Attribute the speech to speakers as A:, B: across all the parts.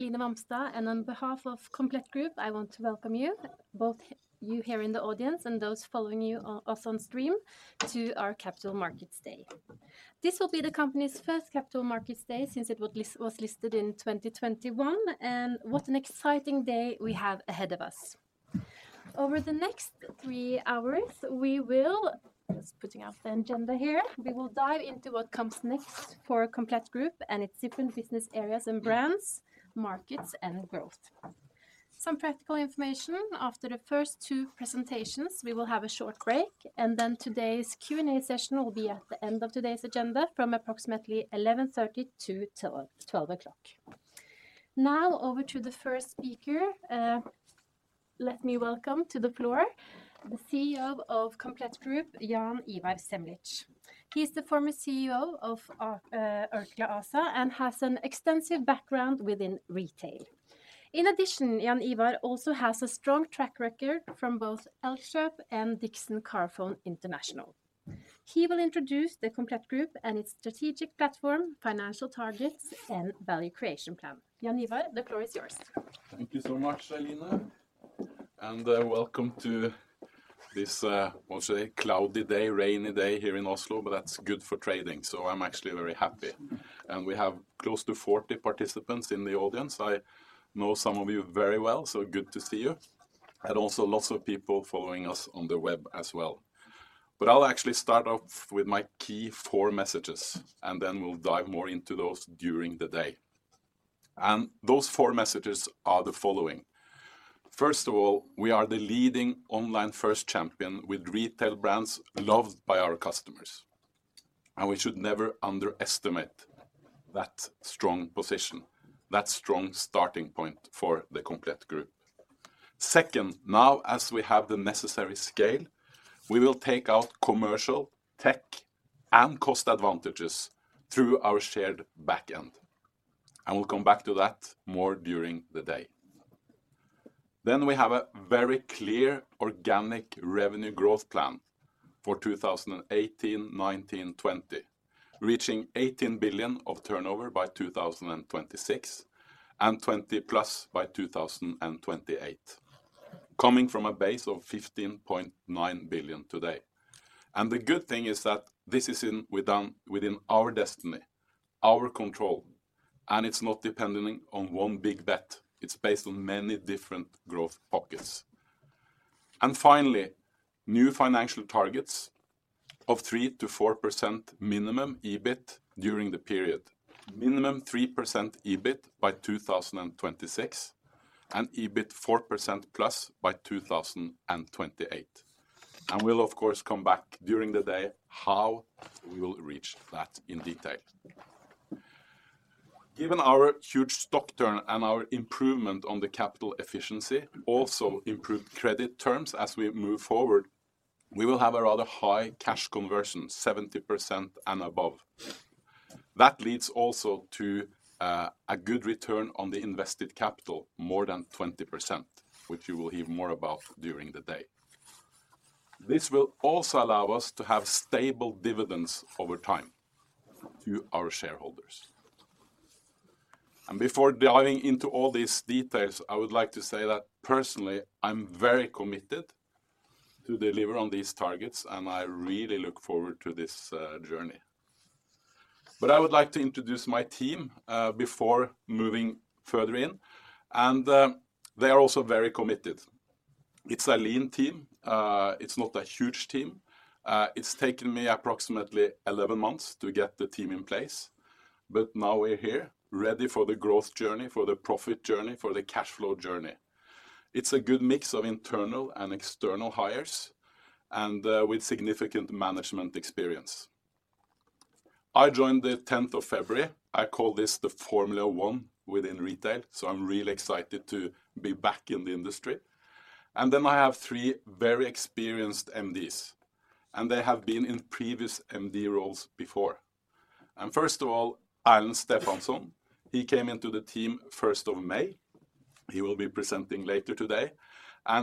A: Eline Wamstad, and on behalf of Komplett Group, I want to welcome you, both you here in the audience and those following you also on stream, to our Capital Markets Day. This will be the company's first Capital Markets Day since it was listed in 2021, and what an exciting day we have ahead of us. Over the next three hours we will—just putting out the agenda here—we will dive into what comes next for Komplett Group and its different business areas and brands, markets, and growth. Some practical information: after the first two presentations we will have a short break, and then today's Q&A session will be at the end of today's agenda from approximately 11:30 A.M. to 12:00 P.M. Now over to the first speaker. Let me welcome to the floor the CEO of Komplett Group, Jaan Ivar Semlitsch. He’s the former CEO of Orkla ASA and has an extensive background within retail. In addition, Jaan Ivar also has a strong track record from both Elkjøp and Dixons Carphone. He will introduce the Komplett Group and its strategic platform, financial targets, and value creation plan. Jaan Ivar, the floor is yours.
B: Thank you so much, Eline. Welcome to this, I want to say cloudy day, rainy day here in Oslo, but that's good for trading, so I'm actually very happy. We have close to 40 participants in the audience. I know some of you very well, so good to see you. Also lots of people following us on the web as well. I'll actually start off with my key four messages, and then we'll dive more into those during the day. Those four messages are the following: First of all, we are the leading online first champion with retail brands loved by our customers. We should never underestimate that strong position, that strong starting point for the Komplett Group. Second, now as we have the necessary scale, we will take out commercial, tech, and cost advantages through our shared backend. We'll come back to that more during the day. Then we have a very clear organic revenue growth plan for 2018, 2019, 2020, reaching 18 billion of turnover by 2026, and 20+ by 2028. Coming from a base of 15.9 billion today. The good thing is that this is in—we've done within our destiny, our control, and it's not depending on one big bet. It's based on many different growth pockets. And finally, new financial targets of 3%-4% minimum EBIT during the period. Minimum 3% EBIT by 2026, and EBIT 4%+ by 2028. And we'll, of course, come back during the day how we will reach that in detail. Given our huge stock turn and our improvement on the capital efficiency, also improved credit terms as we move forward, we will have a rather high cash conversion, 70% and above. That leads also to a good return on the invested capital, more than 20%, which you will hear more about during the day. This will also allow us to have stable dividends over time to our shareholders. And before diving into all these details, I would like to say that personally I'm very committed to deliver on these targets, and I really look forward to this journey. But I would like to introduce my team, before moving further in. And they are also very committed. It's a lean team. It's not a huge team. It's taken me approximately 11 months to get the team in place. But now we're here, ready for the growth journey, for the profit journey, for the cash flow journey. It's a good mix of internal and external hires, and with significant management experience. I joined the 10th of February. I call this the Formula One within retail, so I'm really excited to be back in the industry. Then I have three very experienced MDs, and they have been in previous MD roles before. First of all, Erlend Stefansson. He came into the team first of May. He will be presenting later today.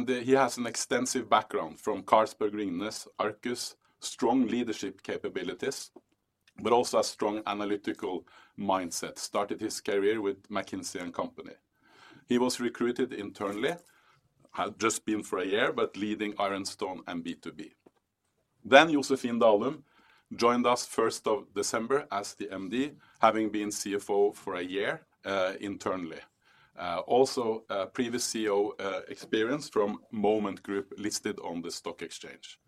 B: He has an extensive background from Carlsberg, Ringnes, Arcus, strong leadership capabilities, but also a strong analytical mindset, started his career with McKinsey & Company. He was recruited internally, had just been for a year, but leading Ironstone and B2B. Then Josefin Dalum joined us first of December as the MD, having been CFO for a year, internally. Also, previous CEO experience from Moment Group listed on the stock exchange.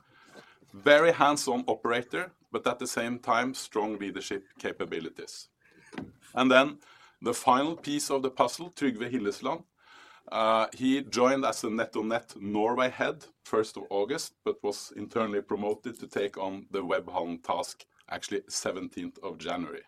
B: Very hands-on operator, but at the same time strong leadership capabilities. Then the final piece of the puzzle, Trygve Hillesland. He joined as a NetOnNet Norway head first of August, but was internally promoted to take on the Webhallen task, actually 17th of January.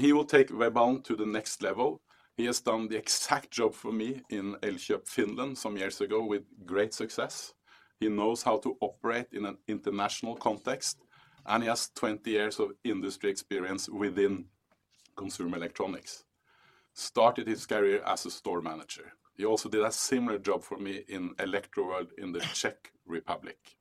B: He will take Webhallen to the next level. He has done the exact job for me in Elkjøp Finland some years ago with great success. He knows how to operate in an international context, and he has 20 years of industry experience within consumer electronics. Started his career as a store manager. He also did a similar job for me in Electroworld in the Czech Republic.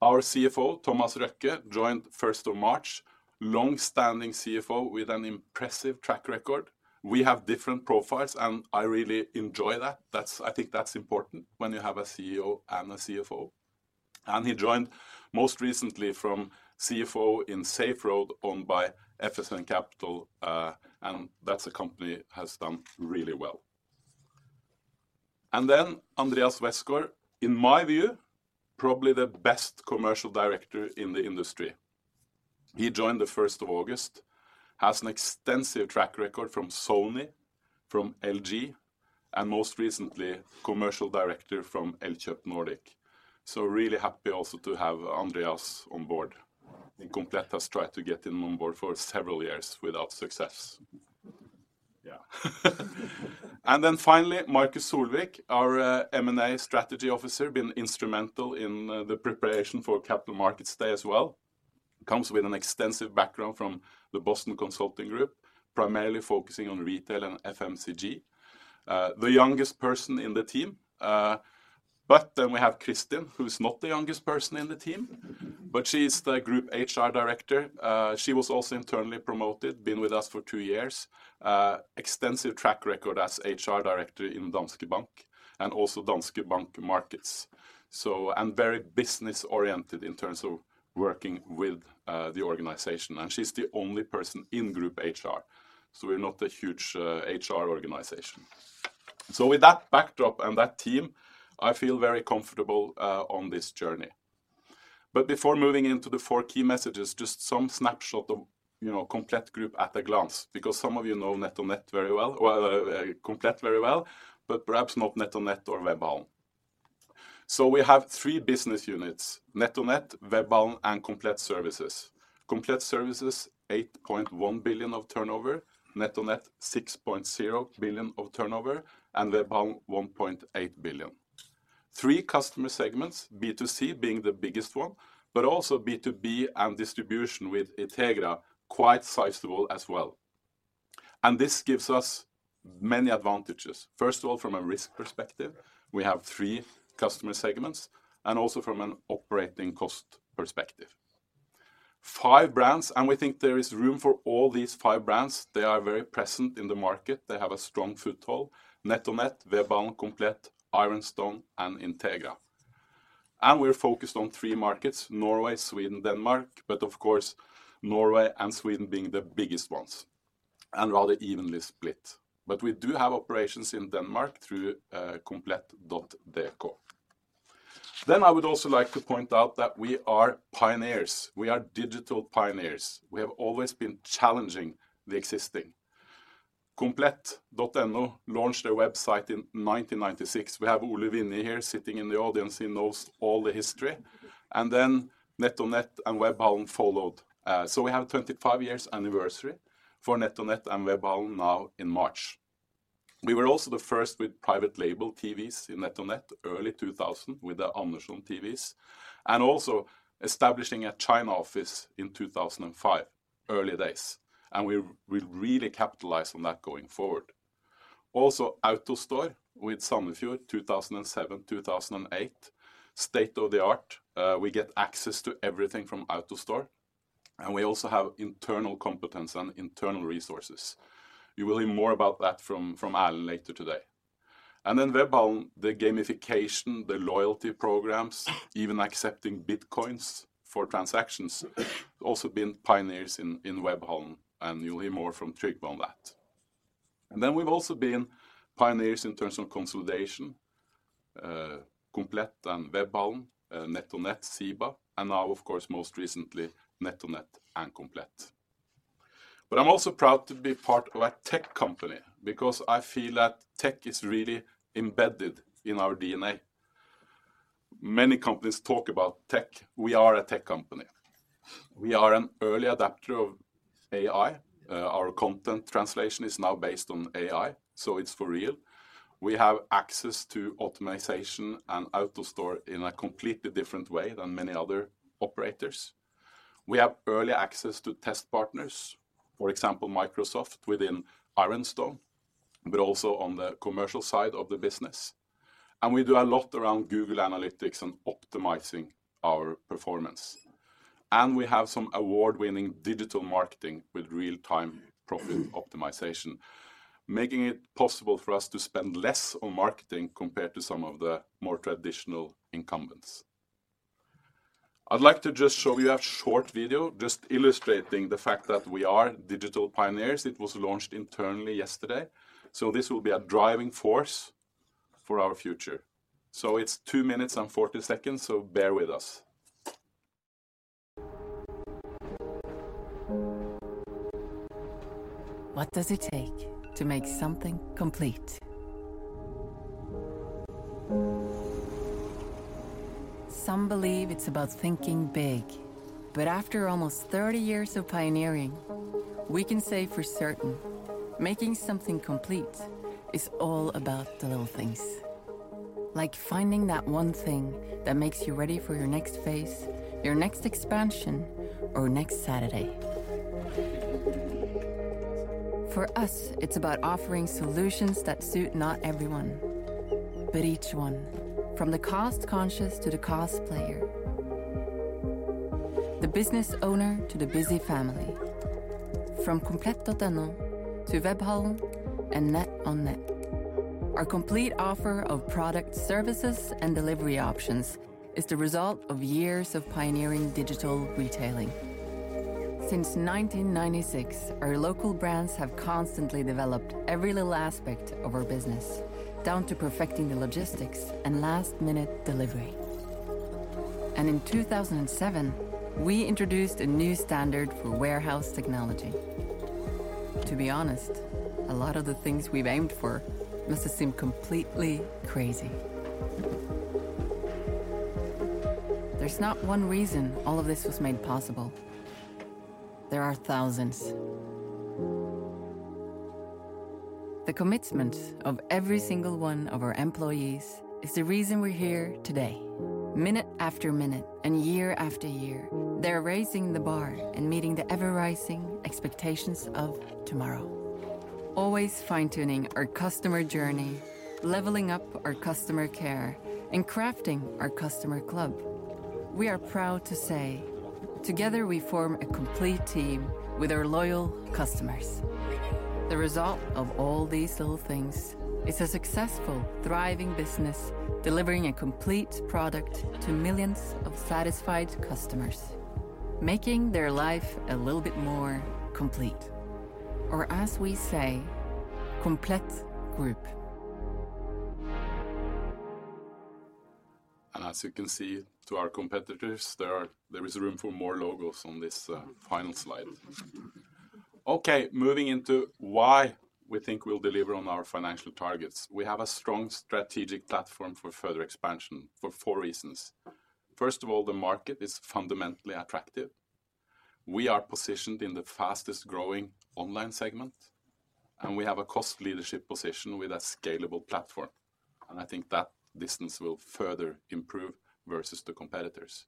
B: Our CFO, Thomas Røkke, joined first of March. Longstanding CFO with an impressive track record. We have different profiles, and I really enjoy that. That's—I think that's important when you have a CEO and a CFO. He joined most recently from CFO in Saferoad owned by FSN Capital, and that's a company that has done really well. Then Andreas Westgaard, in my view, probably the best commercial director in the industry. He joined the first of August. Has an extensive track record from Sony, from LG, and most recently commercial director from Elkjøp Nordic. So really happy also to have Andreas on board. Komplett has tried to get him on board for several years without success. Yeah. And then finally, Markus Solvik, our M&A strategy officer, been instrumental in the preparation for Capital Markets Day as well. Comes with an extensive background from the Boston Consulting Group, primarily focusing on retail and FMCG. The youngest person in the team. But then we have Kristin, who's not the youngest person in the team, but she's the group HR director. She was also internally promoted. Been with us for two years. Extensive track record as HR director in Danske Bank, and also Danske Bank markets. And very business-oriented in terms of working with the organization. She's the only person in group HR. We're not a huge HR organization. With that backdrop and that team, I feel very comfortable on this journey. But before moving into the four key messages, just some snapshot of, you know, Komplett Group at a glance, because some of you know NetOnNet very well, or Komplett very well, but perhaps not NetOnNet or Webhallen. We have three business units: NetOnNet, Webhallen, and Komplett Services. Komplett Services: 8.1 billion of turnover, NetOnNet: 6.0 billion of turnover, and Webhallen: 1.8 billion. Three customer segments, B2C being the biggest one, but also B2B and distribution with Itegra, quite sizable as well. And this gives us many advantages. First of all, from a risk perspective, we have three customer segments, and also from an operating cost perspective. Five brands, and we think there is room for all these five brands. They are very present in the market. They have a strong foothold: NetOnNet, Webhallen, Komplett, Ironstone, and Itegra. And we're focused on three markets: Norway, Sweden, Denmark, but of course, Norway and Sweden being the biggest ones. And rather evenly split. But we do have operations in Denmark through Komplett.dk. Then I would also like to point out that we are pioneers. We are digital pioneers. We have always been challenging the existing. Komplett.no launched their website in 1996. We have Ole Vinje here sitting in the audience who knows all the history. And then NetOnNet and Webhallen followed. So we have a 25-year anniversary for NetOnNet and Webhallen now in March. We were also the first with private label TVs in NetOnNet early 2000 with the Andersson TVs. And also establishing a China office in 2005, early days. And we will really capitalize on that going forward. Also, AutoStore with Sandefjord, 2007, 2008. State of the art. We get access to everything from AutoStore. And we also have internal competence and internal resources. You will hear more about that from—from Erlend later today. And then Webhallen, the gamification, the loyalty programs, even accepting Bitcoins for transactions. Also been pioneers in—in Webhallen, and you'll hear more from Trygve on that. And then we've also been pioneers in terms of consolidation. Komplett and Webhallen, NetOnNet, SIBA, and now, of course, most recently, NetOnNet and Komplett. But I'm also proud to be part of a tech company, because I feel that tech is really embedded in our DNA. Many companies talk about tech. We are a tech company. We are an early adopter of AI. Our content translation is now based on AI, so it's for real. We have access to automation and AutoStore in a completely different way than many other operators. We have early access to test partners, for example, Microsoft within Ironstone, but also on the commercial side of the business. And we do a lot around Google Analytics and optimizing our performance. And we have some award-winning digital marketing with real-time profit optimization, making it possible for us to spend less on marketing compared to some of the more traditional incumbents. I'd like to just show you a short video just illustrating the fact that we are digital pioneers. It was launched internally yesterday. This will be a driving force for our future. It's two minutes and 40 seconds, so bear with us.
C: What does it take to make something complete? Some believe it's about thinking big. But after almost 30 years of pioneering, we can say for certain making something complete is all about the little things. Like finding that one thing that makes you ready for your next phase, your next expansion, or next Saturday. For us, it's about offering solutions that suit not everyone, but each one. From the cost-conscious to the cost-player. The business owner to the busy family. From Komplett.no to Webhallen and NetOnNet. Our complete offer of products, services, and delivery options is the result of years of pioneering digital retailing. Since 1996, our local brands have constantly developed every little aspect of our business, down to perfecting the logistics and last-minute delivery. In 2007, we introduced a new standard for warehouse technology. To be honest, a lot of the things we've aimed for must have seemed completely crazy. There's not one reason all of this was made possible. There are thousands. The commitment of every single one of our employees is the reason we're here today. Minute after minute and year after year, they're raising the bar and meeting the ever-rising expectations of tomorrow. Always fine-tuning our customer journey, leveling up our customer care, and crafting our customer club, we are proud to say together we form a complete team with our loyal customers. The result of all these little things is a successful, thriving business delivering a complete product to millions of satisfied customers. Making their life a little bit more complete. Or as we say, Komplett Group.
B: As you can see, to our competitors, there is room for more logos on this final slide. Okay, moving into why we think we'll deliver on our financial targets. We have a strong strategic platform for further expansion for four reasons. First of all, the market is fundamentally attractive. We are positioned in the fastest-growing online segment. And we have a cost leadership position with a scalable platform. And I think that distance will further improve versus the competitors.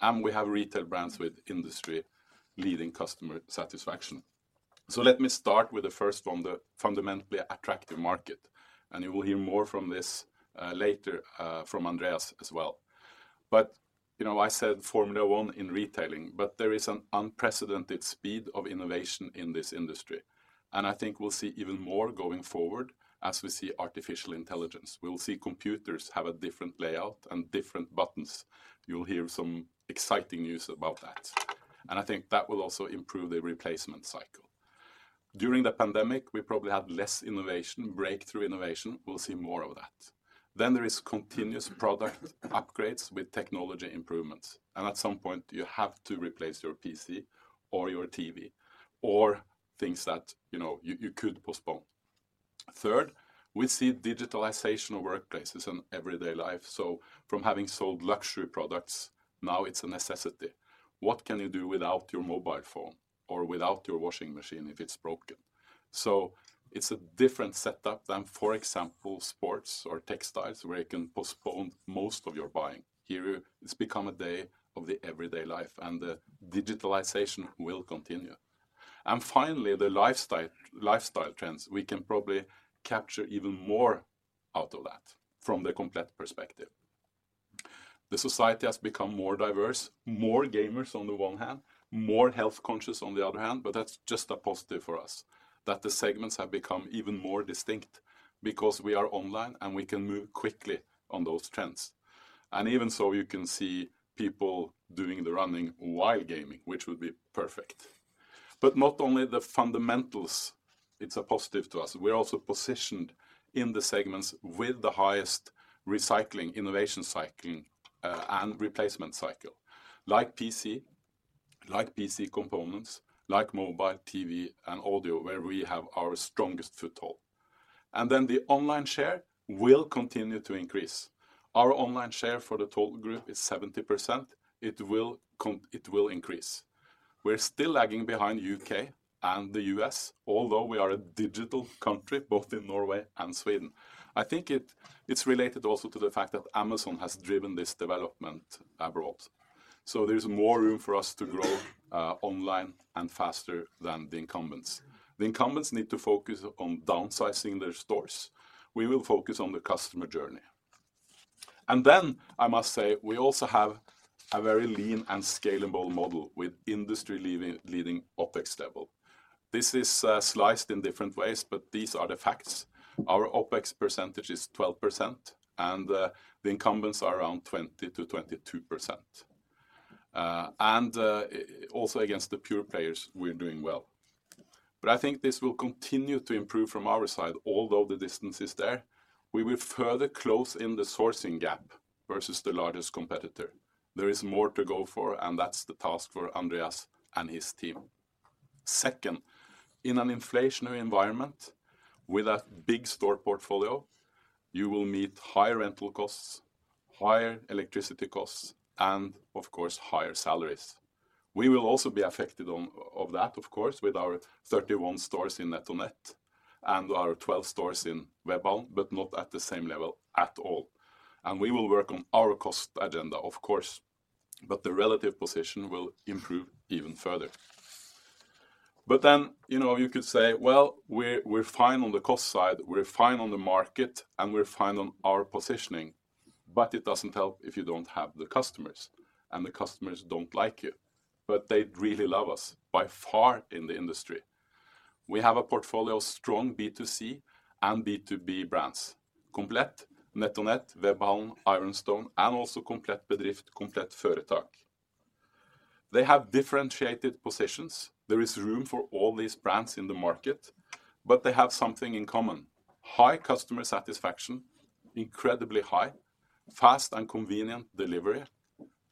B: And we have retail brands with industry-leading customer satisfaction. So let me start with the first one, the fundamentally attractive market. And you will hear more from this, later, from Andreas as well. But, you know, I said Formula One in retailing, but there is an unprecedented speed of innovation in this industry. And I think we'll see even more going forward as we see artificial intelligence. We'll see computers have a different layout and different buttons. You'll hear some exciting news about that. I think that will also improve the replacement cycle. During the pandemic, we probably had less innovation, breakthrough innovation. We'll see more of that. Then there are continuous product upgrades with technology improvements. At some point, you have to replace your PC or your TV, or things that, you know, you—you could postpone. Third, we see digitalization of workplaces and everyday life. So from having sold luxury products, now it's a necessity. What can you do without your mobile phone or without your washing machine if it's broken? So it's a different setup than, for example, sports or textiles, where you can postpone most of your buying. Here it's become a day of the everyday life, and the digitalization will continue. Finally, the lifestyle trends, we can probably capture even more out of that from the Komplett perspective. The society has become more diverse, more gamers on the one hand, more health-conscious on the other hand, but that's just a positive for us. That the segments have become even more distinct because we are online and we can move quickly on those trends. And even so, you can see people doing the running while gaming, which would be perfect. But not only the fundamentals, it's a positive to us. We're also positioned in the segments with the highest recycling, innovation cycle, and replacement cycle. Like PC, like PC components, like mobile, TV, and audio, where we have our strongest foothold. And then the online share will continue to increase. Our online share for the total group is 70%. It will increase. We're still lagging behind the U.K. and the U.S., although we are a digital country, both in Norway and Sweden. I think it's related also to the fact that Amazon has driven this development abroad. So there's more room for us to grow, online and faster than the incumbents. The incumbents need to focus on downsizing their stores. We will focus on the customer journey. And then I must say we also have a very lean and scalable model with industry-leading OPEX level. This is, sliced in different ways, but these are the facts. Our OPEX percentage is 12%, and the incumbents are around 20%-22%. And also against the pure players, we're doing well. But I think this will continue to improve from our side, although the distance is there. We will further close in the sourcing gap versus the largest competitor. There is more to go for, and that's the task for Andreas and his team. Second, in an inflationary environment with a big store portfolio, you will meet higher rental costs, higher electricity costs, and, of course, higher salaries. We will also be affected on that, of course, with our 31 stores in NetOnNet and our 12 stores in Webhallen, but not at the same level at all. And we will work on our cost agenda, of course. But the relative position will improve even further. But then, you know, you could say, "Well, we're fine on the cost side. We're fine on the market, and we're fine on our positioning." But it doesn't help if you don't have the customers, and the customers don't like you. But they really love us, by far in the industry. We have a portfolio of strong B2C and B2B brands: Komplett, NetOnNet, Webhallen, Ironstone, and also Komplett Bedrift, Komplett Företag. They have differentiated positions. There is room for all these brands in the market. But they have something in common: high customer satisfaction, incredibly high, fast and convenient delivery,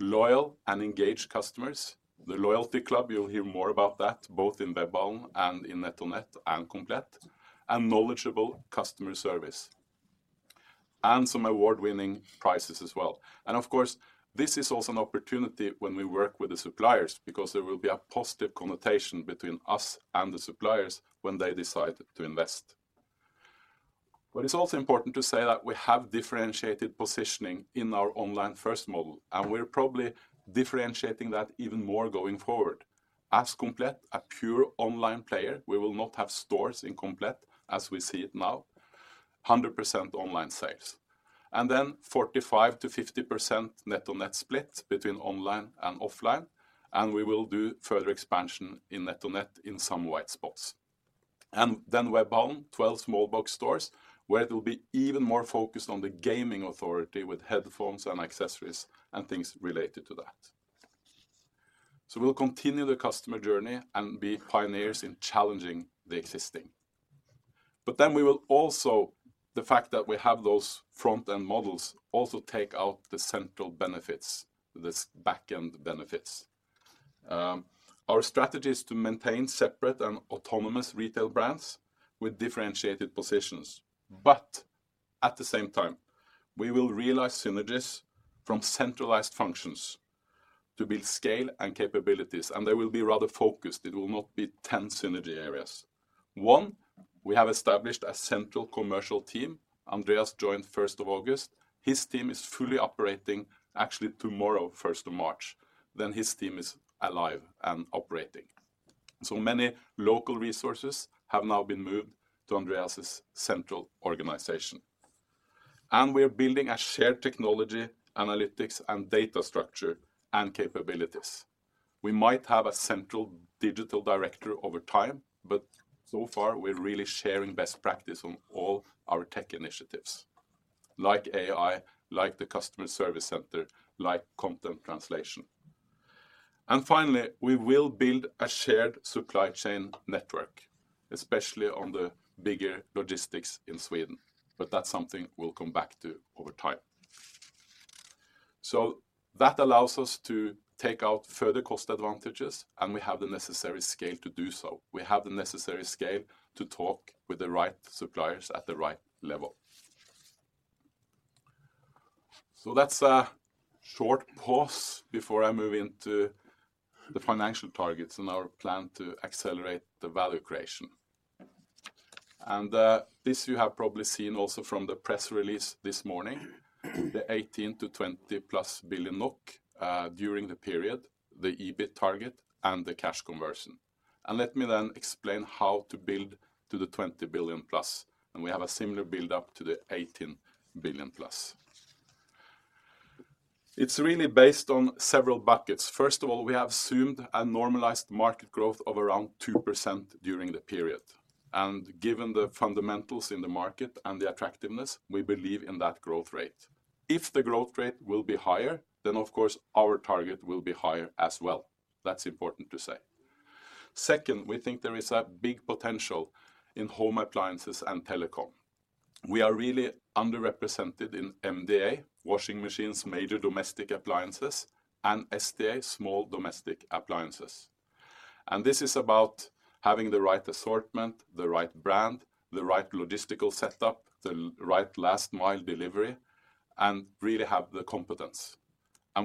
B: loyal and engaged customers, the loyalty club, you'll hear more about that both in Webhallen and in NetOnNet and Komplett, and knowledgeable customer service. And some award-winning prices as well. And of course, this is also an opportunity when we work with the suppliers, because there will be a positive connotation between us and the suppliers when they decide to invest. But it's also important to say that we have differentiated positioning in our online-first model, and we're probably differentiating that even more going forward. As Komplett, a pure online player, we will not have stores in Komplett as we see it now. 100% online sales. Then 45%-50% NetOnNet split between online and offline. And we will do further expansion in NetOnNet in some white spots. And then Webhallen, 12 small box stores, where it will be even more focused on the gaming authority with headphones and accessories and things related to that. So we'll continue the customer journey and be pioneers in challenging the existing. But then we will also, the fact that we have those front-end models also take out the central benefits, the back-end benefits. Our strategy is to maintain separate and autonomous retail brands with differentiated positions. But at the same time, we will realize synergies from centralized functions to build scale and capabilities. And they will be rather focused. It will not be 10 synergy areas. One, we have established a central commercial team. Andreas joined first of August. His team is fully operating actually tomorrow, first of March. Then his team is alive and operating. So many local resources have now been moved to Andreas's central organization. We're building a shared technology, analytics, and data structure and capabilities. We might have a central digital director over time, but so far we're really sharing best practice on all our tech initiatives. Like AI, like the customer service center, like content translation. Finally, we will build a shared supply chain network, especially on the bigger logistics in Sweden. That's something we'll come back to over time. That allows us to take out further cost advantages, and we have the necessary scale to do so. We have the necessary scale to talk with the right suppliers at the right level. That's a short pause before I move into the financial targets and our plan to accelerate the value creation. This you have probably seen also from the press release this morning. The 18 billion-20+ billion NOK, during the period, the EBIT target, and the cash conversion. Let me then explain how to build to the 20+ billion. We have a similar buildup to the 18+ billion. It's really based on several buckets. First of all, we have assumed a normalized market growth of around 2% during the period. Given the fundamentals in the market and the attractiveness, we believe in that growth rate. If the growth rate will be higher, then, of course, our target will be higher as well. That's important to say. Second, we think there is a big potential in home appliances and telecom. We are really underrepresented in MDA, washing machines, major domestic appliances, and SDA, small domestic appliances. This is about having the right assortment, the right brand, the right logistical setup, the right last-mile delivery, and really have the competence.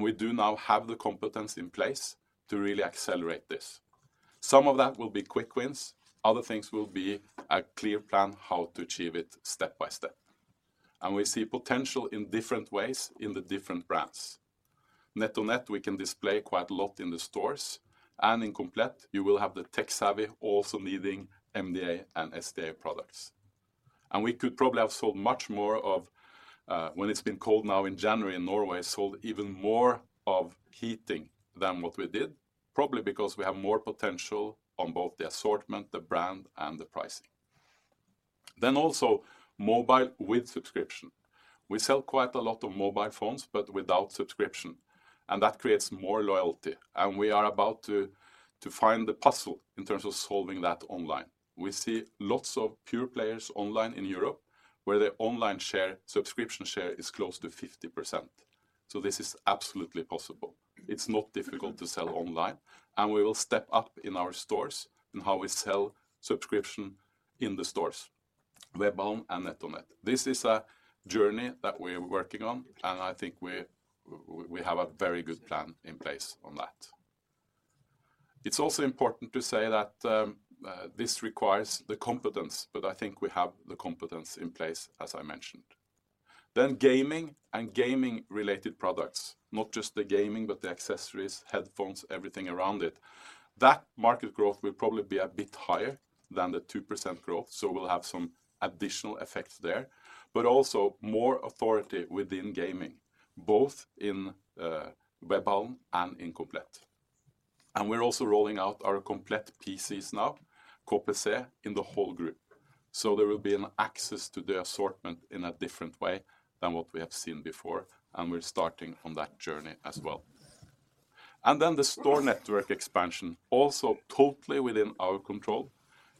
B: We do now have the competence in place to really accelerate this. Some of that will be quick wins. Other things will be a clear plan how to achieve it step by step. We see potential in different ways in the different brands. NetOnNet, we can display quite a lot in the stores. In Komplett, you will have the tech-savvy also needing MDA and SDA products. We could probably have sold much more of, when it's been cold now in January in Norway, sold even more of heating than what we did, probably because we have more potential on both the assortment, the brand, and the pricing. Also, mobile with subscription. We sell quite a lot of mobile phones, but without subscription. And that creates more loyalty. And we are about to find the puzzle in terms of solving that online. We see lots of pure players online in Europe, where the online share, subscription share, is close to 50%. So this is absolutely possible. It's not difficult to sell online. And we will step up in our stores in how we sell subscription in the stores. Webhallen and NetOnNet. This is a journey that we're working on, and I think we have a very good plan in place on that. It's also important to say that, this requires the competence, but I think we have the competence in place, as I mentioned. Then gaming and gaming-related products, not just the gaming, but the accessories, headphones, everything around it. That market growth will probably be a bit higher than the 2% growth, so we'll have some additional effects there. But also more authority within gaming, both in Webhallen and in Komplett. And we're also rolling out our Komplett PCs now, KPC, in the whole group. So there will be an access to the assortment in a different way than what we have seen before, and we're starting on that journey as well. And then the store network expansion, also totally within our control.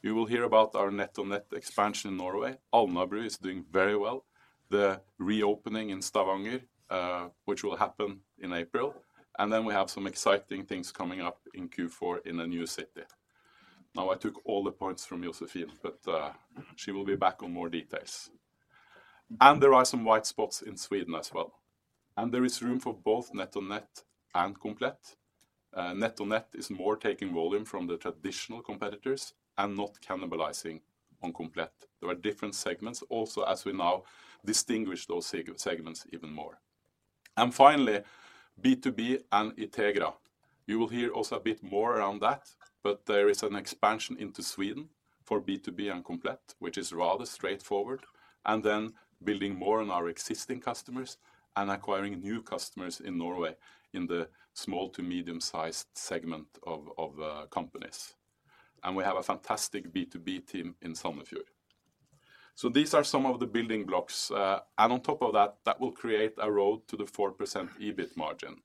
B: You will hear about our NetOnNet expansion in Norway. Alnabru is doing very well. The reopening in Stavanger, which will happen in April. We have some exciting things coming up in Q4 in a new city. Now, I took all the points from Josefin, but she will be back on more details. There are some white spots in Sweden as well. There is room for both NetOnNet and Komplett. NetOnNet is more taking volume from the traditional competitors and not cannibalizing on Komplett. There are different segments also, as we now distinguish those segments even more. Finally, B2B and Itegra. You will hear also a bit more around that, but there is an expansion into Sweden for B2B and Komplett, which is rather straightforward. Building more on our existing customers and acquiring new customers in Norway in the small to medium-sized segment of companies. We have a fantastic B2B team in Sandefjord. These are some of the building blocks. On top of that, that will create a road to the 4% EBIT margin.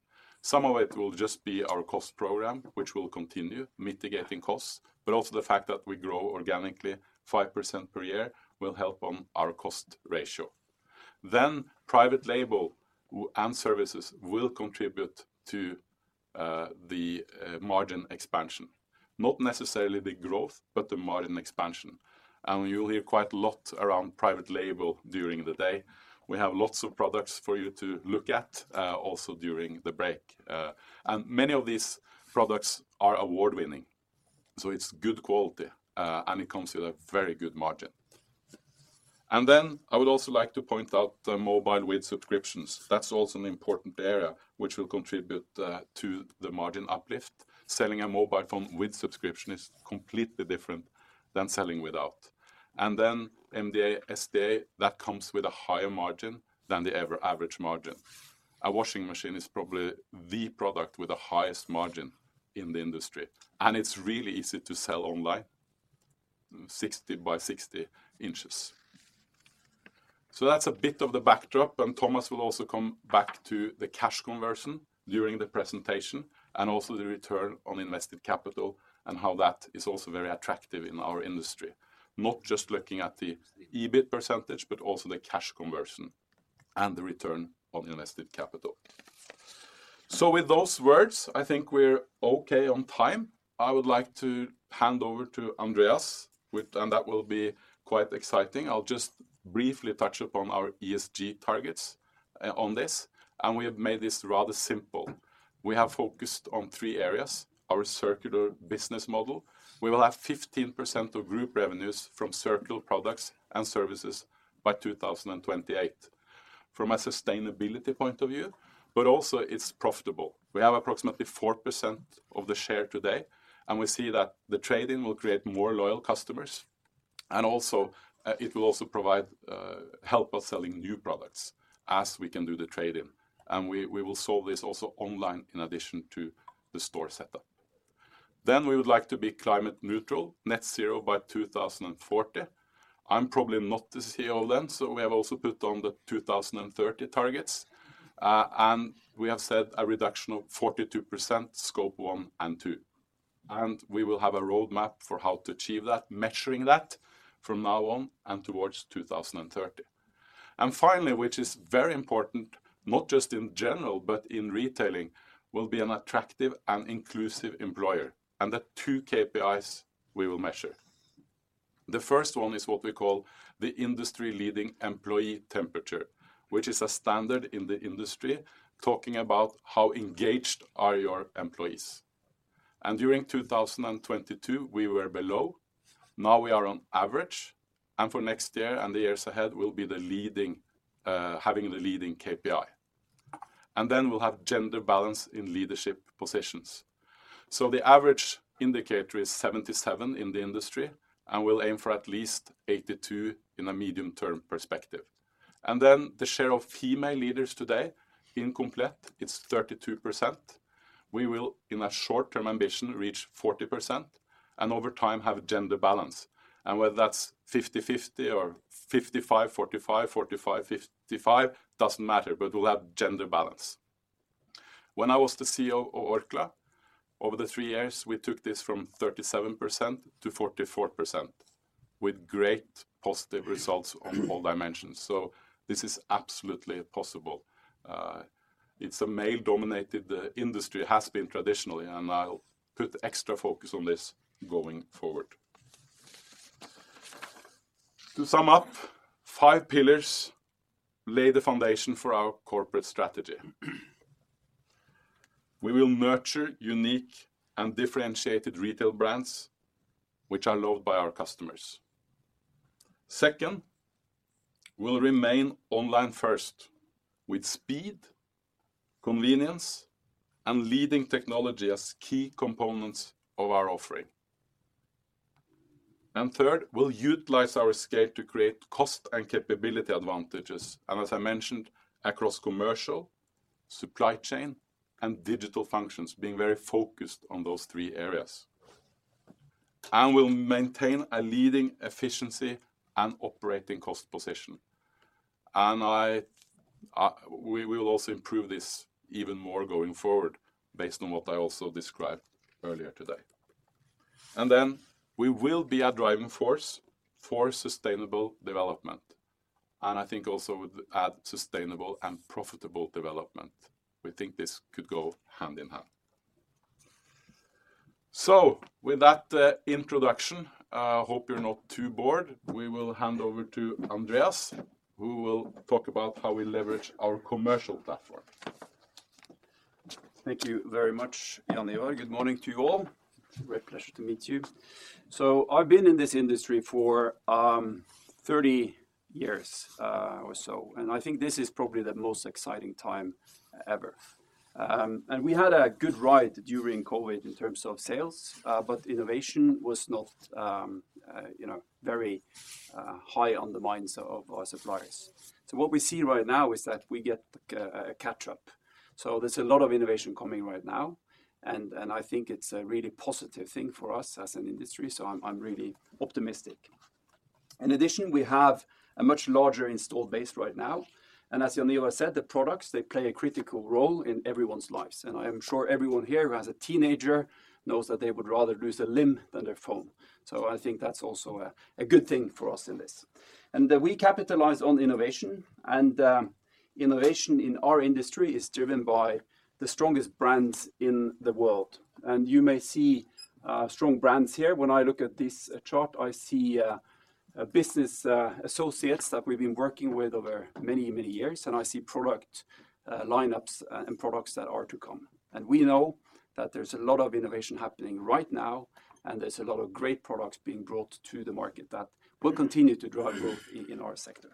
B: Some of it will just be our cost program, which will continue mitigating costs, but also the fact that we grow organically 5% per year will help on our cost ratio. Then private label and services will contribute to the margin expansion. Not necessarily the growth, but the margin expansion. And you'll hear quite a lot around private label during the day. We have lots of products for you to look at, also during the break. And many of these products are award-winning. So it's good quality, and it comes with a very good margin. And then I would also like to point out the mobile with subscriptions. That's also an important area, which will contribute to the margin uplift. Selling a mobile phone with subscription is completely different than selling without. Then MDA, SDA, that comes with a higher margin than the average margin. A washing machine is probably the product with the highest margin in the industry. And it's really easy to sell online. 60 by 60 inches. So that's a bit of the backdrop, and Thomas will also come back to the cash conversion during the presentation and also the return on invested capital and how that is also very attractive in our industry. Not just looking at the EBIT percentage, but also the cash conversion and the return on invested capital. So with those words, I think we're okay on time. I would like to hand over to Andreas—and that will be quite exciting. I'll just briefly touch upon our ESG targets on this. And we have made this rather simple. We have focused on three areas: our circular business model. We will have 15% of group revenues from circular products and services by 2028. From a sustainability point of view, but also it's profitable. We have approximately 4% of the share today, and we see that the trade-in will create more loyal customers. And also, it will also provide, help us selling new products as we can do the trade-in. And we will solve this also online in addition to the store setup. Then we would like to be climate neutral, net zero by 2040. I'm probably not the CEO of then, so we have also put on the 2030 targets. And we have said a reduction of 42% Scope one and 2. And we will have a roadmap for how to achieve that, measuring that from now on and towards 2030. And finally, which is very important, not just in general, but in retailing, we'll be an attractive and inclusive employer. And the two KPIs we will measure. The first one is what we call the industry-leading employee temperature, which is a standard in the industry talking about how engaged are your employees. And during 2022, we were below. Now we are on average. And for next year and the years ahead, we'll be the leading, having the leading KPI. And then we'll have gender balance in leadership positions. So the average indicator is 77 in the industry, and we'll aim for at least 82 in a medium-term perspective. And then the share of female leaders today in Komplett, it's 32%. We will, in a short-term ambition, reach 40% and over time have gender balance. And whether that's 50/50 or 55/45, 45/55, doesn't matter, but we'll have gender balance. When I was the CEO of Orkla, over the three years, we took this from 37%-44% with great positive results on all dimensions. So this is absolutely possible. It's a male-dominated industry, has been traditionally, and I'll put extra focus on this going forward. To sum up, five pillars lay the foundation for our corporate strategy. We will nurture unique and differentiated retail brands, which are loved by our customers. Second, we'll remain online-first with speed, convenience, and leading technology as key components of our offering. And third, we'll utilize our scale to create cost and capability advantages. And as I mentioned, across commercial, supply chain, and digital functions, being very focused on those three areas. And we'll maintain a leading efficiency and operating cost position. And I will also improve this even more going forward based on what I also described earlier today. And then we will be a driving force for sustainable development. And I think also we'd add sustainable and profitable development. We think this could go hand in hand. So with that introduction, I hope you're not too bored. We will hand over to Andreas, who will talk about how we leverage our commercial platform.
D: Thank you very much, Jaan Semlitsch. Good morning to you all. Great pleasure to meet you. So I've been in this industry for 30 years, or so. And I think this is probably the most exciting time ever. And we had a good ride during COVID in terms of sales, but innovation was not, you know, very high on the minds of our suppliers. So what we see right now is that we get a catch-up. So there's a lot of innovation coming right now and I think it's a really positive thing for us as an industry, so I'm really optimistic. In addition, we have a much larger installed base right now. And as Jaan Semlitsch said, the products, they play a critical role in everyone's lives. And I am sure everyone here who has a teenager knows that they would rather lose a limb than their phone. So I think that's also a good thing for us in this. And we capitalize on innovation. And innovation in our industry is driven by the strongest brands in the world. And you may see strong brands here. When I look at this chart, I see business associates that we've been working with over many, many years. And I see product lineups and products that are to come. We know that there's a lot of innovation happening right now, and there's a lot of great products being brought to the market that will continue to drive growth in our sector.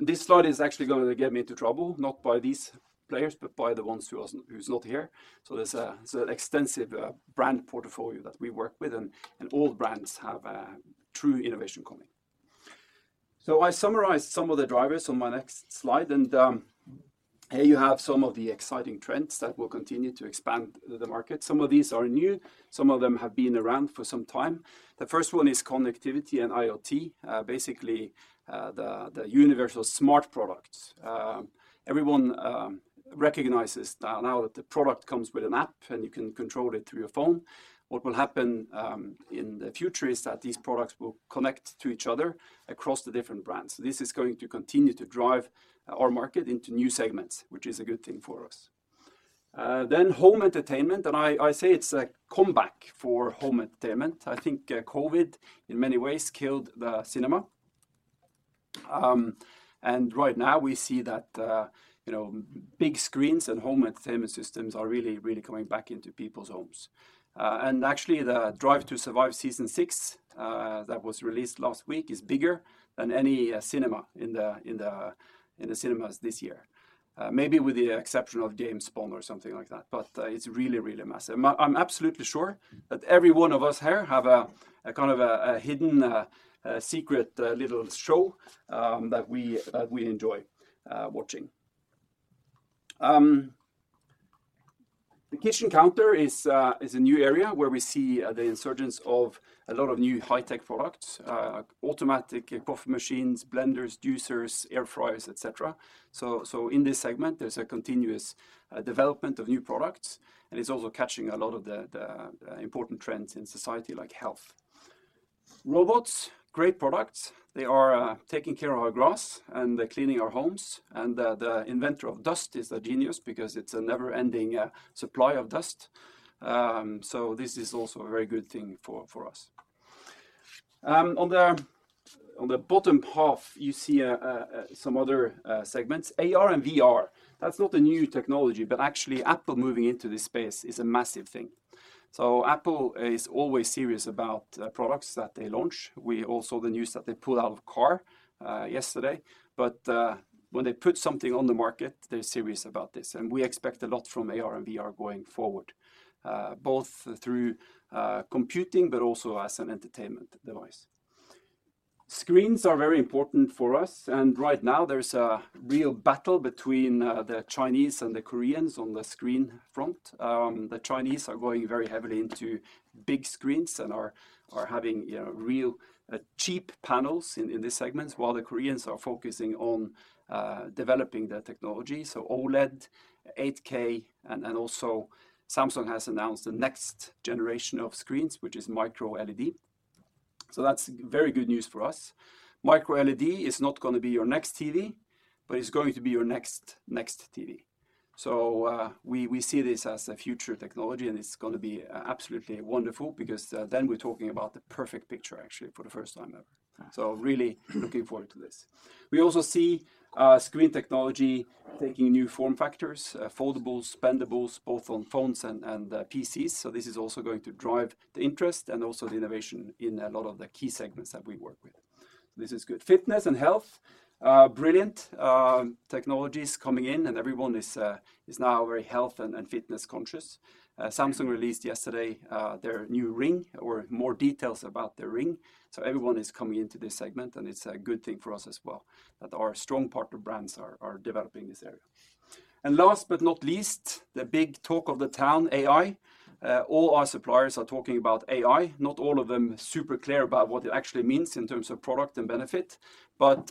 D: This slide is actually going to get me into trouble, not by these players, but by the ones who's not here. So it's an extensive brand portfolio that we work with, and all brands have true innovation coming. So I summarized some of the drivers on my next slide, and here you have some of the exciting trends that will continue to expand the market. Some of these are new. Some of them have been around for some time. The first one is connectivity and IoT, basically the universal smart products. Everyone recognizes now that the product comes with an app, and you can control it through your phone. What will happen in the future is that these products will connect to each other across the different brands. So this is going to continue to drive our market into new segments, which is a good thing for us. Then home entertainment. And I—I say it's a comeback for home entertainment. I think COVID, in many ways, killed the cinema. And right now we see that, you know, big screens and home entertainment systems are really, really coming back into people's homes. And actually, the Drive to Survive Season six, that was released last week is bigger than any cinema in the cinemas this year. Maybe with the exception of James Bond or something like that, but it's really, really massive. I'm absolutely sure that every one of us here has a kind of a hidden, secret little show, that we—that we enjoy, watching. The kitchen counter is a new area where we see the insurgence of a lot of new high-tech products, automatic coffee machines, blenders, juicers, air fryers, etc. So in this segment, there's a continuous development of new products, and it's also catching a lot of the important trends in society like health. Robots, great products. They are taking care of our grass and cleaning our homes. And the inventor of dust is a genius because it's a never-ending supply of dust. So this is also a very good thing for us. On the bottom half, you see some other segments. AR and VR. That's not a new technology, but actually, Apple moving into this space is a massive thing. So Apple is always serious about products that they launch. We also the news that they pulled out of a car yesterday. But when they put something on the market, they're serious about this. We expect a lot from AR and VR going forward, both through computing, but also as an entertainment device. Screens are very important for us. Right now, there's a real battle between the Chinese and the Koreans on the screen front. The Chinese are going very heavily into big screens and are having, you know, real cheap panels in these segments, while the Koreans are focusing on developing the technology. So OLED, 8K, and also Samsung has announced the next generation of screens, which is micro-LED. So that's very good news for us. Micro-LED is not going to be your next TV, but it's going to be your next TV. So we see this as a future technology, and it's going to be absolutely wonderful because then we're talking about the perfect picture, actually, for the first time ever. So really looking forward to this. We also see screen technology taking new form factors, foldables, bendables, both on phones and PCs. So this is also going to drive the interest and also the innovation in a lot of the key segments that we work with. So this is good. Fitness and health. Brilliant technologies coming in, and everyone is now very health and fitness conscious. Samsung released yesterday their new ring or more details about their ring. So everyone is coming into this segment, and it's a good thing for us as well that our strong partner brands are developing this area. And last but not least, the big talk of the town, AI. All our suppliers are talking about AI. Not all of them super clear about what it actually means in terms of product and benefit, but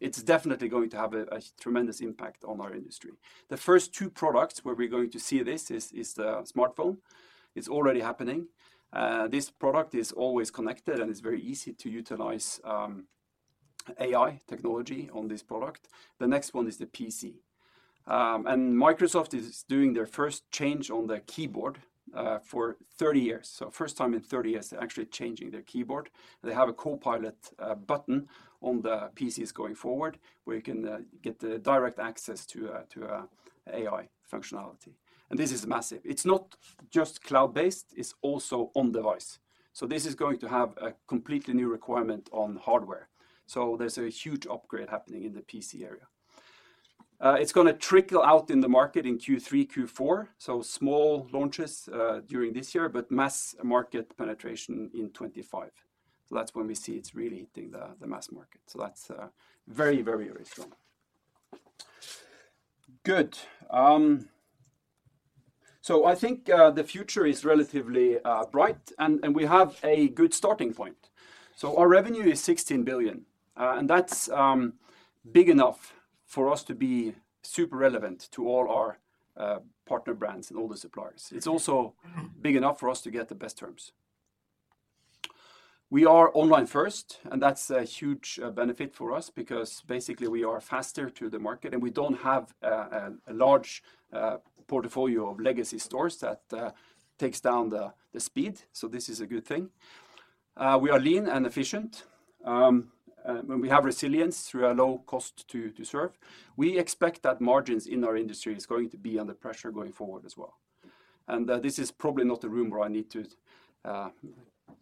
D: it's definitely going to have a tremendous impact on our industry. The first two products where we're going to see this is the smartphone. It's already happening. This product is always connected, and it's very easy to utilize AI technology on this product. The next one is the PC. And Microsoft is doing their first change on the keyboard for 30 years. So first time in 30 years, they're actually changing their keyboard. They have a Copilot button on the PCs going forward where you can get direct access to AI functionality. And this is massive. It's not just cloud-based. It's also on-device. So this is going to have a completely new requirement on hardware. So there's a huge upgrade happening in the PC area. It's going to trickle out in the market in Q3, Q4, so small launches during this year, but mass market penetration in 2025. So that's when we see it's really hitting the mass market. So that's very, very, very strong. Good. So I think the future is relatively bright, and we have a good starting point. So our revenue is 16 billion, and that's big enough for us to be super relevant to all our partner brands and all the suppliers. It's also big enough for us to get the best terms. We are online-first, and that's a huge benefit for us because, basically, we are faster to the market, and we don't have a large portfolio of legacy stores that takes down the speed. So this is a good thing. We are lean and efficient. When we have resilience through our low cost to serve, we expect that margins in our industry are going to be under pressure going forward as well. This is probably not the room where I need to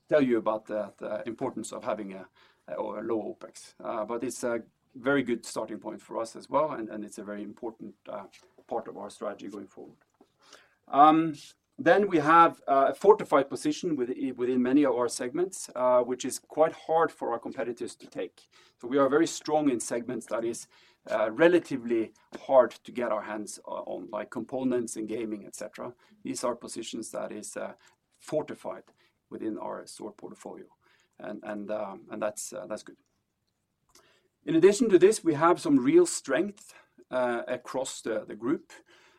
D: tell you about the importance of having a low OPEX, but it's a very good starting point for us as well, and it's a very important part of our strategy going forward. We have a fortified position within many of our segments, which is quite hard for our competitors to take. We are very strong in segments that are relatively hard to get our hands on, like components and gaming, etc. These are positions that are fortified within our store portfolio, and that's good. In addition to this, we have some real strength across the group,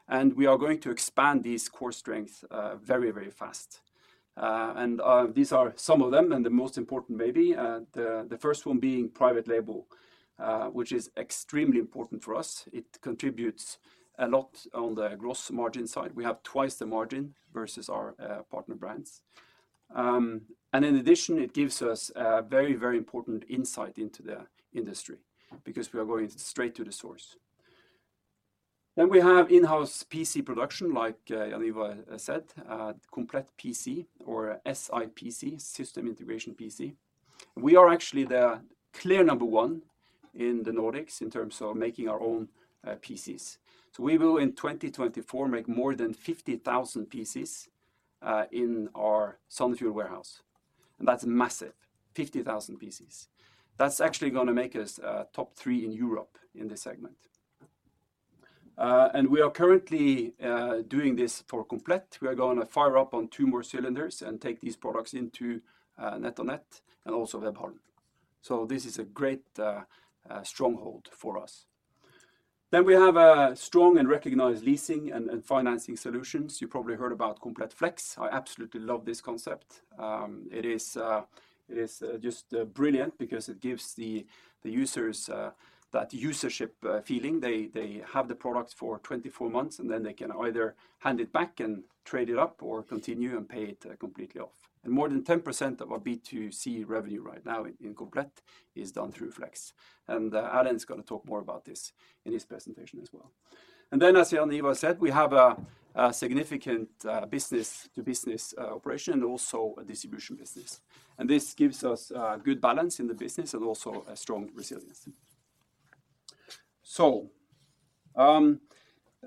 D: and we are going to expand these core strengths very, very fast.
B: And these are some of them, and the most important maybe, the first one being private label, which is extremely important for us. It contributes a lot on the gross margin side. We have twice the margin versus our partner brands. And in addition, it gives us very, very important insight into the industry because we are going straight to the source. Then we have in-house PC production, like Jaan Semlitsch said, Komplett PC or SIPC, System Integration PC. We are actually the clear number one in the Nordics in terms of making our own PCs. So we will, in 2024, make more than 50,000 PCs in our Sunnfjord warehouse. And that's massive, 50,000 PCs. That's actually going to make us top three in Europe in this segment. And we are currently doing this for Komplett. We are going to fire up on two more cylinders and take these products into NetOnNet and also Webhallen. So this is a great stronghold for us. Then we have strong and recognized leasing and financing solutions. You probably heard about Komplett Flex. I absolutely love this concept. It is just brilliant because it gives the users that usership feeling. They have the product for 24 months, and then they can either hand it back and trade it up or continue and pay it completely off. And more than 10% of our B2C revenue right now in Komplett is done through Flex. And Erlend is going to talk more about this in his presentation as well. And then, as Jaan Semlitsch said, we have a significant business-to-business operation and also a distribution business. And this gives us a good balance in the business and also a strong resilience. So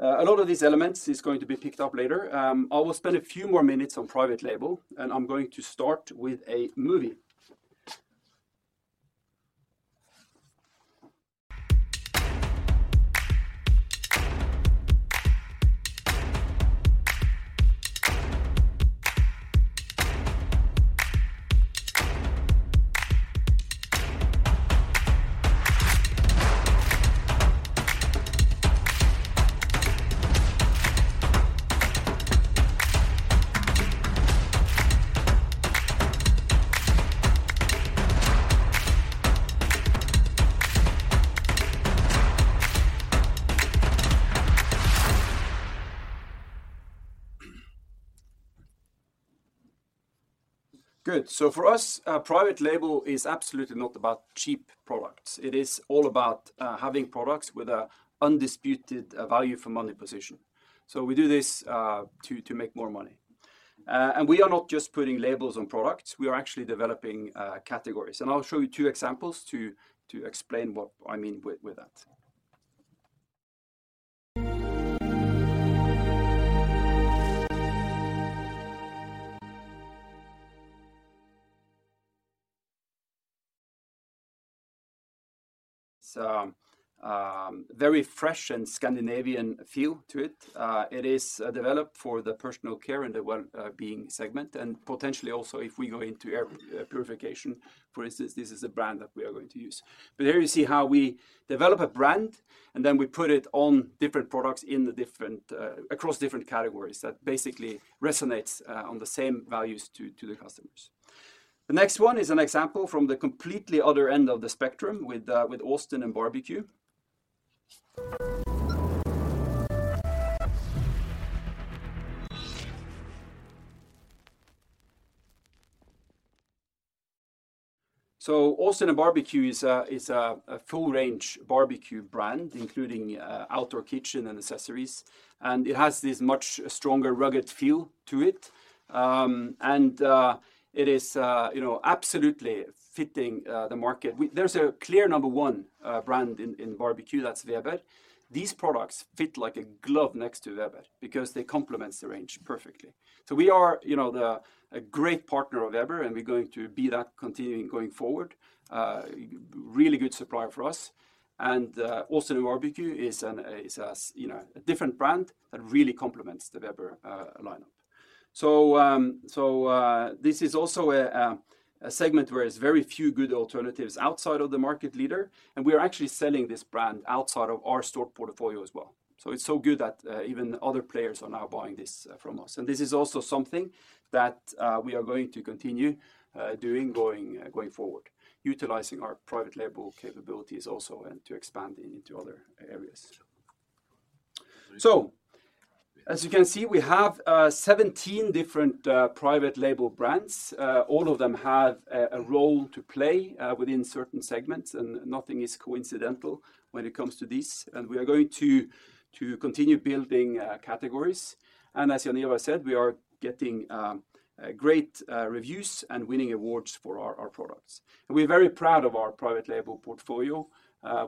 B: a lot of these elements are going to be picked up later. I will spend a few more minutes on private label, and I'm going to start with a movie. Good. So for us, private label is absolutely not about cheap products. It is all about having products with an undisputed value-for-money position. So we do this to make more money. And we are not just putting labels on products. We are actually developing categories. And I'll show you two examples to explain what I mean with that. It's a very fresh and Scandinavian feel to it. It is developed for the personal care and the well-being segment. And potentially also, if we go into air purification, for instance, this is a brand that we are going to use. But here you see how we develop a brand, and then we put it on different products across different categories that basically resonate on the same values to the customers. The next one is an example from the completely other end of the spectrum with Austin & BBQ. So Austin & BBQ is a full-range barbecue brand, including outdoor kitchen and accessories. And it has this much stronger, rugged feel to it. And it is absolutely fitting the market. There's a clear number one brand in barbecue that's Weber. These products fit like a glove next to Weber because they complement the range perfectly. So we are a great partner of Weber, and we're going to be that continuing going forward. Really good supplier for us. And Austin & BBQ is a different brand that really complements the Weber lineup. So this is also a segment where there are very few good alternatives outside of the market leader. And we are actually selling this brand outside of our store portfolio as well. So it's so good that even other players are now buying this from us. And this is also something that we are going to continue doing going forward, utilizing our private label capabilities also and to expand into other areas. So as you can see, we have 17 different private label brands. All of them have a role to play within certain segments, and nothing is coincidental when it comes to these. And we are going to continue building categories. And as Jaan Semlitsch said, we are getting great reviews and winning awards for our products. And we're very proud of our private label portfolio.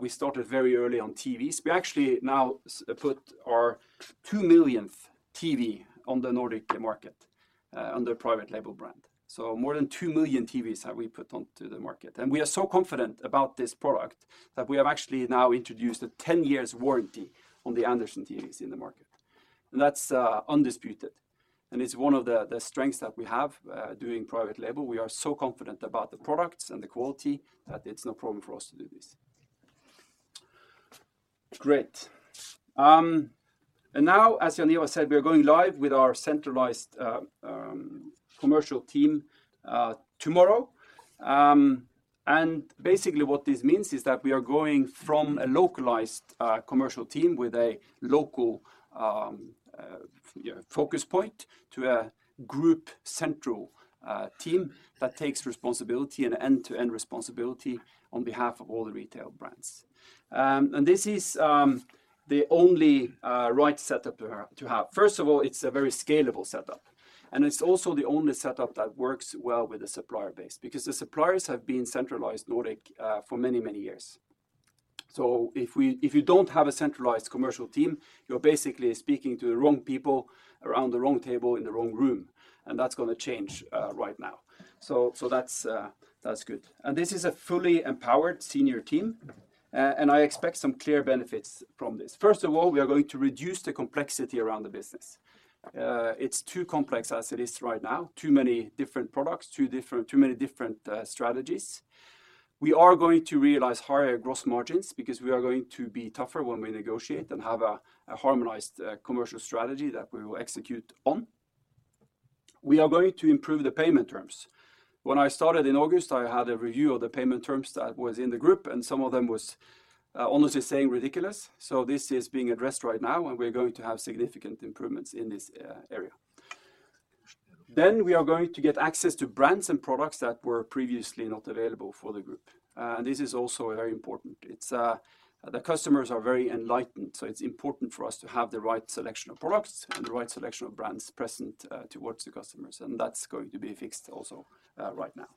B: We started very early on TVs. We actually now put our 2 millionth TV on the Nordic market under private label brand. So more than 2 million TVs have we put onto the market. We are so confident about this product that we have actually now introduced a 10-year warranty on the Andersson TVs in the market. And that's undisputed. And it's one of the strengths that we have doing private label. We are so confident about the products and the quality that it's no problem for us to do this. Great. And now, as Jaan Semlitsch said, we are going live with our centralized commercial team tomorrow. And basically, what this means is that we are going from a localized commercial team with a local focus point to a group-central team that takes responsibility and end-to-end responsibility on behalf of all the retail brands. And this is the only right setup to have. First of all, it's a very scalable setup. It's also the only setup that works well with a supplier base because the suppliers have been centralized Nordic for many, many years. So if you don't have a centralized commercial team, you're basically speaking to the wrong people around the wrong table in the wrong room. That's going to change right now. That's good. This is a fully empowered senior team. I expect some clear benefits from this. First of all, we are going to reduce the complexity around the business. It's too complex as it is right now, too many different products, too many different strategies. We are going to realize higher gross margins because we are going to be tougher when we negotiate and have a harmonized commercial strategy that we will execute on. We are going to improve the payment terms. When I started in August, I had a review of the payment terms that was in the group, and some of them were honestly saying ridiculous. So this is being addressed right now, and we're going to have significant improvements in this area. Then we are going to get access to brands and products that were previously not available for the group. And this is also very important. The customers are very enlightened, so it's important for us to have the right selection of products and the right selection of brands present towards the customers. And that's going to be fixed also right now.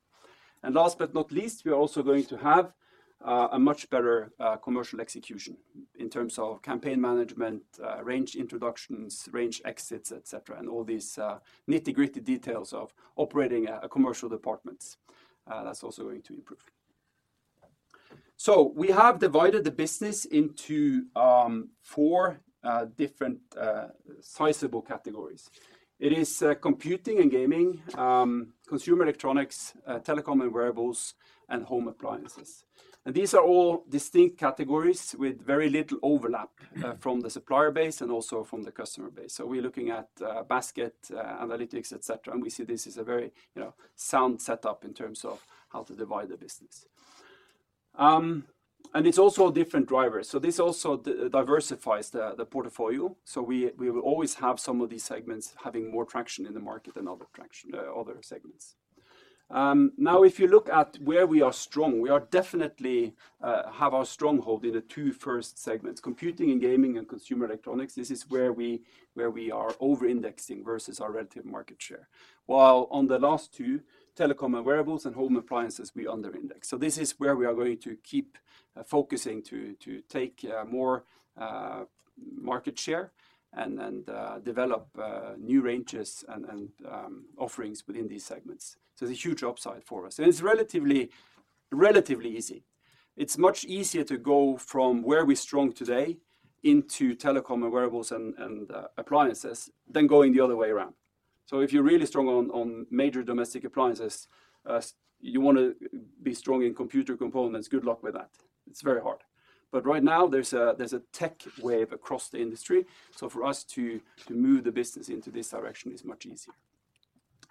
B: And last but not least, we are also going to have a much better commercial execution in terms of campaign management, range introductions, range exits, etc., and all these nitty-gritty details of operating a commercial department. That's also going to improve. So we have divided the business into four different sizable categories. It is computing and gaming, consumer electronics, telecom and wearables, and home appliances. And these are all distinct categories with very little overlap from the supplier base and also from the customer base. So we're looking at basket analytics, etc. And we see this is a very sound setup in terms of how to divide the business. And it's also different drivers. So this also diversifies the portfolio. So we will always have some of these segments having more traction in the market than other segments. Now, if you look at where we are strong, we definitely have our stronghold in the two first segments, computing and gaming and consumer electronics. This is where we are over-indexing versus our relative market share. While on the last two, telecom and wearables and home appliances, we under-index. So this is where we are going to keep focusing to take more market share and develop new ranges and offerings within these segments. So it's a huge upside for us. And it's relatively easy. It's much easier to go from where we're strong today into telecom and wearables and appliances than going the other way around. So if you're really strong on major domestic appliances, you want to be strong in computer components. Good luck with that. It's very hard. But right now, there's a tech wave across the industry. So for us to move the business into this direction is much easier.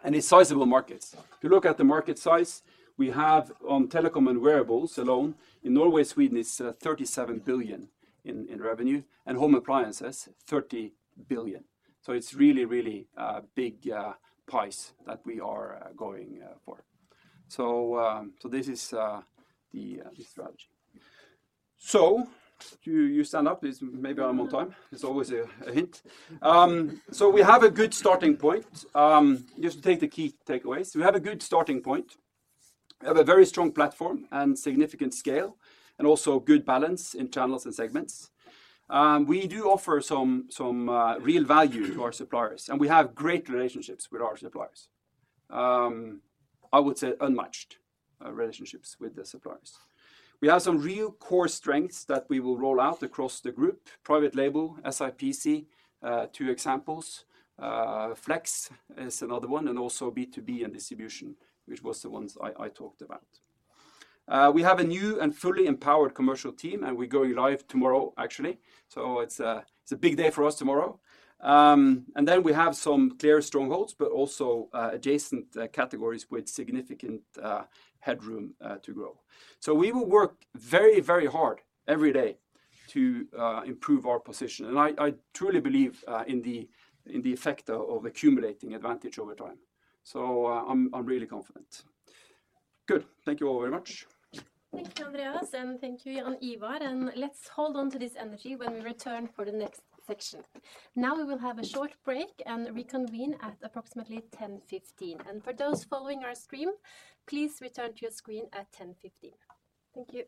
B: And it's sizable markets. If you look at the market size, we have on telecom and wearables alone, in Norway, Sweden, it's 37 billion in revenue, and home appliances, 30 billion. So it's really, really a big piece that we are going for. So this is the strategy. So you stand up. Maybe I'm on time. It's always a hint. So we have a good starting point. Just to take the key takeaways, we have a good starting point. We have a very strong platform and significant scale and also good balance in channels and segments. We do offer some real value to our suppliers, and we have great relationships with our suppliers. I would say unmatched relationships with the suppliers. We have some real core strengths that we will roll out across the group, private label, SIPC, two examples. Flex is another one, and also B2B and distribution, which was the ones I talked about. We have a new and fully empowered commercial team, and we're going live tomorrow, actually. So it's a big day for us tomorrow. Then we have some clear strongholds, but also adjacent categories with significant headroom to grow. So we will work very, very hard every day to improve our position. I truly believe in the effect of accumulating advantage over time. So I'm really confident. Good. Thank you all very much.
A: Thank you, Andreas. Thank you, Jaan Semlitsch. Let's hold on to this energy when we return for the next section. Now we will have a short break and reconvene at approximately 10:15 A.M. For those following our stream, please return to your screen at 10:15 A.M. Thank you.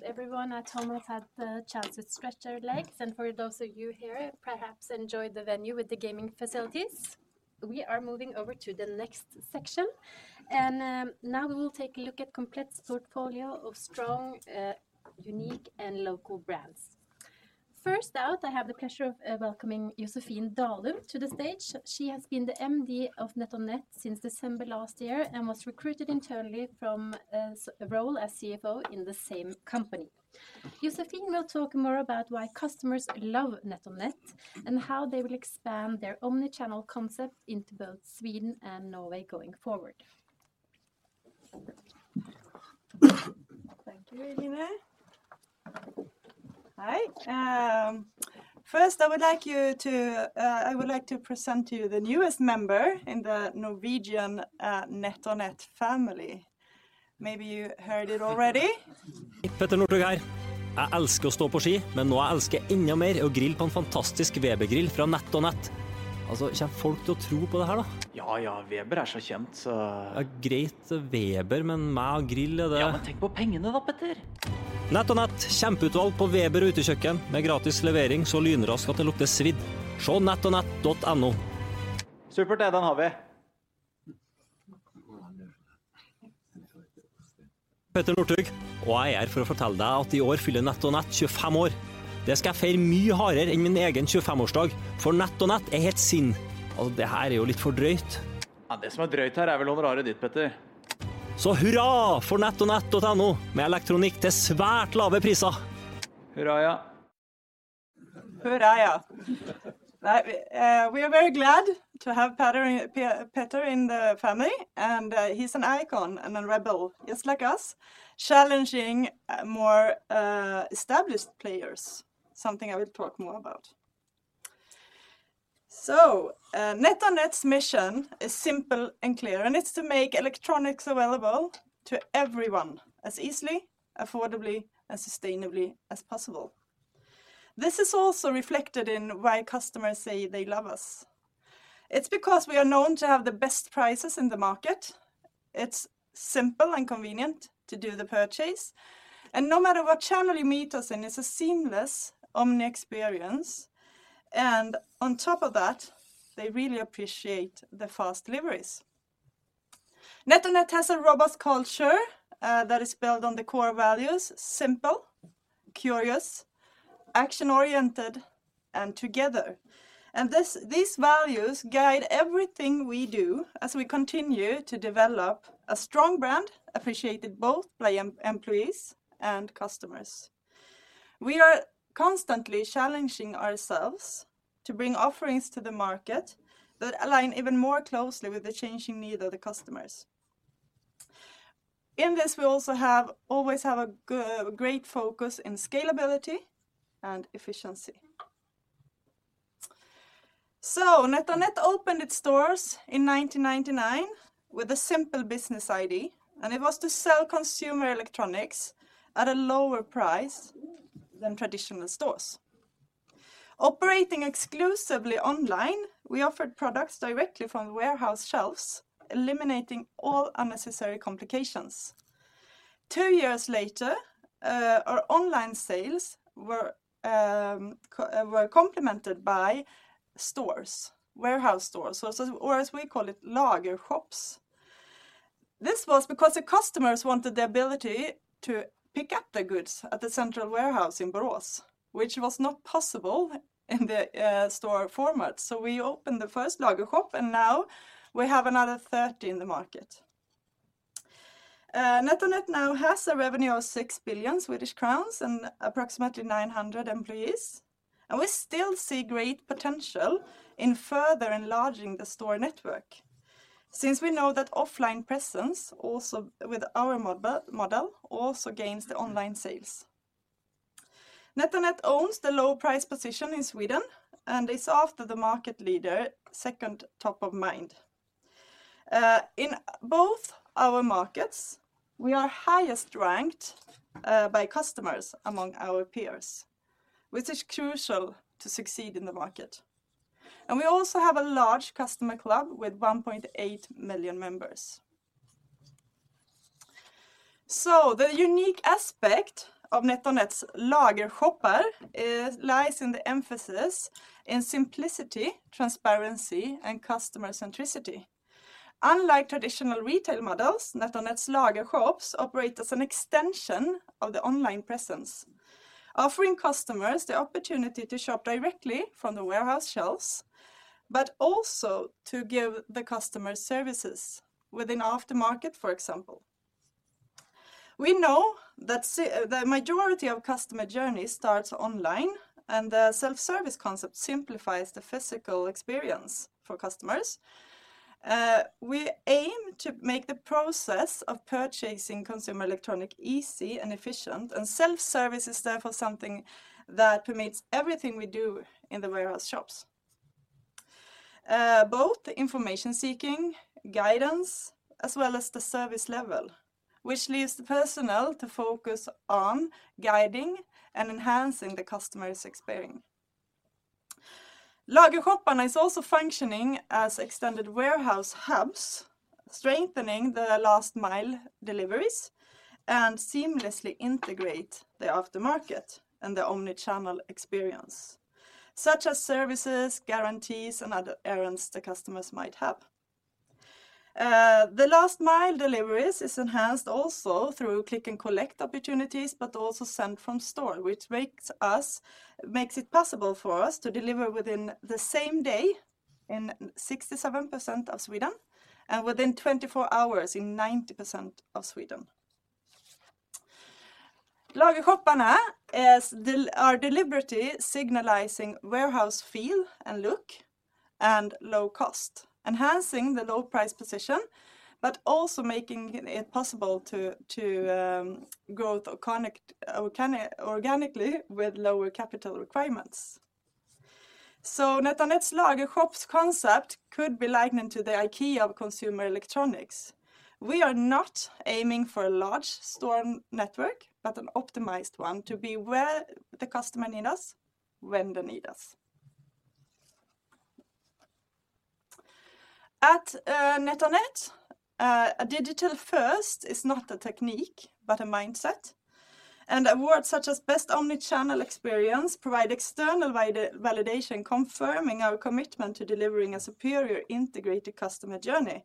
E: Hello everyone. I'm Thomas, I'm the child with stretcher legs. For those of you here who perhaps enjoyed the venue with the gaming facilities, we are moving over to the next section. Now we will take a look at a complete portfolio of strong, unique, and local brands. First out, I have the pleasure of welcoming Josefin Dalum to the stage. She has been the MD of NetOnNet since December last year and was recruited internally from a role as CFO in the same company. Josefin will talk more about why customers love NetOnNet and how they will expand their omnichannel concept into both Sweden and Norway going forward.
F: Thank you, Eline. Hi. First, I would like you to—I would like to present to you the newest member in the Norwegian NetOnNet family. Maybe you heard it already. We are very glad to have Petter in the family, and he's an icon and a rebel, just like us, challenging more established players. Something I will talk more about. So, NetOnNet's mission is simple and clear, and it's to make electronics available to everyone as easily, affordably, and sustainably as possible. This is also reflected in why customers say they love us. It's because we are known to have the best prices in the market. It's simple and convenient to do the purchase, and no matter what channel you meet us in, it's a seamless omni-experience. On top of that, they really appreciate the fast deliveries. NetOnNet has a robust culture that is built on the core values: simple, curious, action-oriented, and together. These values guide everything we do as we continue to develop a strong brand appreciated both by employees and customers. We are constantly challenging ourselves to bring offerings to the market that align even more closely with the changing needs of the customers. In this, we also have always had a great focus on scalability and efficiency. NetOnNet opened its stores in 1999 with a simple business ID, and it was to sell consumer electronics at a lower price than traditional stores. Operating exclusively online, we offered products directly from the warehouse shelves, eliminating all unnecessary complications. Two years later, our online sales were complemented by stores, warehouse stores, or as we call it, lager shops. This was because the customers wanted the ability to pick up the goods at the central warehouse in Borås, which was not possible in the store format. So, we opened the first lager shop, and now we have another 30 in the market. NetOnNet now has a revenue of 6 billion Swedish crowns and approximately 900 employees. And we still see great potential in further enlarging the store network since we know that offline presence, also with our model, also gains the online sales. NetOnNet owns the low-price position in Sweden, and it's after the market leader, second top of mind. In both our markets, we are highest ranked by customers among our peers, which is crucial to succeed in the market. We also have a large customer club with 1.8 million members. The unique aspect of NetOnNet's Lagershop lies in the emphasis on simplicity, transparency, and customer centricity. Unlike traditional retail models, NetOnNet's Lagershop operate as an extension of the online presence, offering customers the opportunity to shop directly from the warehouse shelves, but also to give the customer services within aftermarket, for example. We know that the majority of customer journeys start online, and the self-service concept simplifies the physical experience for customers. We aim to make the process of purchasing consumer electronics easy and efficient, and self-service is therefore something that permits everything we do in the warehouse shops. Both the information seeking, guidance, as well as the service level, which leaves the personnel to focus on guiding and enhancing the customer experience. Lagershop is also functioning as extended warehouse hubs, strengthening the last-mile deliveries, and seamlessly integrating the aftermarket and the omnichannel experience, such as services, guarantees, and other errands the customers might have. The last-mile deliveries are enhanced also through click-and-collect opportunities, but also sent from store, which makes it possible for us to deliver within the same day in 67% of Sweden and within 24 hours in 90% of Sweden. Lagershop is our delivery signifying warehouse feel and look and low cost, enhancing the low-price position, but also making it possible to grow organically with lower capital requirements. So, NetOnNet's Lagershop concept could be likened to the IKEA of consumer electronics. We are not aiming for a large store network, but an optimized one to be where the customer needs us when they need us. At NetOnNet, a digital first is not a technique, but a mindset. And awards such as Best Omnichannel Experience provide external validation confirming our commitment to delivering a superior integrated customer journey.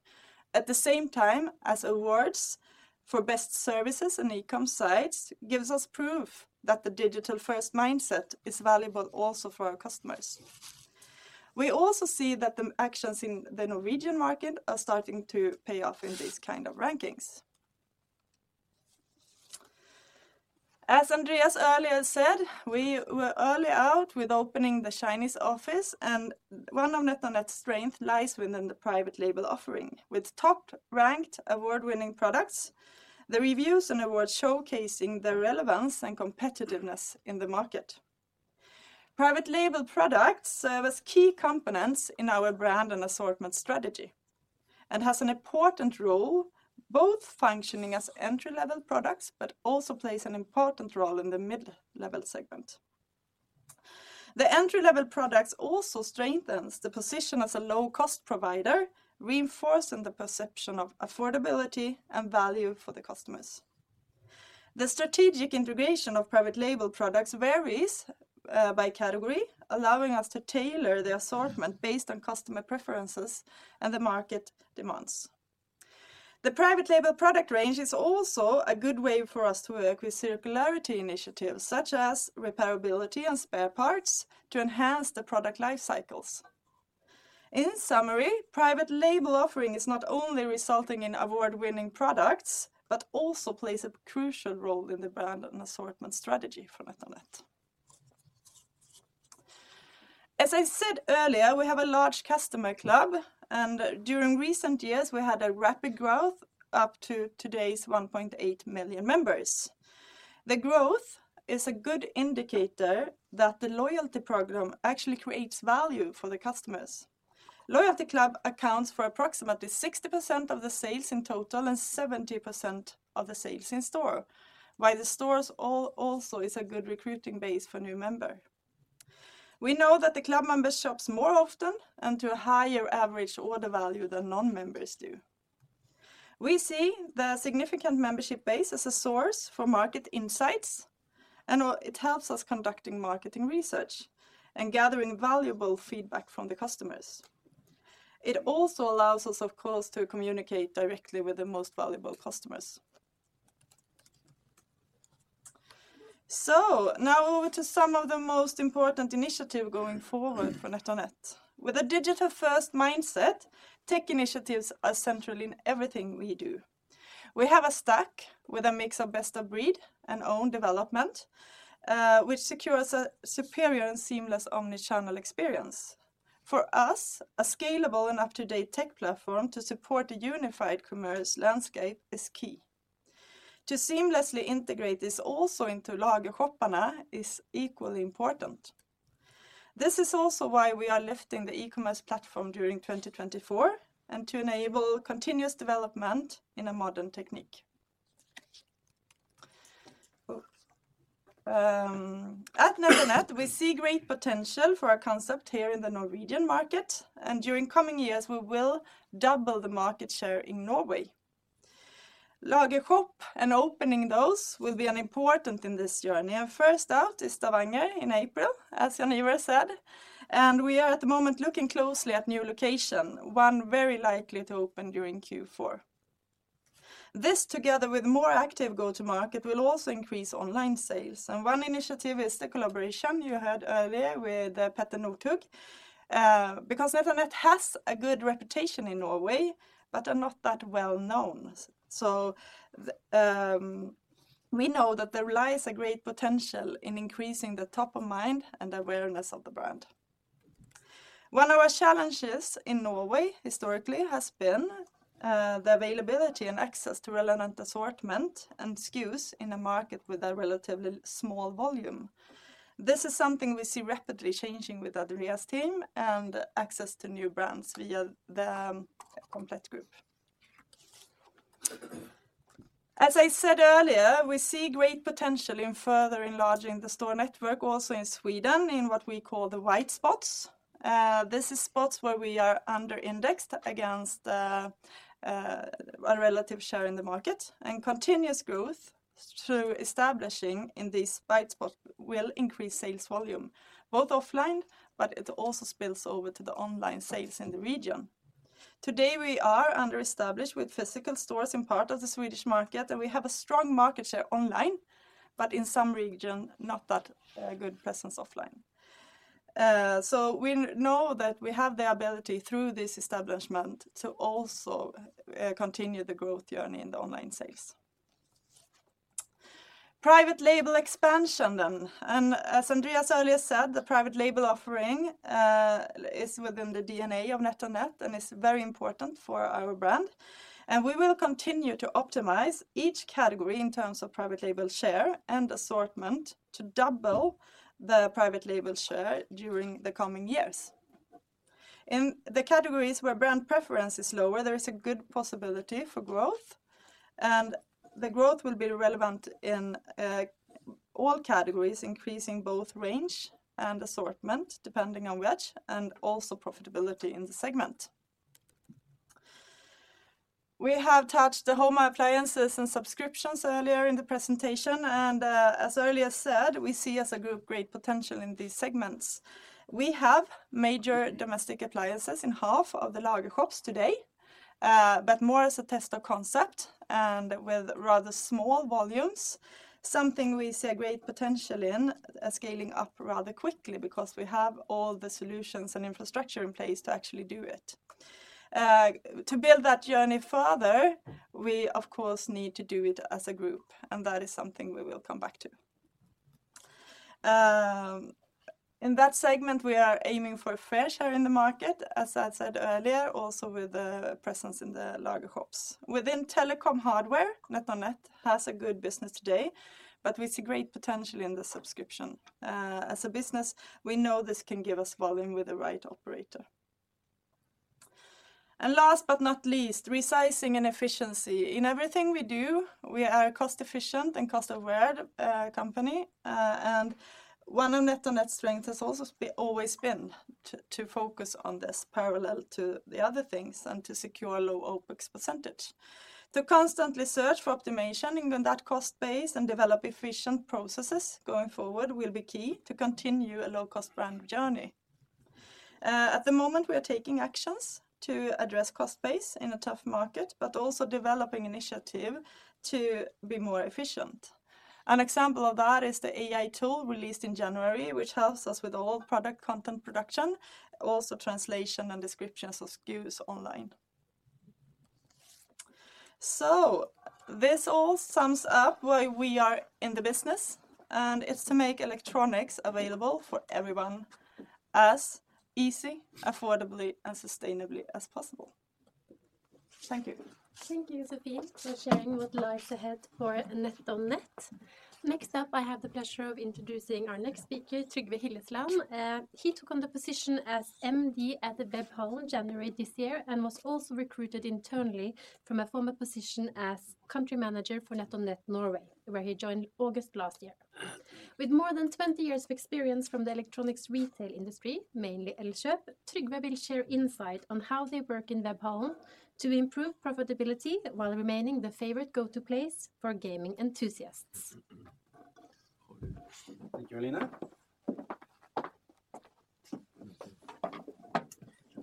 F: At the same time, awards for Best Services and Ecom sites give us proof that the digital first mindset is valuable also for our customers. We also see that the actions in the Norwegian market are starting to pay off in these kinds of rankings. As Andreas earlier said, we were early out with opening the Chinese office, and one of NetOnNet's strengths lies within the private label offering. With top-ranked, award-winning products, the reviews and awards showcase their relevance and competitiveness in the market. Private label products serve as key components in our brand and assortment strategy and have an important role, both functioning as entry-level products, but also play an important role in the mid-level segment. The entry-level products also strengthen the position as a low-cost provider, reinforcing the perception of affordability and value for the customers. The strategic integration of private label products varies by category, allowing us to tailor the assortment based on customer preferences and the market demands. The private label product range is also a good way for us to work with circularity initiatives such as repairability and spare parts to enhance the product life cycles. In summary, private label offering is not only resulting in award-winning products, but also plays a crucial role in the brand and assortment strategy for NetOnNet. As I said earlier, we have a large customer club, and during recent years, we had a rapid growth up to today's 1.8 million members. The growth is a good indicator that the loyalty program actually creates value for the customers. Loyalty club accounts for approximately 60% of the sales in total and 70% of the sales in store, while the stores also are a good recruiting base for new members. We know that the club members shop more often and to a higher average order value than non-members do. We see the significant membership base as a source for market insights, and it helps us conduct marketing research and gather valuable feedback from the customers. It also allows us, of course, to communicate directly with the most valuable customers. So, now over to some of the most important initiatives going forward for NetOnNet. With a digital first mindset, tech initiatives are central in everything we do. We have a stack with a mix of best-of-breed and own development, which secures a superior and seamless omnichannel experience. For us, a scalable and up-to-date tech platform to support a unified commerce landscape is key. To seamlessly integrate this also into Lagershop is equally important. This is also why we are lifting the e-commerce platform during 2024 and to enable continuous development in a modern technique. At NetOnNet, we see great potential for our concept here in the Norwegian market, and during coming years, we will double the market share in Norway. Lagershop and opening those will be important in this journey. And first out is Stavanger in April, as Jaan Ivar said. And we are at the moment looking closely at a new location, one very likely to open during Q4. This, together with more active go-to-market, will also increase online sales. And one initiative is the collaboration you heard earlier with Petter Northug. Because NetOnNet has a good reputation in Norway, but is not that well known. So we know that there lies a great potential in increasing the top of mind and awareness of the brand. One of our challenges in Norway, historically, has been the availability and access to relevant assortment and SKUs in a market with a relatively small volume. This is something we see rapidly changing with Andreas' team and access to new brands via the Komplett Group. As I said earlier, we see great potential in further enlarging the store network, also in Sweden, in what we call the white spots. This is spots where we are under-indexed against a relative share in the market. Continuous growth through establishing in these white spots will increase sales volume, both offline, but it also spills over to the online sales in the region. Today, we are under-established with physical stores in part of the Swedish market, and we have a strong market share online, but in some regions, not that good presence offline. So we know that we have the ability through this establishment to also continue the growth journey in the online sales. Private label expansion then. And as Andreas earlier said, the private label offering is within the DNA of NetOnNet and is very important for our brand. And we will continue to optimize each category in terms of private label share and assortment to double the private label share during the coming years. In the categories where brand preference is lower, there is a good possibility for growth. And the growth will be relevant in all categories, increasing both range and assortment, depending on which, and also profitability in the segment. We have touched the home appliances and subscriptions earlier in the presentation. And as earlier said, we see as a group great potential in these segments. We have major domestic appliances in half of the lager shops today, but more as a test of concept and with rather small volumes, something we see a great potential in scaling up rather quickly because we have all the solutions and infrastructure in place to actually do it. To build that journey further, we, of course, need to do it as a group. And that is something we will come back to. In that segment, we are aiming for a fair share in the market, as I said earlier, also with the presence in the lager shops. Within telecom hardware, NetOnNet has a good business today, but we see great potential in the subscription. As a business, we know this can give us volume with the right operator. And last but not least, resizing and efficiency. In everything we do, we are a cost-efficient and cost-aware company. And one of NetOnNet's strengths has also always been to focus on this parallel to the other things and to secure a low OPEX percentage. To constantly search for optimization in that cost base and develop efficient processes going forward will be key to continue a low-cost brand journey. At the moment, we are taking actions to address cost base in a tough market, but also developing initiatives to be more efficient. An example of that is the AI tool released in January, which helps us with all product content production, also translation and descriptions of SKUs online. So, this all sums up where we are in the business, and it's to make electronics available for everyone as easy, affordably, and sustainably as possible. Thank you.
A: Thank you, Sofie, for sharing what lies ahead for NetOnNet. Next up, I have the pleasure of introducing our next speaker, Trygve Hillesland. He took on the position as MD at Webhallen in January this year and was also recruited internally from a former position as country manager for NetOnNet Norway, where he joined August last year. With more than 20 years of experience from the electronics retail industry, mainly Elkjøp, Trygve will share insight on how they work in Webhallen to improve profitability while remaining the favorite go-to place for gaming enthusiasts.
G: Thank you, Eline.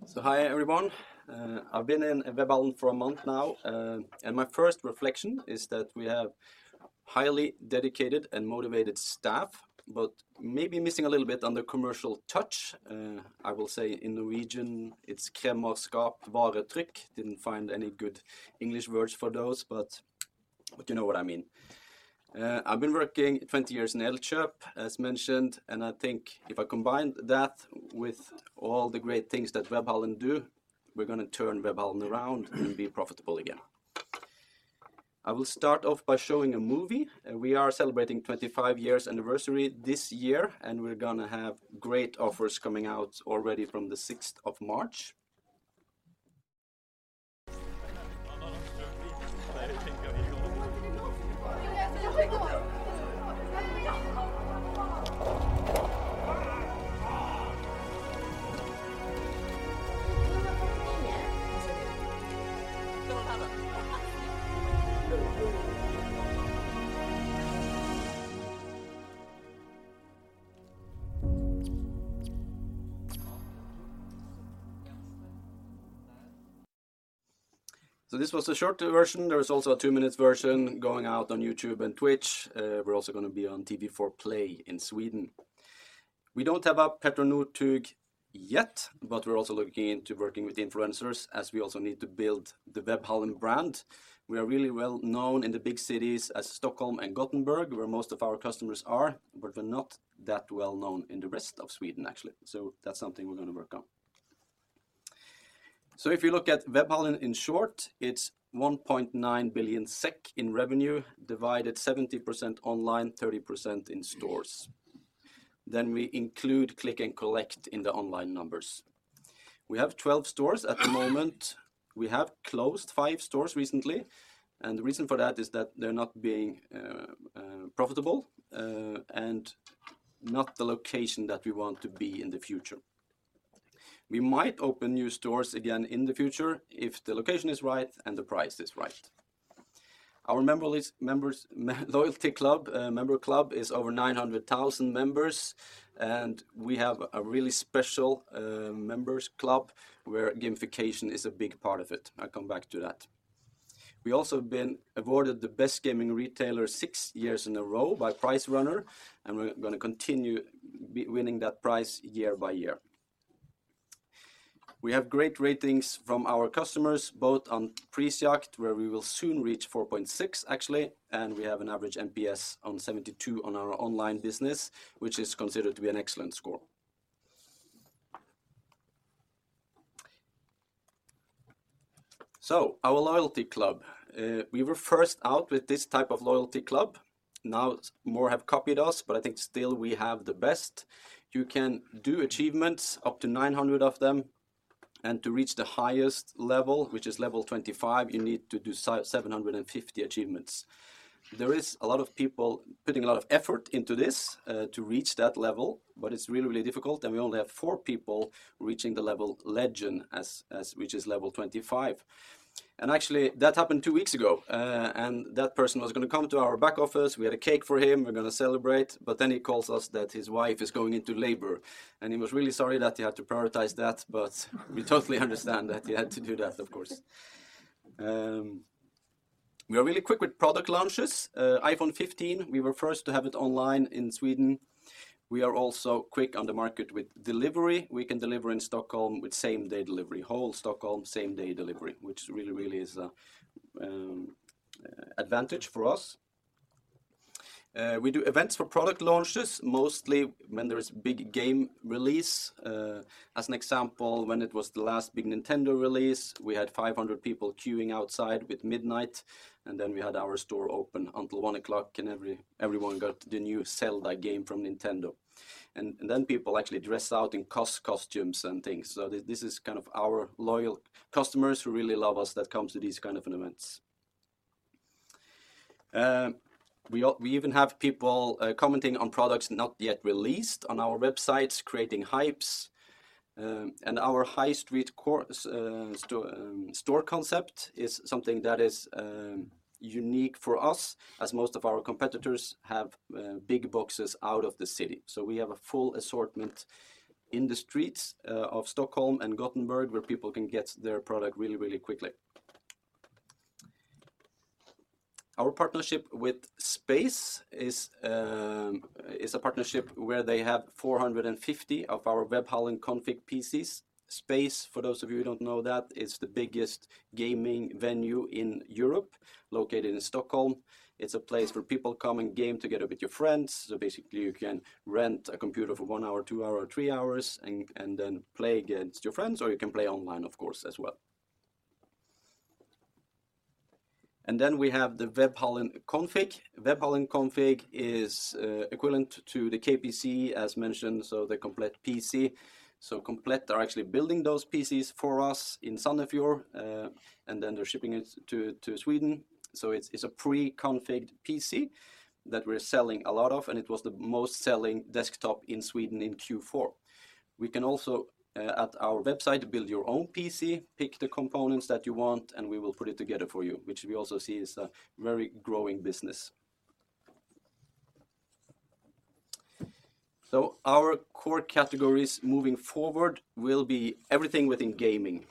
G: So hi everyone. I've been in Webhallen for a month now, and my first reflection is that we have highly dedicated and motivated staff, but maybe missing a little bit on the commercial touch. I will say in Norwegian, it's kremmerskap varetrykk. Didn't find any good English words for those, but you know what I mean. I've been working 20 years in Elkjøp, as mentioned, and I think if I combine that with all the great things that Webhallen do, we're going to turn Webhallen around and be profitable again. I will start off by showing a movie. We are celebrating 25 years anniversary this year, and we're going to have great offers coming out already from the 6th of March. So this was the short version. There is also a two-minute version going out on YouTube and Twitch. We're also going to be on TV4 Play in Sweden. We don't have a Petter Northug yet, but we're also looking into working with influencers as we also need to build the Webhallen brand. We are really well known in the big cities as Stockholm and Gothenburg, where most of our customers are, but we're not that well known in the rest of Sweden, actually. So that's something we're going to work on. So if you look at Webhallen in short, it's 1.9 billion SEK in revenue divided 70% online, 30% in stores. Then we include click and collect in the online numbers. We have 12 stores at the moment. We have closed five stores recently. The reason for that is that they're not being profitable, and not the location that we want to be in the future. We might open new stores again in the future if the location is right and the price is right. Our members' loyalty club, member club, is over 900,000 members, and we have a really special, members' club where gamification is a big part of it. I'll come back to that. We also have been awarded the best gaming retailer six years in a row by Pricerunner, and we're going to continue winning that prize year by year. We have great ratings from our customers, both on Prisjakt where we will soon reach 4.6, actually, and we have an average NPS on 72 on our online business, which is considered to be an excellent score. So our loyalty club, we were first out with this type of loyalty club. Now more have copied us, but I think still we have the best. You can do achievements, up to 900 of them. And to reach the highest level, which is level 25, you need to do 750 achievements. There is a lot of people putting a lot of effort into this to reach that level, but it's really, really difficult. We only have four people reaching the level legend, which is level 25. Actually, that happened two weeks ago, and that person was going to come to our back office. We had a cake for him. We're going to celebrate. Then he calls us that his wife is going into labor, and he was really sorry that he had to prioritize that. We totally understand that he had to do that, of course. We are really quick with product launches. iPhone 15, we were first to have it online in Sweden. We are also quick on the market with delivery. We can deliver in Stockholm with same-day delivery, whole Stockholm, same-day delivery, which really, really is an advantage for us. We do events for product launches, mostly when there is a big game release. As an example, when it was the last big Nintendo release, we had 500 people queuing outside with midnight, and then we had our store open until 1:00 A.M. and everyone got the new Zelda game from Nintendo. And then people actually dress out in costumes and things. So this is kind of our loyal customers who really love us that come to these kinds of events. We even have people commenting on products not yet released on our websites, creating hypes. And our high street store concept is something that is unique for us, as most of our competitors have big boxes out of the city. So we have a full assortment in the streets of Stockholm and Gothenburg, where people can get their product really, really quickly. Our partnership with Space is a partnership where they have 450 of our Webhallen config PCs. Space, for those of you who don't know that, is the biggest gaming venue in Europe, located in Stockholm. It's a place where people come and game together with your friends. So basically, you can rent a computer for one hour, two hours, or three hours, and then play against your friends. Or you can play online, of course, as well. And then we have the Webhallen config. Webhallen config is equivalent to the KPC, as mentioned. So the Komplett PC. So Komplett are actually building those PCs for us in Sunnfjord, and then they're shipping it to Sweden. So it's a pre-configured PC that we're selling a lot of, and it was the most selling desktop in Sweden in Q4. We can also, at our website, build your own PC, pick the components that you want, and we will put it together for you, which we also see is a very growing business. So our core categories moving forward will be everything within gaming.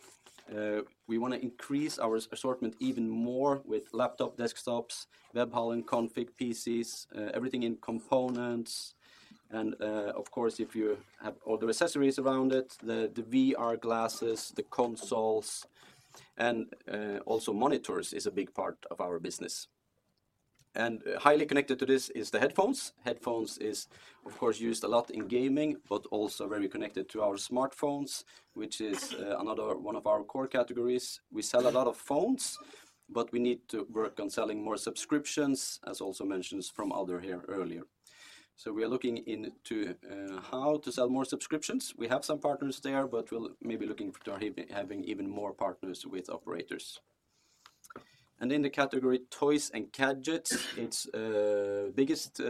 G: We want to increase our assortment even more with laptop, desktops, Webhallen Config PCs, everything in components. And, of course, if you have all the accessories around it, the VR glasses, the consoles, and also monitors is a big part of our business. And highly connected to this is the headphones. Headphones is, of course, used a lot in gaming, but also very connected to our smartphones, which is another one of our core categories. We sell a lot of phones, but we need to work on selling more subscriptions, as also mentioned by others here earlier. So we are looking into how to sell more subscriptions. We have some partners there, but we'll maybe be looking to have even more partners with operators. In the category toys and gadgets, it's the biggest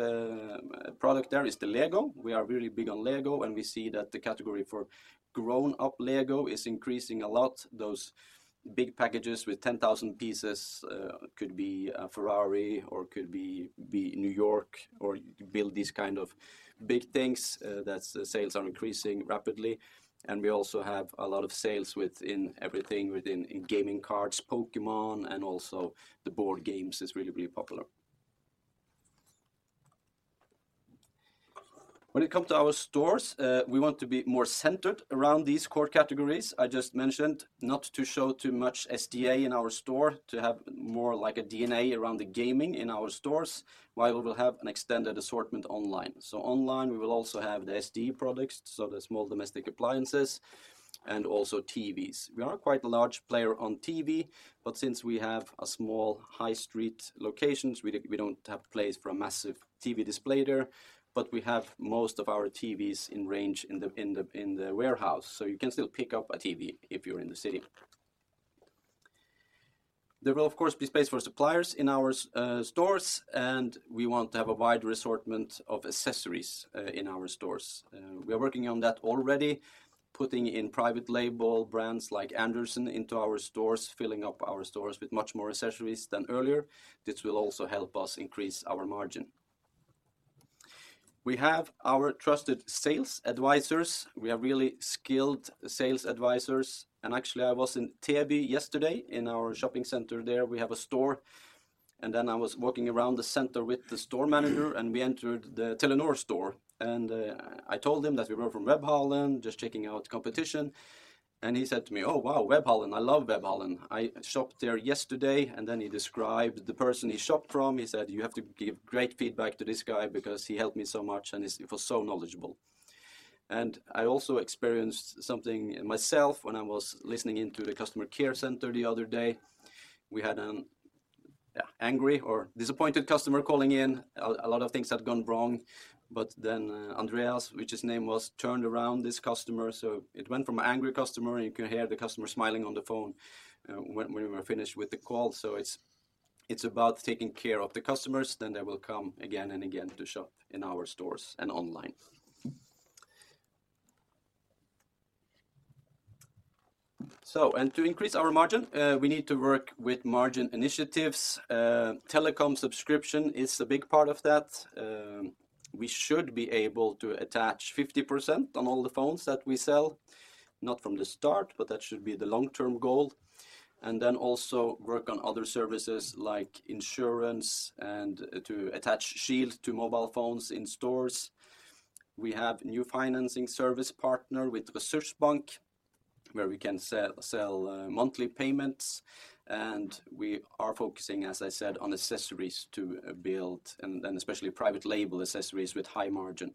G: product there is the Lego. We are really big on Lego, and we see that the category for grown-up Lego is increasing a lot. Those big packages with 10,000 pieces could be Ferrari or could be New York or build these kinds of big things. That's sales are increasing rapidly. We also have a lot of sales within everything within gaming cards, Pokémon, and also the board games is really, really popular. When it comes to our stores, we want to be more centered around these core categories. I just mentioned not to show too much SDA in our store, to have more like a DNA around the gaming in our stores, while we will have an extended assortment online. So online, we will also have the SD products, so the small domestic appliances, and also TVs. We are quite a large player on TV, but since we have small high street locations, we don't have place for a massive TV display there, but we have most of our TVs in range in the warehouse. So you can still pick up a TV if you're in the city. There will, of course, be space for suppliers in our stores, and we want to have a wider assortment of accessories in our stores. We are working on that already, putting in private label brands like Andersson into our stores, filling up our stores with much more accessories than earlier. This will also help us increase our margin. We have our trusted sales advisors. We have really skilled sales advisors. And actually, I was in Täby yesterday in our shopping center. There we have a store. And then I was walking around the center with the store manager, and we entered the Telenor store, and I told him that we were from Webhallen, just checking out competition. And he said to me, "Oh, wow, Webhallen. I love Webhallen. I shopped there yesterday." And then he described the person he shopped from. He said, "You have to give great feedback to this guy because he helped me so much and he was so knowledgeable." I also experienced something myself when I was listening into the customer care center the other day. We had an angry or disappointed customer calling in. A lot of things had gone wrong. But then Andreas, which his name was, turned around this customer. So it went from an angry customer, and you can hear the customer smiling on the phone when we were finished with the call. So it's it's about taking care of the customers. They will come again and again to shop in our stores and online. So, and to increase our margin, we need to work with margin initiatives. Telecom subscription is a big part of that. We should be able to attach 50% on all the phones that we sell, not from the start, but that should be the long-term goal. And then also work on other services like insurance and to attach shield to mobile phones in stores. We have a new financing service partner with Resurs Bank where we can sell monthly payments. And we are focusing, as I said, on accessories to build, and then especially private label accessories with high margin.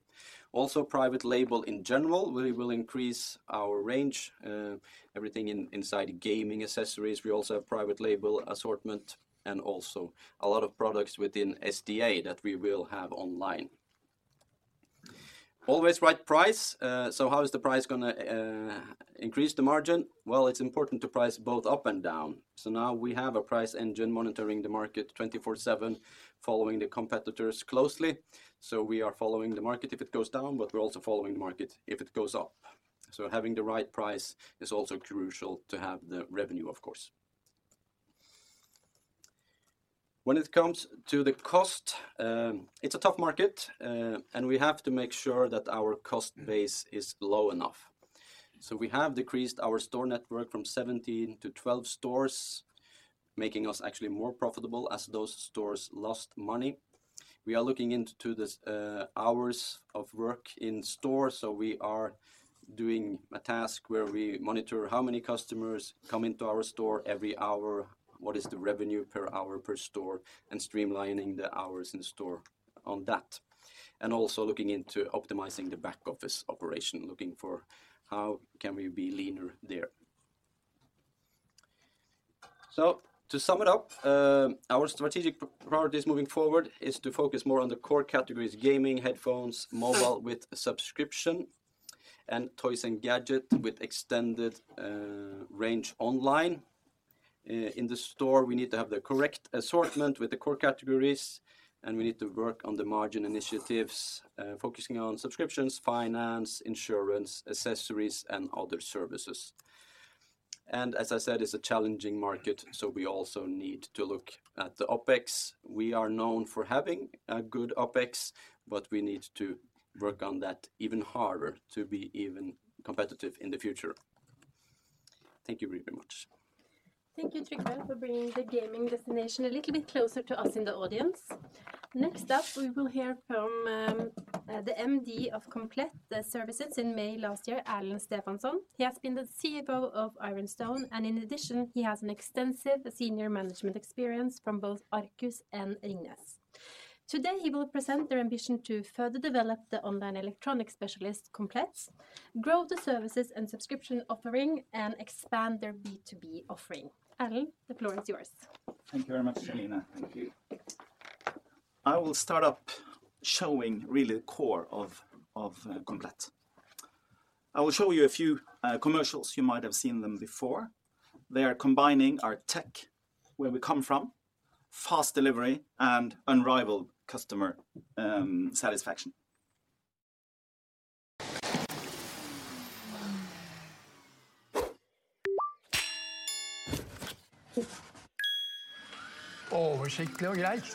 G: Also, private label in general, we will increase our range, everything inside gaming accessories. We also have private label assortment and also a lot of products within SDA that we will have online. Always right price. So how is the price going to increase the margin? Well, it's important to price both up and down. So now we have a price engine monitoring the market 24/7, following the competitors closely. So we are following the market if it goes down, but we're also following the market if it goes up. So having the right price is also crucial to have the revenue, of course. When it comes to the cost, it's a tough market, and we have to make sure that our cost base is low enough. So we have decreased our store network from 17 to 12 stores, making us actually more profitable as those stores lost money. We are looking into the hours of work in store. So we are doing a task where we monitor how many customers come into our store every hour. What is the revenue per hour per store and streamlining the hours in store on that, and also looking into optimizing the back office operation, looking for how can we be leaner there? So to sum it up, our strategic priorities moving forward is to focus more on the core categories: gaming, headphones, mobile with subscription, and toys and gadgets with extended range online. In the store, we need to have the correct assortment with the core categories, and we need to work on the margin initiatives, focusing on subscriptions, finance, insurance, accessories, and other services. And as I said, it's a challenging market. So we also need to look at the OPEX. We are known for having a good OPEX, but we need to work on that even harder to be even competitive in the future. Thank you very much.
A: Thank you, Trygve, for bringing the gaming destination a little bit closer to us in the audience. Next up, we will hear from the MD of Komplett Services in May last year, Erlend Stefansson. He has been the CEO of Ironstone, and in addition, he has an extensive senior management experience from both Arcus and Ringnes. Today, he will present their ambition to further develop the online electronics specialist Komplett, grow the services and subscription offering, and expand their B2B offering. Erlend, the floor is yours.
H: Thank you very much, Selena. Thank you. I will start up showing really the core of Komplett. I will show you a few commercials. You might have seen them before. They are combining our tech, where we come from, fast delivery, and unrivaled customer satisfaction. Oversiktlig og greit.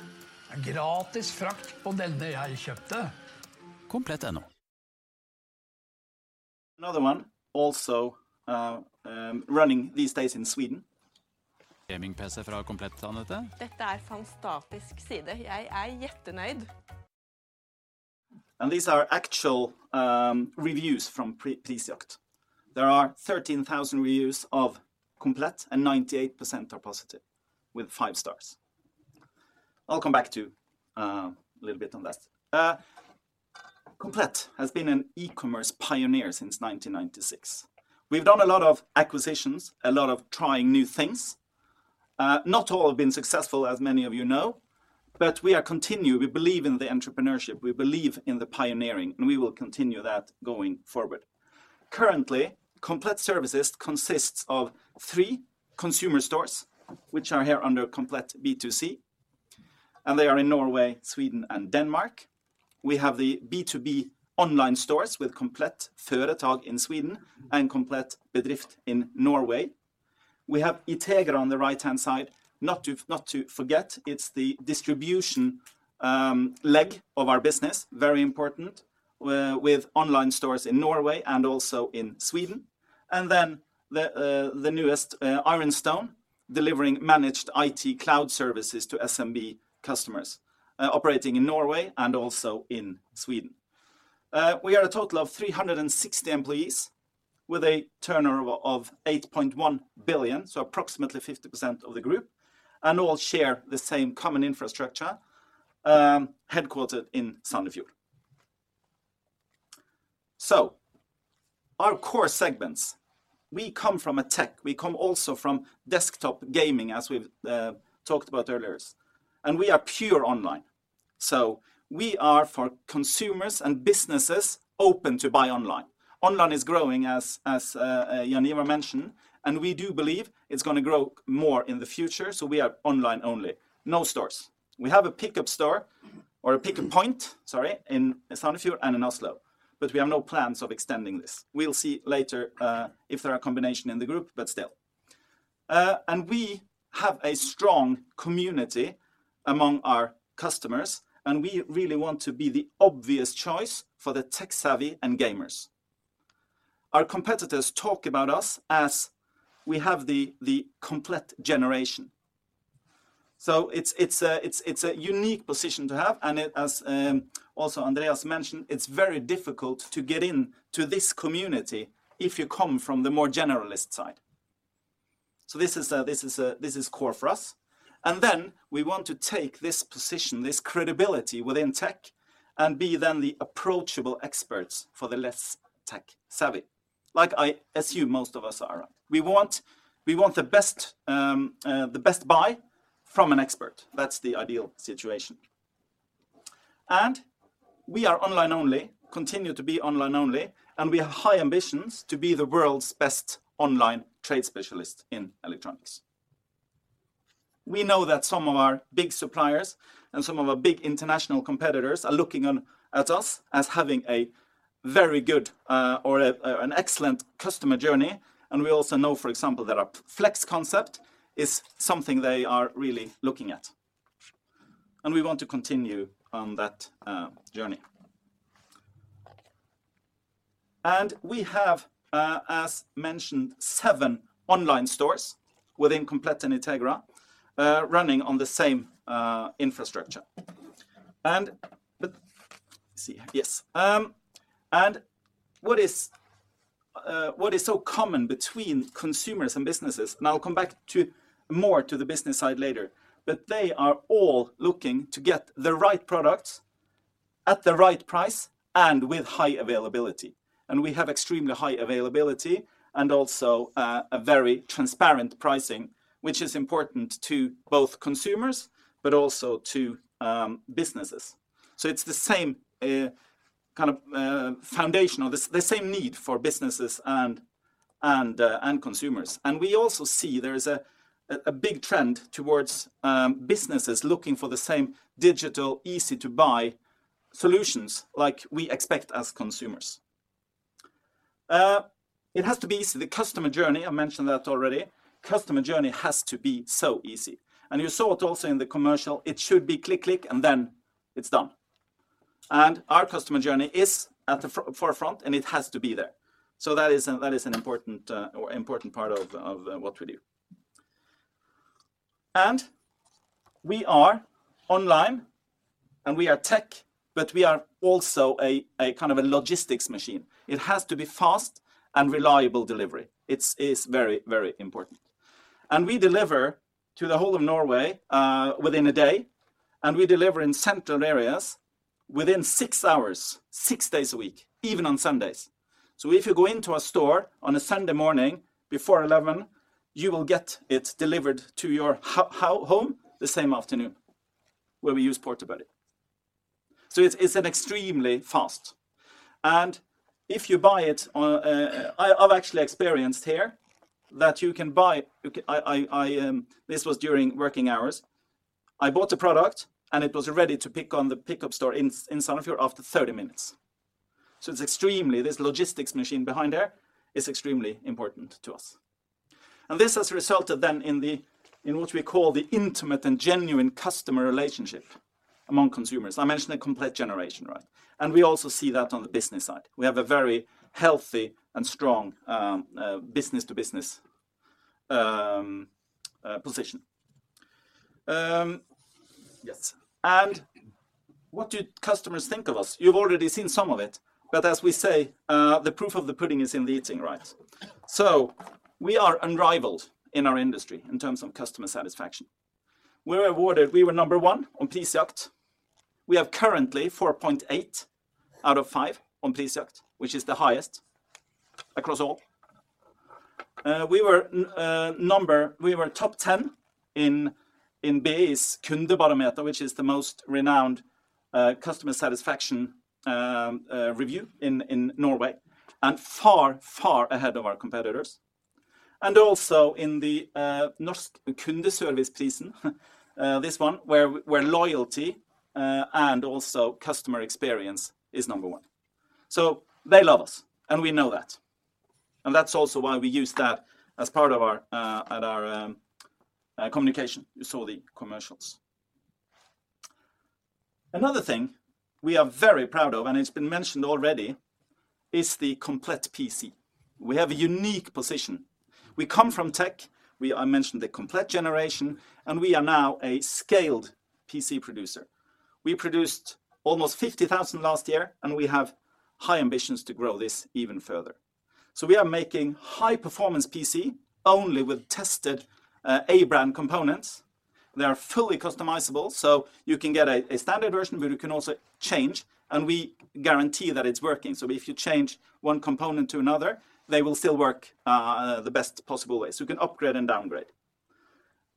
H: Gratis frakt på denne jeg kjøpte. Komplett.no. Another one. Also, running these days in Sweden. Gaming-PC fra Komplett, Anette? Dette fantastisk side. Jeg Jättenöjd. And these are actual reviews from Prisjakt. There are 13,000 reviews of Komplett, and 98% are positive, with five stars. I'll come back to a little bit on that. Komplett has been an e-commerce pioneer since 1996. We've done a lot of acquisitions, a lot of trying new things. Not all have been successful, as many of you know, but we are continuing. We believe in the entrepreneurship. We believe in the pioneering, and we will continue that going forward. Currently, Komplett Services consists of three consumer stores, which are here under Komplett B2C, and they are in Norway, Sweden, and Denmark. We have the B2B online stores with Komplett Företag in Sweden and Komplett Bedrift in Norway. We have Itegra on the right-hand side. Not to not to forget, it's the distribution leg of our business, very important, with online stores in Norway and also in Sweden. And then the newest, Ironstone, delivering managed IT cloud services to SMB customers, operating in Norway and also in Sweden. We are a total of 360 employees with a turnover of 8.1 billion, so approximately 50% of the group, and all share the same common infrastructure, headquartered in Sunnfjord. So our core segments, we come from a tech. We come also from desktop gaming, as we've talked about earlier, and we are pure online. So we are for consumers and businesses open to buy online. Online is growing, as Jaan mentioned, and we do believe it's going to grow more in the future. So we are online only, no stores. We have a pickup store or a pickup point, sorry, in Sunnfjord and in Oslo, but we have no plans of extending this. We'll see later, if there are combinations in the group, but still. We have a strong community among our customers, and we really want to be the obvious choice for the tech-savvy and gamers. Our competitors talk about us as we have the Komplett generation. So it's a unique position to have. And as also Andreas mentioned, it's very difficult to get into this community if you come from the more generalist side. So this is core for us. And then we want to take this position, this credibility within tech, and be the approachable experts for the less tech-savvy, like I assume most of us are. We want the best buy from an expert. That's the ideal situation. And we are online only, continue to be online only, and we have high ambitions to be the world's best online trade specialist in electronics. We know that some of our big suppliers and some of our big international competitors are looking at us as having a very good or an excellent customer journey. And we also know, for example, that our Flex concept is something they are really looking at. And we want to continue on that journey. And we have, as mentioned, seven online stores within Komplett and Itegra, running on the same infrastructure. And let's see. Yes. And what is so common between consumers and businesses? And I'll come back to more to the business side later. But they are all looking to get the right products at the right price and with high availability. And we have extremely high availability and also a very transparent pricing, which is important to both consumers but also to businesses. So it's the same, kind of, foundation or the same need for businesses and consumers. And we also see there is a big trend towards businesses looking for the same digital, easy-to-buy solutions like we expect as consumers. It has to be easy. The customer journey, I mentioned that already. Customer journey has to be so easy. And you saw it also in the commercial. It should be click, click, and then it's done. And our customer journey is at the forefront, and it has to be there. So that is an important part of what we do. And we are online, and we are tech, but we are also a kind of a logistics machine. It has to be fast and reliable delivery. It's very, very important. And we deliver to the whole of Norway within a day, and we deliver in central areas within six hours, six days a week, even on Sundays. So if you go into a store on a Sunday morning before 11:00 A.M., you will get it delivered to your home the same afternoon where we use Porterbuddy. So it's an extremely fast. And if you buy it on... I've actually experienced here that you can buy... I... This was during working hours. I bought a product, and it was ready to pick on the pickup store in Sunnfjord after 30 minutes. So it's extremely... This logistics machine behind there is extremely important to us. And this has resulted then in the... In what we call the intimate and genuine customer relationship among consumers. I mentioned the Komplett generation, right? And we also see that on the business side. We have a very healthy and strong business-to-business position. Yes. And what do customers think of us? You've already seen some of it, but as we say, the proof of the pudding is in the eating, right? So we are unrivaled in our industry in terms of customer satisfaction. We were awarded. We were number one on Prisjakt. We have currently 4.8 out of 5 on Prisjakt, which is the highest across all. We were top 10 in BI's Kundebarometer, which is the most renowned customer satisfaction review in Norway, and far, far ahead of our competitors. And also in the Norsk Kundeserviceprisen, this one where loyalty and also customer experience is number one. So they love us, and we know that. And that's also why we use that as part of our communication. You saw the commercials. Another thing we are very proud of, and it's been mentioned already, is the Komplett PC. We have a unique position. We come from tech. We mentioned the Komplett generation, and we are now a scaled PC producer. We produced almost 50,000 last year, and we have high ambitions to grow this even further. We are making high-performance PC only with tested A-brand components. They are fully customizable, so you can get a standard version, but you can also change, and we guarantee that it's working. So if you change one component to another, they will still work the best possible way. You can upgrade and downgrade.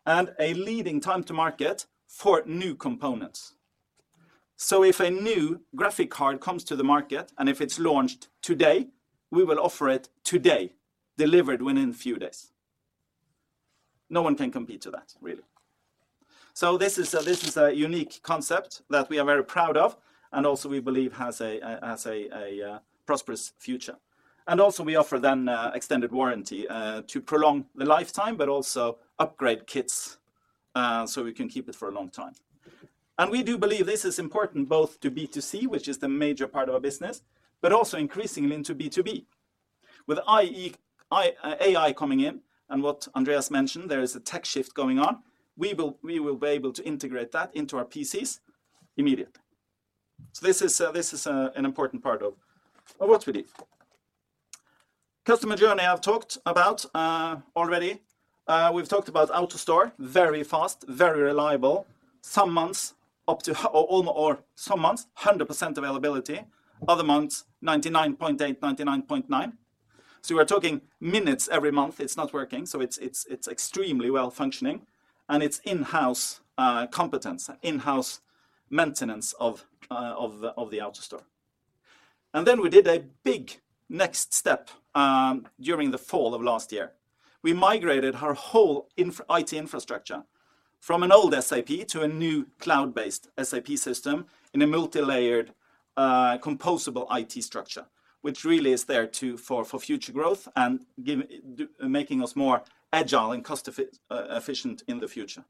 H: And a lead time to market for new components. So if a new graphics card comes to the market, and if it's launched today, we will offer it today, delivered within a few days. No one can compete with that, really. So this is a unique concept that we are very proud of, and also we believe has a prosperous future. We offer then extended warranty to prolong the lifetime, but also upgrade kits so we can keep it for a long time. We do believe this is important both to B2C, which is the major part of our business, but also increasingly into B2B. With AI coming in and what Andreas mentioned, there is a tech shift going on. We will be able to integrate that into our PCs immediately. So this is an important part of what we do. Customer journey, I've talked about already. We've talked about AutoStore, very fast, very reliable, some months up to 100% availability, other months 99.8%, 99.9%. So we're talking minutes every month. It's not working. So it's extremely well-functioning, and it's in-house competence, in-house maintenance of the AutoStore. And then we did a big next step during the fall of last year. We migrated our whole IT infrastructure from an old SAP to a new cloud-based SAP system in a multilayered, composable IT structure, which really is there for future growth and giving... making us more agile and cost-efficient in the future.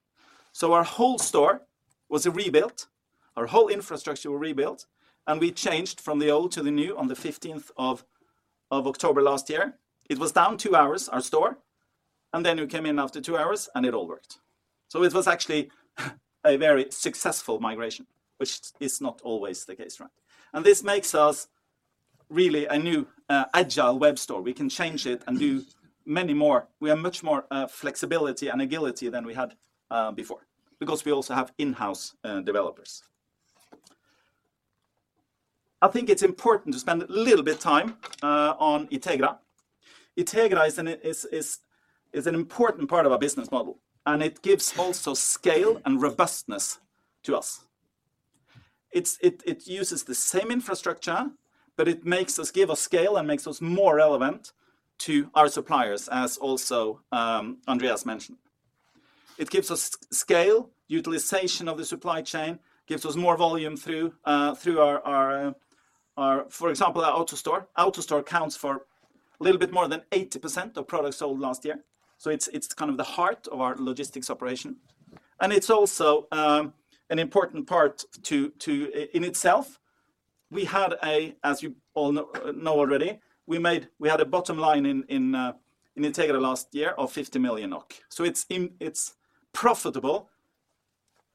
H: So our whole store was rebuilt. Our whole infrastructure was rebuilt, and we changed from the old to the new on the 15th of October last year. It was down two hours, our store. And then you came in after two hours, and it all worked. So it was actually a very successful migration, which is not always the case, right? And this makes us really a new agile web store. We can change it and do many more. We have much more flexibility and agility than we had before because we also have in-house developers. I think it's important to spend a little bit of time on Itegra. Itegra is an important part of our business model, and it gives also scale and robustness to us. It uses the same infrastructure, but it makes us... Gives us scale and makes us more relevant to our suppliers, as also Andreas mentioned. It gives us scale, utilization of the supply chain, gives us more volume through our... For example, our AutoStore. AutoStore counts for a little bit more than 80% of products sold last year. So it's kind of the heart of our logistics operation. And it's also an important part to... In itself, we had a... As you all know already, we made... We had a bottom line in Itegra last year of 50 million NOK. So it's profitable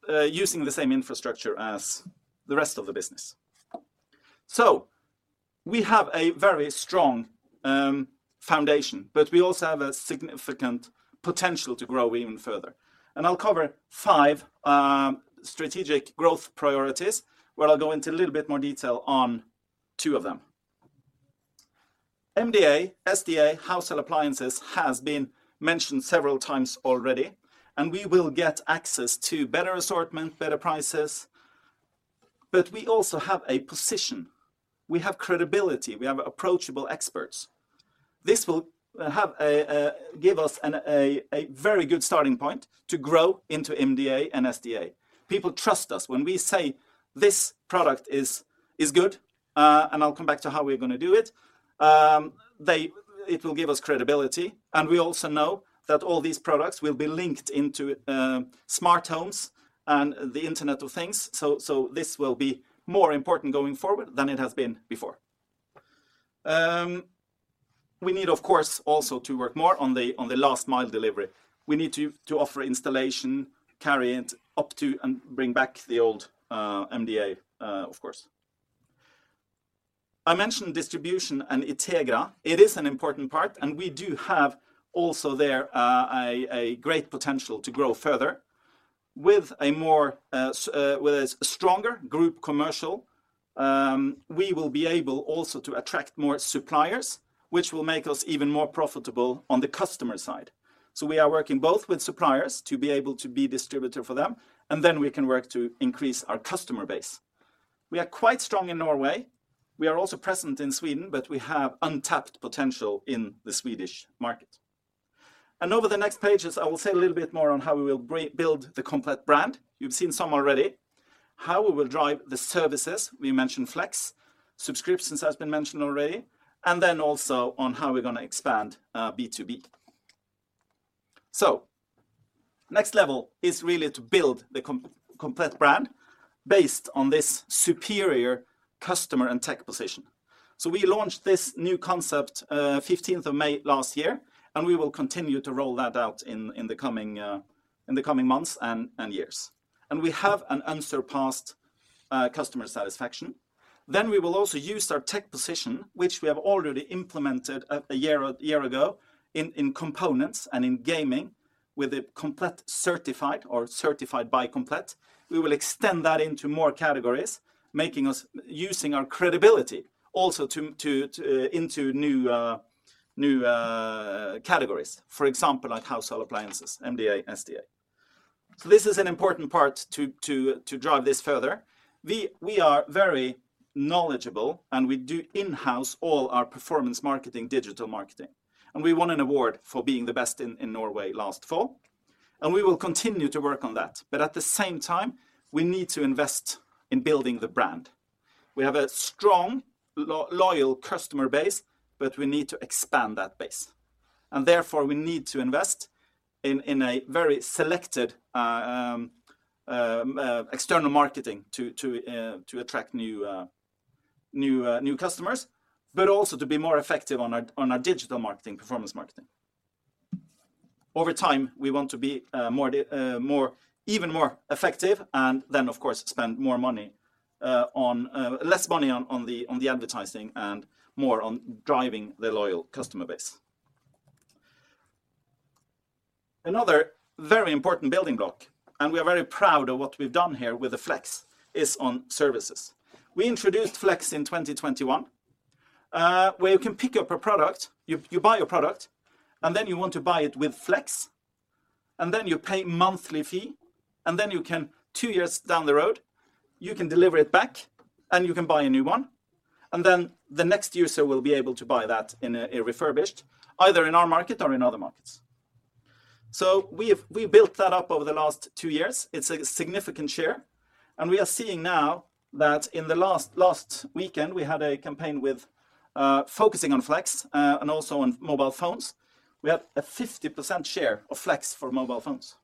H: using the same infrastructure as the rest of the business. So we have a very strong foundation, but we also have a significant potential to grow even further. I'll cover five strategic growth priorities where I'll go into a little bit more detail on two of them. MDA, SDA, household appliances has been mentioned several times already, and we will get access to better assortment, better prices. But we also have a position. We have credibility. We have approachable experts. This will have a... Give us a very good starting point to grow into MDA and SDA. People trust us when we say this product is good, and I'll come back to how we're going to do it. It will give us credibility, and we also know that all these products will be linked into smart homes and the Internet of Things. So this will be more important going forward than it has been before. We need, of course, also to work more on the last-mile delivery. We need to offer installation, carry it up to and bring back the old MDA, of course. I mentioned distribution and Itegra. It is an important part, and we do have also there a great potential to grow further. With a stronger group commercial, we will be able also to attract more suppliers, which will make us even more profitable on the customer side. So we are working both with suppliers to be able to be distributor for them, and then we can work to increase our customer base. We are quite strong in Norway. We are also present in Sweden, but we have untapped potential in the Swedish market. Over the next pages, I will say a little bit more on how we will build the Komplett brand. You've seen some already. How we will drive the services. We mentioned Flex. Subscriptions have been mentioned already. Then also on how we're going to expand B2B. Next level is really to build the Komplett brand based on this superior customer and tech position. We launched this new concept 15th of May last year, and we will continue to roll that out in the coming... In the coming months and years. We have an unsurpassed customer satisfaction. We will also use our tech position, which we have already implemented a year ago in components and in gaming with the Komplett certified or certified by Komplett. We will extend that into more categories, making us... Using our credibility also to... to into new... New categories, for example, like household appliances, MDA, SDA. So this is an important part to drive this further. We are very knowledgeable, and we do in-house all our performance marketing, digital marketing. We won an award for being the best in Norway last fall. We will continue to work on that. But at the same time, we need to invest in building the brand. We have a strong, loyal customer base, but we need to expand that base. Therefore, we need to invest in a very selected external marketing to attract new... new customers, but also to be more effective on our digital marketing, performance marketing. Over time, we want to be more... more... even more effective and then, of course, spend more money on... less money on the advertising and more on driving the loyal customer base. Another very important building block, and we are very proud of what we've done here with the Flex, is on services. We introduced Flex in 2021, where you can pick up a product, you buy a product, and then you want to buy it with Flex. And then you pay a monthly fee, and then you can... two years down the road, you can deliver it back, and you can buy a new one. And then the next user will be able to buy that in a refurbished, either in our market or in other markets. So we've built that up over the last two years. It's a significant share. And we are seeing now that in the last weekend, we had a campaign with focusing on Flex and also on mobile phones. We had a 50% share of Flex for mobile phones.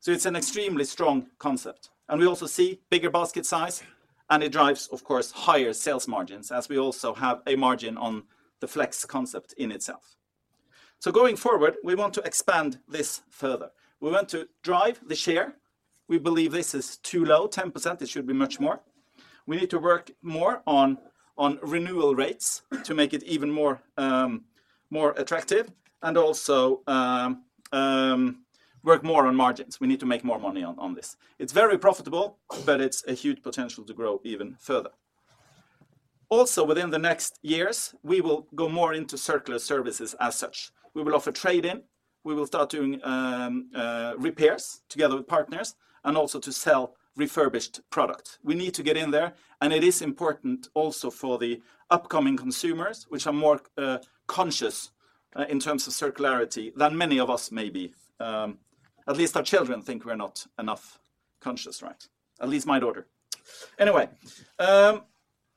H: So it's an extremely strong concept. We also see bigger basket size, and it drives, of course, higher sales margins, as we also have a margin on the Flex concept in itself. So going forward, we want to expand this further. We want to drive the share. We believe this is too low, 10%. It should be much more. We need to work more on renewal rates to make it even more... more attractive and also... work more on margins. We need to make more money on this. It's very profitable, but it's a huge potential to grow even further. Also, within the next years, we will go more into circular services as such. We will offer trade-in. We will start doing repairs together with partners and also to sell refurbished products. We need to get in there, and it is important also for the upcoming consumers, which are more conscious in terms of circularity than many of us maybe. At least our children think we're not enough conscious, right? At least my daughter. Anyway...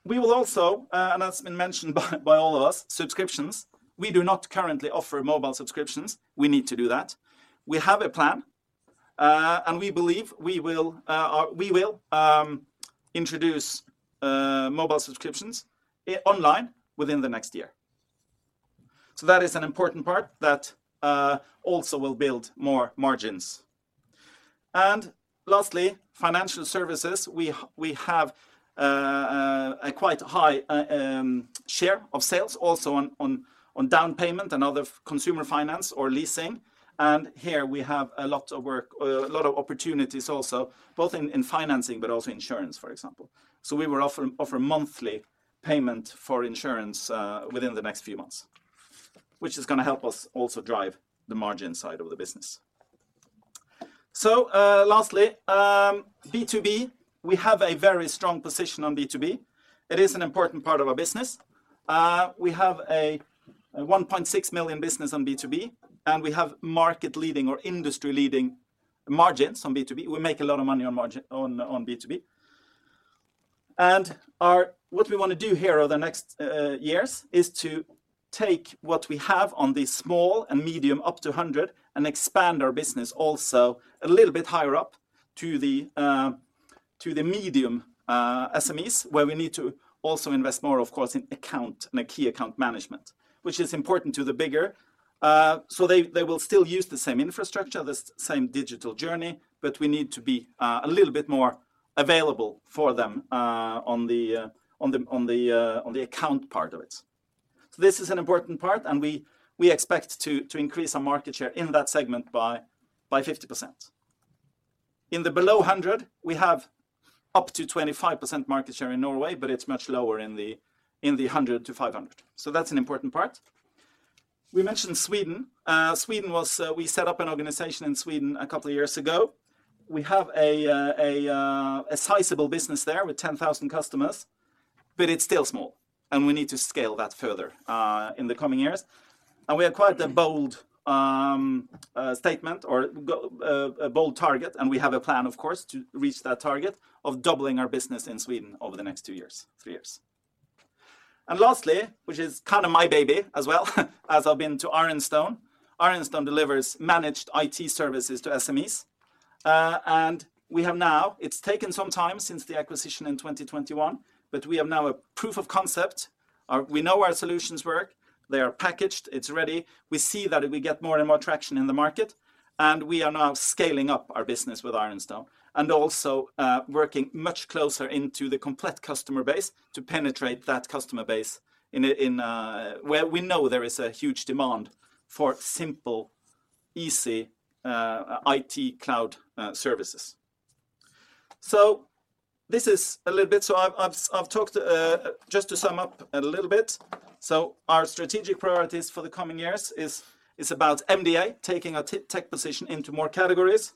H: We will also, and that's been mentioned by all of us, subscriptions. We do not currently offer mobile subscriptions. We need to do that. We have a plan. And we believe we will introduce mobile subscriptions online within the next year. So that is an important part that also will build more margins. And lastly, financial services, we have a quite high share of sales also on downpayment and other consumer finance or leasing. And here, we have a lot of work, a lot of opportunities also, both in financing, but also insurance, for example. So we will offer a monthly payment for insurance within the next few months, which is going to help us also drive the margin side of the business. So lastly, B2B, we have a very strong position on B2B. It is an important part of our business. We have a 1.6 million business on B2B, and we have market-leading or industry-leading margins on B2B. We make a lot of money on margin on B2B. And our... What we want to do here over the next years is to take what we have on the small and medium up to 100 and expand our business also a little bit higher up to the... to the medium SMEs, where we need to also invest more, of course, in account and key account management, which is important to the bigger. So they will still use the same infrastructure, the same digital journey, but we need to be a little bit more available for them on the account part of it. So this is an important part, and we expect to increase our market share in that segment by 50%. In the below 100, we have up to 25% market share in Norway, but it's much lower in the 100 to 500. So that's an important part. We mentioned Sweden. Sweden was... We set up an organization in Sweden a couple of years ago. We have a sizable business there with 10,000 customers, but it's still small, and we need to scale that further in the coming years. And we acquired a bold... Statement or a bold target, and we have a plan, of course, to reach that target of doubling our business in Sweden over the next two years, three years. And lastly, which is kind of my baby as well, as I've been to Ironstone. Ironstone delivers managed IT services to SMEs. And we have now... It's taken some time since the acquisition in 2021, but we have now a proof of concept. We know our solutions work. They are packaged. It's ready. We see that we get more and more traction in the market, and we are now scaling up our business with Ironstone and also working much closer into the Komplett customer base to penetrate that customer base in... in where we know there is a huge demand for simple... easy IT cloud services. So this is a little bit... So I've talked... Just to sum up a little bit. So our strategic priorities for the coming years is... Is about MDA taking our tech position into more categories.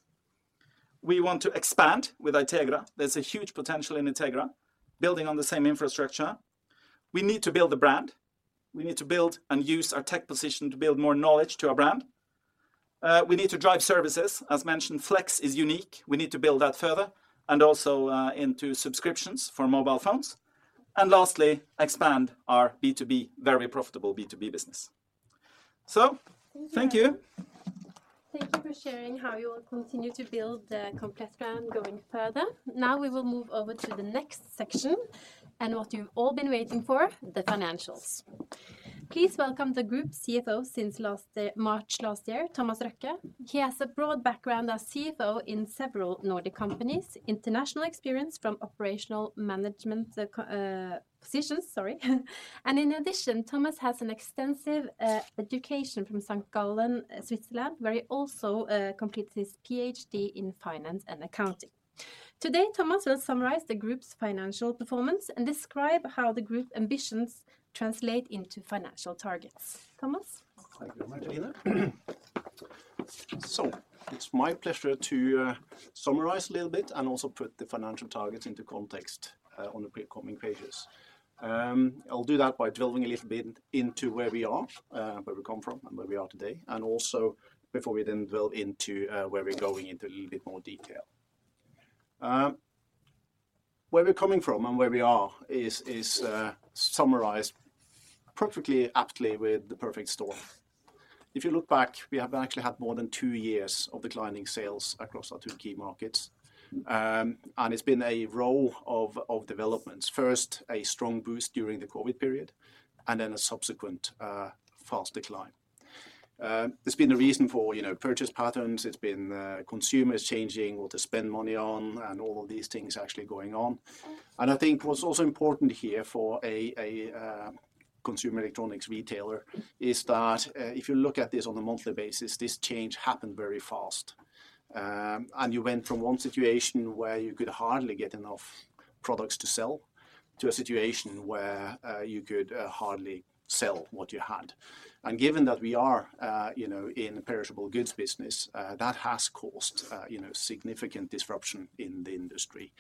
H: We want to expand with Itegra. There's a huge potential in Itegra, building on the same infrastructure. We need to build the brand. We need to build and use our tech position to build more knowledge to our brand. We need to drive services. As mentioned, Flex is unique. We need to build that further and also into subscriptions for mobile phones. And lastly, expand our B2B, very profitable B2B business. So thank you.
A: Thank you for sharing how you will continue to build the Komplett brand going further. Now we will move over to the next section and what you've all been waiting for, the financials. Please welcome the Group CFO since last March last year, Thomas Røkke. He has a broad background as CFO in several Nordic companies, international experience from operational management positions, sorry. In addition, Thomas has an extensive education from St. Gallen, Switzerland, where he also completed his PhD in finance and accounting. Today, Thomas will summarize the group's financial performance and describe how the group ambitions translate into financial targets. Thomas?
I: Thank you very much, Eline. So it's my pleasure to summarize a little bit and also put the financial targets into context on the upcoming pages. I'll do that by delving a little bit into where we are, where we come from and where we are today, and also before we then delve into where we're going into a little bit more detail. Where we're coming from and where we are is summarized perfectly, aptly with the perfect story. If you look back, we have actually had more than two years of declining sales across our two key markets. It's been a row of developments. First, a strong boost during the COVID period. Then a subsequent fast decline. There's been a reason for, you know, purchase patterns. It's been consumers changing what to spend money on and all of these things actually going on. I think what's also important here for a consumer electronics retailer is that if you look at this on a monthly basis, this change happened very fast. You went from one situation where you could hardly get enough products to sell to a situation where you could hardly sell what you had. Given that we are, you know, in a perishable goods business, that has caused, you know, significant disruption in the industry.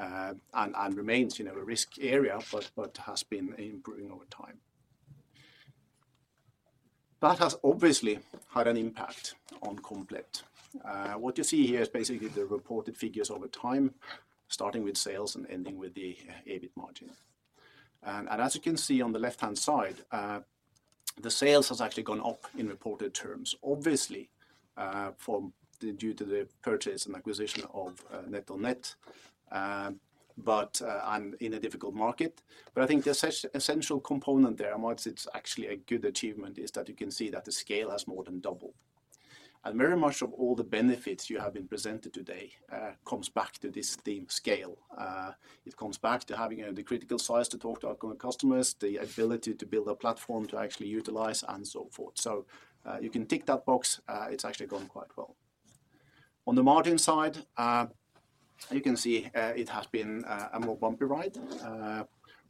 I: It remains, you know, a risk area, but has been improving over time. That has obviously had an impact on Komplett. What you see here is basically the reported figures over time, starting with sales and ending with the EBIT margin. And as you can see on the left-hand side, the sales have actually gone up in reported terms, obviously due to the purchase and acquisition of NetOnNet. But in a difficult market. But I think the essential component there, amidst it, it's actually a good achievement, is that you can see that the scale has more than doubled. And very much of all the benefits you have been presented today comes back to this theme scale. It comes back to having the critical size to talk to our customers, the ability to build a platform to actually utilize and so forth. So you can tick that box. It's actually gone quite well. On the margin side, you can see it has been a more bumpy ride.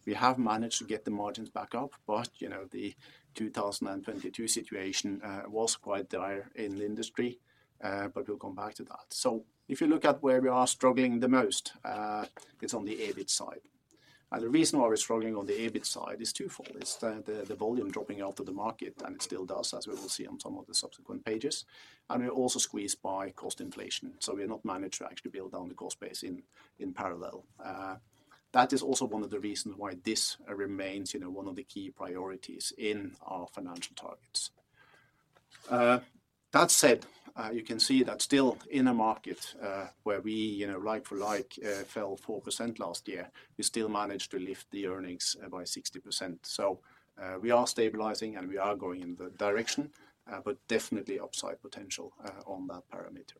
I: We have managed to get the margins back up, but you know, the 2022 situation was quite dire in the industry. But we'll come back to that. So if you look at where we are struggling the most, it's on the EBIT side. And the reason why we're struggling on the EBIT side is twofold. It's the volume dropping out of the market, and it still does, as we will see on some of the subsequent pages. And we're also squeezed by cost inflation. So we have not managed to actually build down the cost base in parallel. That is also one of the reasons why this remains, you know, one of the key priorities in our financial targets. That said, you can see that still in a market where we, you know, like for like fell 4% last year, we still managed to lift the earnings by 60%. So we are stabilizing and we are going in the direction, but definitely upside potential on that parameter.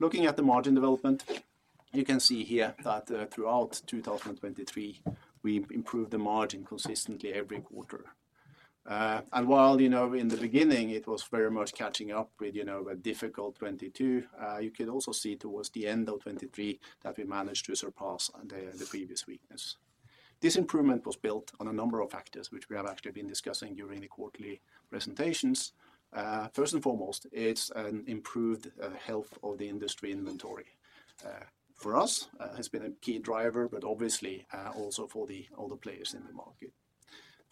I: Looking at the margin development, you can see here that throughout 2023, we improved the margin consistently every quarter. And while, you know, in the beginning, it was very much catching up with, you know, a difficult 2022, you could also see towards the end of 2023 that we managed to surpass the previous weakness. This improvement was built on a number of factors, which we have actually been discussing during the quarterly presentations. First and foremost, it's an improved health of the industry inventory. For us, it has been a key driver, but obviously also for the other players in the market.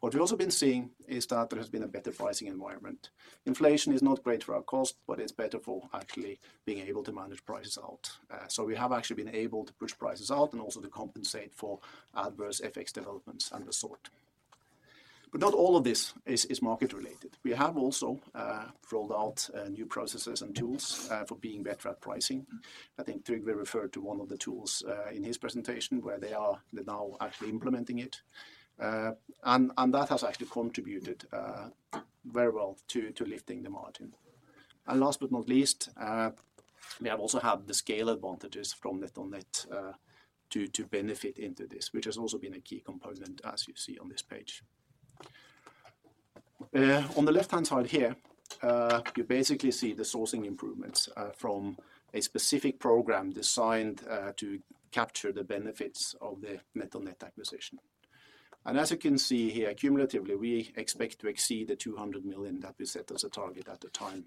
I: What we've also been seeing is that there has been a better pricing environment. Inflation is not great for our cost, but it's better for actually being able to manage prices out. So we have actually been able to push prices out and also to compensate for adverse FX developments and the sort. But not all of this is market-related. We have also rolled out new processes and tools for being better at pricing. I think Trygve referred to one of the tools in his presentation where they are now actually implementing it. And that has actually contributed very well to lifting the margin. Last but not least, we have also had the scale advantages from NetOnNet to benefit into this, which has also been a key component, as you see on this page. On the left-hand side here, you basically see the sourcing improvements from a specific program designed to capture the benefits of the NetOnNet acquisition. As you can see here, cumulatively, we expect to exceed the 200 million that we set as a target at the time.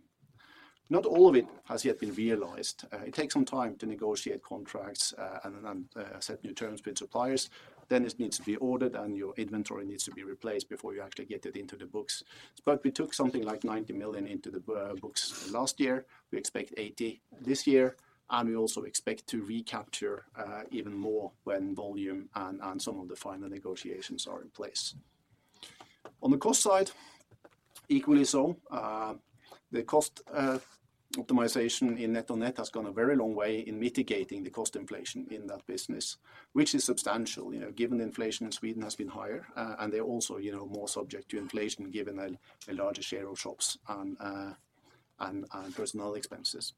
I: Not all of it has yet been realized. It takes some time to negotiate contracts and set new terms with suppliers. Then it needs to be ordered and your inventory needs to be replaced before you actually get it into the books. But we took something like 90 million into the books last year. We expect 80 million this year. And we also expect to recapture even more when volume and some of the final negotiations are in place. On the cost side, equally so, the cost optimization in NetOnNet has gone a very long way in mitigating the cost inflation in that business, which is substantial, you know, given the inflation in Sweden has been higher and they're also, you know, more subject to inflation given a larger share of shops and personal expenses.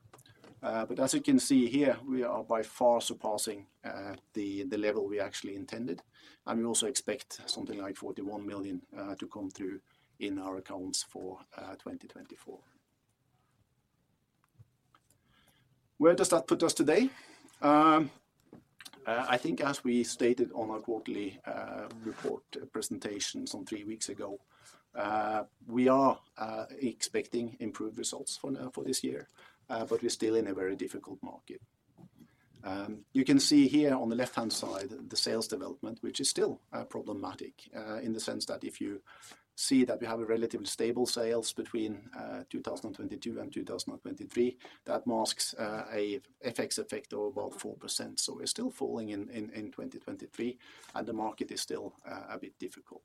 I: But as you can see here, we are by far surpassing the level we actually intended. And we also expect something like 41 million to come through in our accounts for 2024. Where does that put us today? I think as we stated on our quarterly report presentations some three weeks ago, we are expecting improved results for this year, but we're still in a very difficult market. You can see here on the left-hand side, the sales development, which is still problematic in the sense that if you see that we have a relatively stable sales between 2022 and 2023, that masks a FX effect of about 4%. So we're still falling in 2023 and the market is still a bit difficult.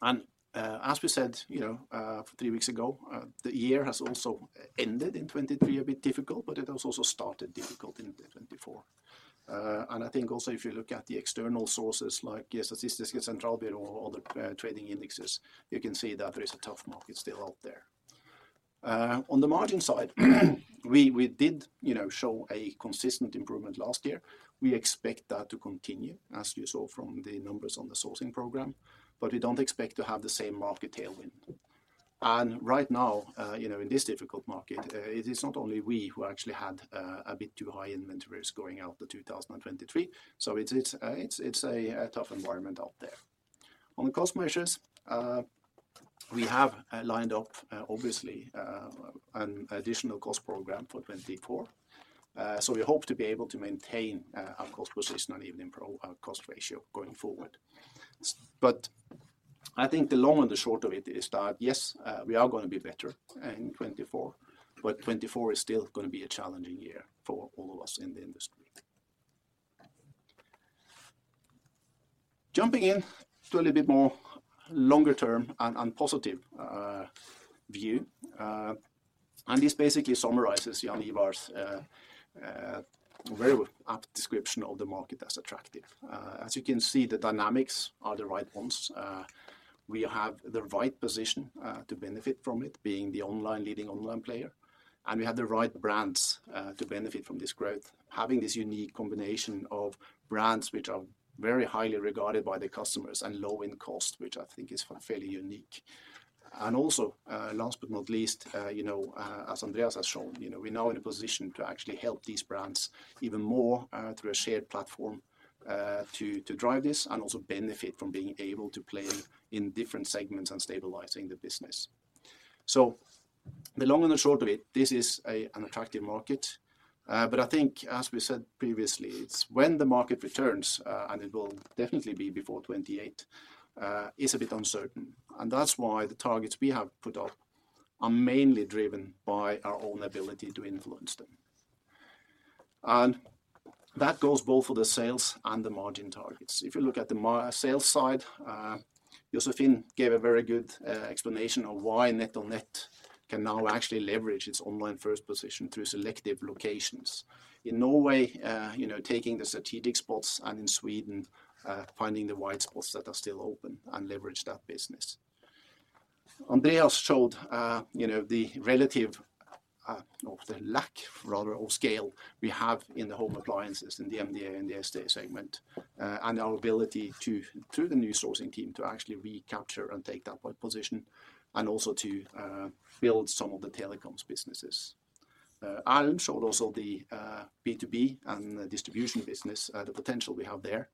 I: And as we said, you know, for three weeks ago, the year has also ended in 2023 a bit difficult, but it has also started difficult in 2024. And I think also if you look at the external sources like Statistics and Central Bureau or other trading indexes, you can see that there is a tough market still out there. On the margin side, we did, you know, show a consistent improvement last year. We expect that to continue, as you saw from the numbers on the sourcing program, but we don't expect to have the same market tailwind. And right now, you know, in this difficult market, it is not only we who actually had a bit too high inventories going out to 2023. So it's a tough environment out there. On the cost measures, we have lined up obviously an additional cost program for 2024. So we hope to be able to maintain our cost position and even improve our cost ratio going forward. But I think the long and the short of it is that yes, we are going to be better in 2024, but 2024 is still going to be a challenging year for all of us in the industry. Jumping into a little bit more longer term and positive view. This basically summarizes Jaan Ivar's very apt description of the market as attractive. As you can see, the dynamics are the right ones. We have the right position to benefit from it, being the leading online player. We have the right brands to benefit from this growth, having this unique combination of brands which are very highly regarded by the customers and low cost, which I think is fairly unique. Also, last but not least, you know, as Andreas has shown, you know, we're now in a position to actually help these brands even more through a shared platform to drive this and also benefit from being able to play in different segments and stabilizing the business. The long and the short of it, this is an attractive market. I think, as we said previously, it's when the market returns, and it will definitely be before 2028, is a bit uncertain. That's why the targets we have put up are mainly driven by our own ability to influence them. That goes both for the sales and the margin targets. If you look at the sales side, Josefin gave a very good explanation of why NetOnNet can now actually leverage its online first position through selective locations. In Norway, you know, taking the strategic spots and in Sweden, finding the white spots that are still open and leverage that business. Andreas showed, you know, the relative or the lack, rather, of scale we have in the home appliances in the MDA and the SDA segment, and our ability to, through the new sourcing team, to actually recapture and take that position and also to build some of the telecoms businesses. Erlend showed also the B2B and the distribution business, the potential we have there,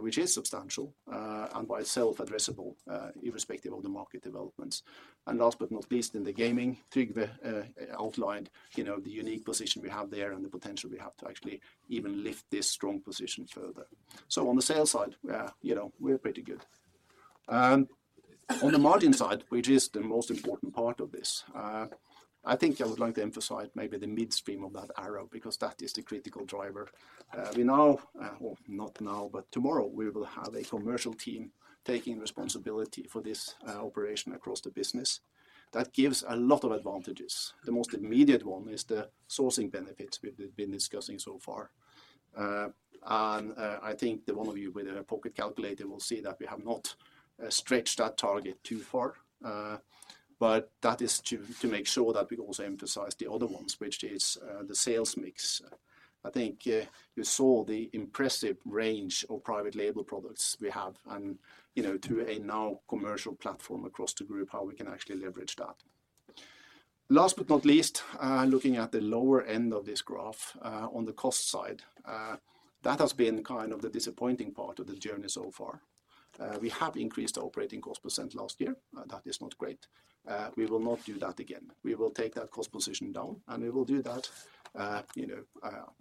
I: which is substantial and by itself addressable irrespective of the market developments. And last but not least, in the gaming, Trygve outlined, you know, the unique position we have there and the potential we have to actually even lift this strong position further. So on the sales side, you know, we're pretty good. And on the margin side, which is the most important part of this, I think I would like to emphasize maybe the midstream of that arrow because that is the critical driver. We now, or not now, but tomorrow, we will have a commercial team taking responsibility for this operation across the business. That gives a lot of advantages. The most immediate one is the sourcing benefits we've been discussing so far. I think the one of you with a pocket calculator will see that we have not stretched that target too far. But that is to make sure that we also emphasize the other ones, which is the sales mix. I think you saw the impressive range of private label products we have and, you know, through a now commercial platform across the group, how we can actually leverage that. Last but not least, looking at the lower end of this graph, on the cost side, that has been kind of the disappointing part of the journey so far. We have increased the operating cost % last year. That is not great. We will not do that again. We will take that cost position down and we will do that, you know,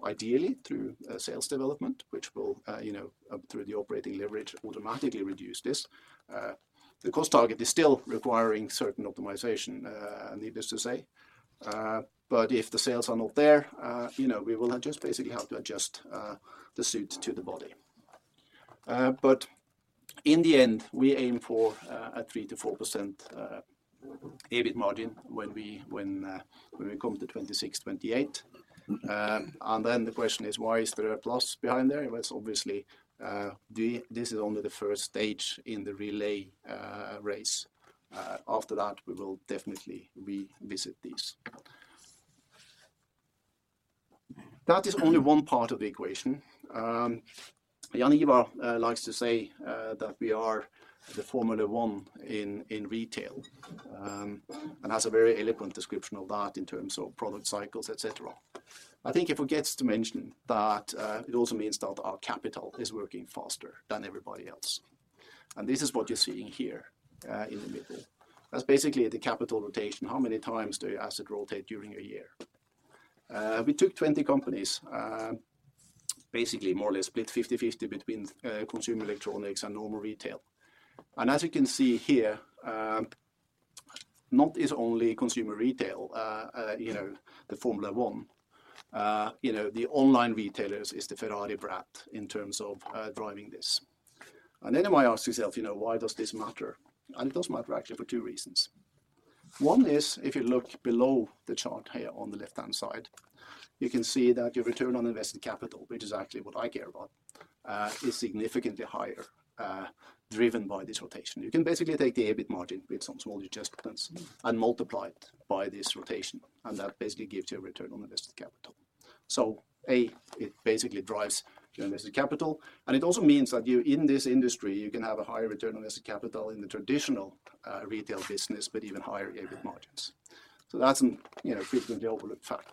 I: ideally through sales development, which will, you know, through the operating leverage, automatically reduce this. The cost target is still requiring certain optimization, needless to say. But if the sales are not there, you know, we will just basically have to adjust the suit to the body. But in the end, we aim for a 3%-4% EBIT margin when we when when we come to 2026-2028. And then the question is, why is there a plus behind there? It was obviously, this is only the first stage in the relay race. After that, we will definitely revisit these. That is only one part of the equation. Jaan Ivar likes to say that we are the Formula One in retail and has a very eloquent description of that in terms of product cycles, etc. I think he forgets to mention that it also means that our capital is working faster than everybody else. And this is what you're seeing here in the middle. That's basically the capital rotation. How many times do your assets rotate during a year? We took 20 companies, basically more or less split 50-50 between consumer electronics and normal retail. And as you can see here, not only consumer retail, you know, the Formula One, you know, the online retailers is the Ferrari brat in terms of driving this. And then you might ask yourself, you know, why does this matter? And it does matter actually for two reasons. One is if you look below the chart here on the left-hand side, you can see that your return on invested capital, which is actually what I care about, is significantly higher driven by this rotation. You can basically take the EBIT margin with some small adjustments and multiply it by this rotation. And that basically gives you a return on invested capital. So A, it basically drives your invested capital. And it also means that you in this industry, you can have a higher return on invested capital in the traditional retail business, but even higher EBIT margins. So that's some, you know, frequently overlooked fact.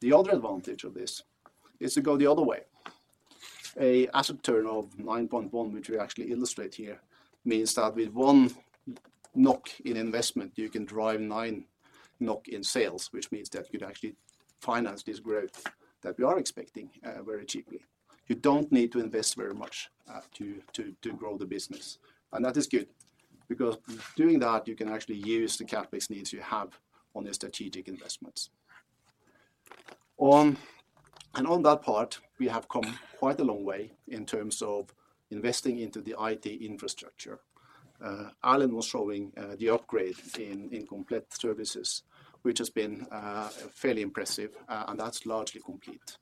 I: The other advantage of this is to go the other way. An asset turnover of 9.1, which we actually illustrate here, means that with one NOK in investment, you can drive nine NOK in sales, which means that you could actually finance this growth that we are expecting very cheaply. You don't need to invest very much to grow the business. And that is good because doing that, you can actually use the capex needs you have on your strategic investments. And on that part, we have come quite a long way in terms of investing into the IT infrastructure. Erlend was showing the upgrade in Komplett Services, which has been fairly impressive, and that's largely complete.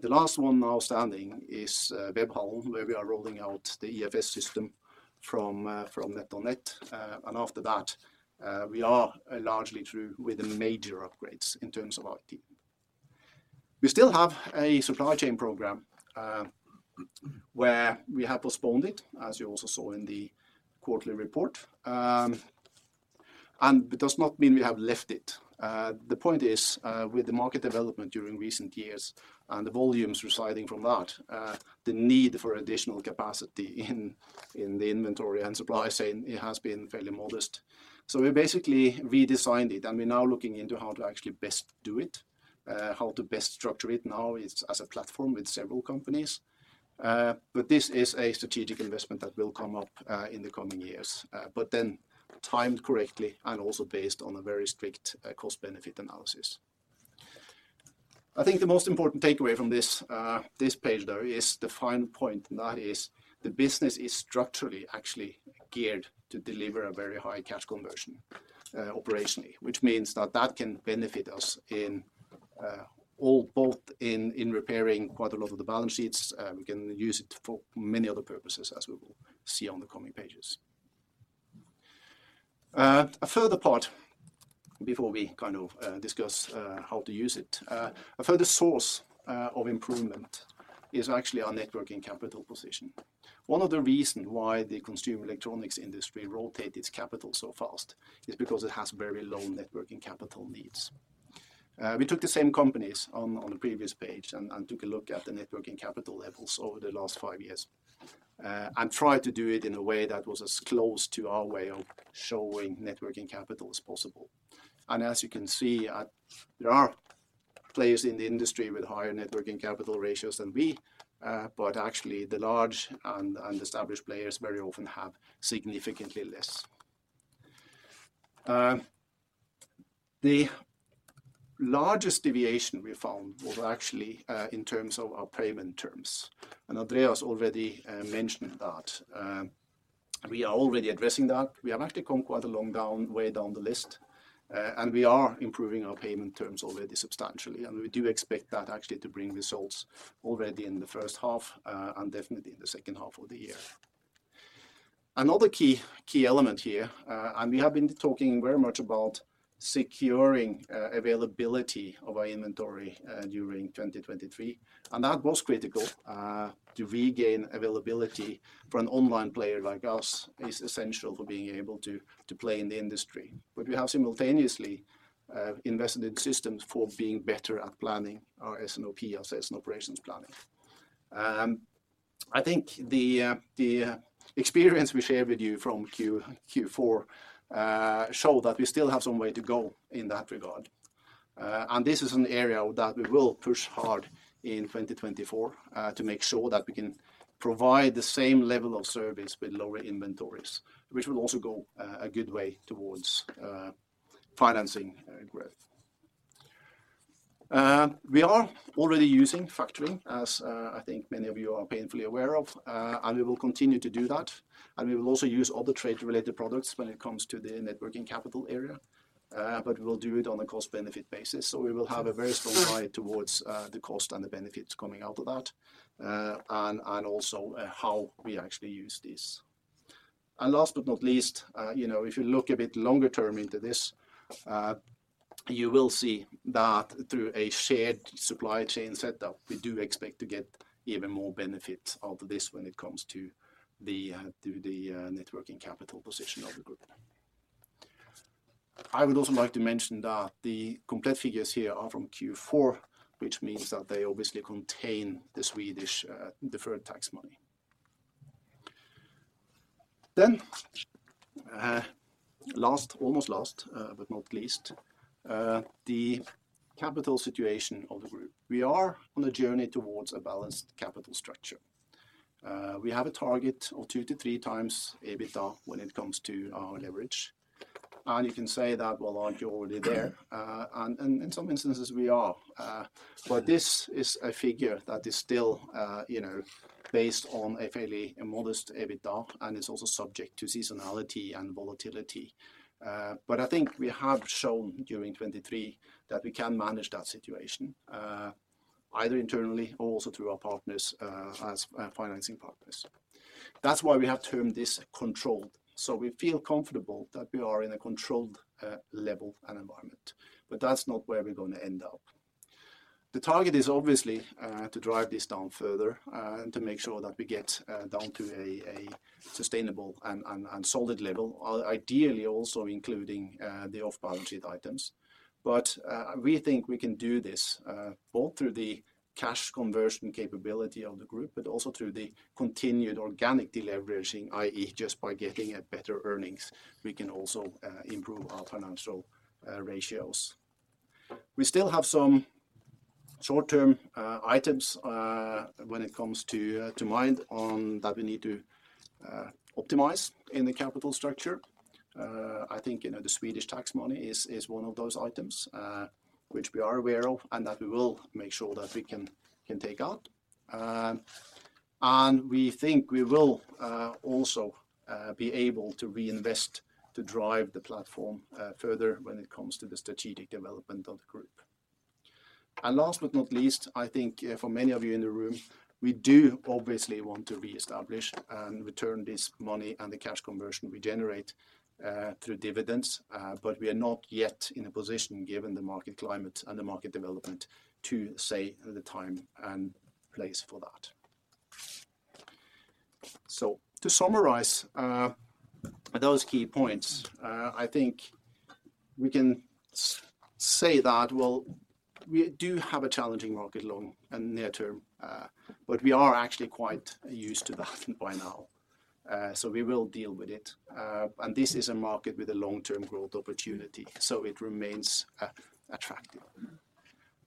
I: The last one now standing is Webhallen, where we are rolling out the ERP system from NetOnNet. And after that, we are largely through with the major upgrades in terms of IT. We still have a supply chain program where we have postponed it, as you also saw in the quarterly report. It does not mean we have left it. The point is, with the market development during recent years and the volumes residing from that, the need for additional capacity in the inventory and supply chain has been fairly modest. We basically redesigned it and we're now looking into how to actually best do it, how to best structure it. Now it's as a platform with several companies. This is a strategic investment that will come up in the coming years, but then timed correctly and also based on a very strict cost-benefit analysis. I think the most important takeaway from this page, though, is the final point. That is, the business is structurally actually geared to deliver a very high cash conversion operationally, which means that that can benefit us in all both in repairing quite a lot of the balance sheets. We can use it for many other purposes, as we will see on the coming pages. A further part before we kind of discuss how to use it, a further source of improvement is actually our working capital position. One of the reasons why the consumer electronics industry rotated its capital so fast is because it has very low working capital needs. We took the same companies on the previous page and took a look at the working capital levels over the last five years and tried to do it in a way that was as close to our way of showing working capital as possible. As you can see, there are players in the industry with higher net working capital ratios than we, but actually the large and established players very often have significantly less. The largest deviation we found was actually in terms of our payment terms. Andreas already mentioned that. We are already addressing that. We have actually come quite a long way down the list and we are improving our payment terms already substantially. We do expect that actually to bring results already in the first half and definitely in the second half of the year. Another key key element here, and we have been talking very much about securing availability of our inventory during 2023. That was critical. To regain availability for an online player like us is essential for being able to play in the industry. But we have simultaneously invested in systems for being better at planning our S&OP, our sales and operations planning. I think the experience we shared with you from Q4 showed that we still have some way to go in that regard. And this is an area that we will push hard in 2024 to make sure that we can provide the same level of service with lower inventories, which will also go a good way towards financing growth. We are already using factoring, as I think many of you are painfully aware of, and we will continue to do that. And we will also use other trade-related products when it comes to the working capital area, but we will do it on a cost-benefit basis. So we will have a very strong guide towards the cost and the benefits coming out of that and also how we actually use these. And last but not least, you know, if you look a bit longer term into this, you will see that through a shared supply chain setup, we do expect to get even more benefits out of this when it comes to the net working capital position of the group. I would also like to mention that the Komplett figures here are from Q4, which means that they obviously contain the Swedish deferred tax money. Then, last, almost last, but not least, the capital structure of the group. We are on a journey towards a balanced capital structure. We have a target of 2-3x EBITDA when it comes to our leverage. And you can say that, well, aren't you already there? In some instances, we are. But this is a figure that is still, you know, based on a fairly modest EBITDA and is also subject to seasonality and volatility. But I think we have shown during 2023 that we can manage that situation either internally or also through our partners as financing partners. That's why we have termed this controlled. So we feel comfortable that we are in a controlled level and environment. But that's not where we're going to end up. The target is obviously to drive this down further and to make sure that we get down to a sustainable and solid level, ideally also including the off-balance sheet items. But we think we can do this both through the cash conversion capability of the group, but also through the continued organic deleveraging, i.e., just by getting better earnings, we can also improve our financial ratios. We still have some short-term items when it comes to mind on that we need to optimize in the capital structure. I think, you know, the Swedish tax money is one of those items which we are aware of and that we will make sure that we can take out. We think we will also be able to reinvest to drive the platform further when it comes to the strategic development of the group. Last but not least, I think for many of you in the room, we do obviously want to reestablish and return this money and the cash conversion we generate through dividends. But we are not yet in a position, given the market climate and the market development, to say the time and place for that. So to summarize those key points, I think we can say that, well, we do have a challenging market long and near term, but we are actually quite used to that by now. So we will deal with it. And this is a market with a long-term growth opportunity, so it remains attractive.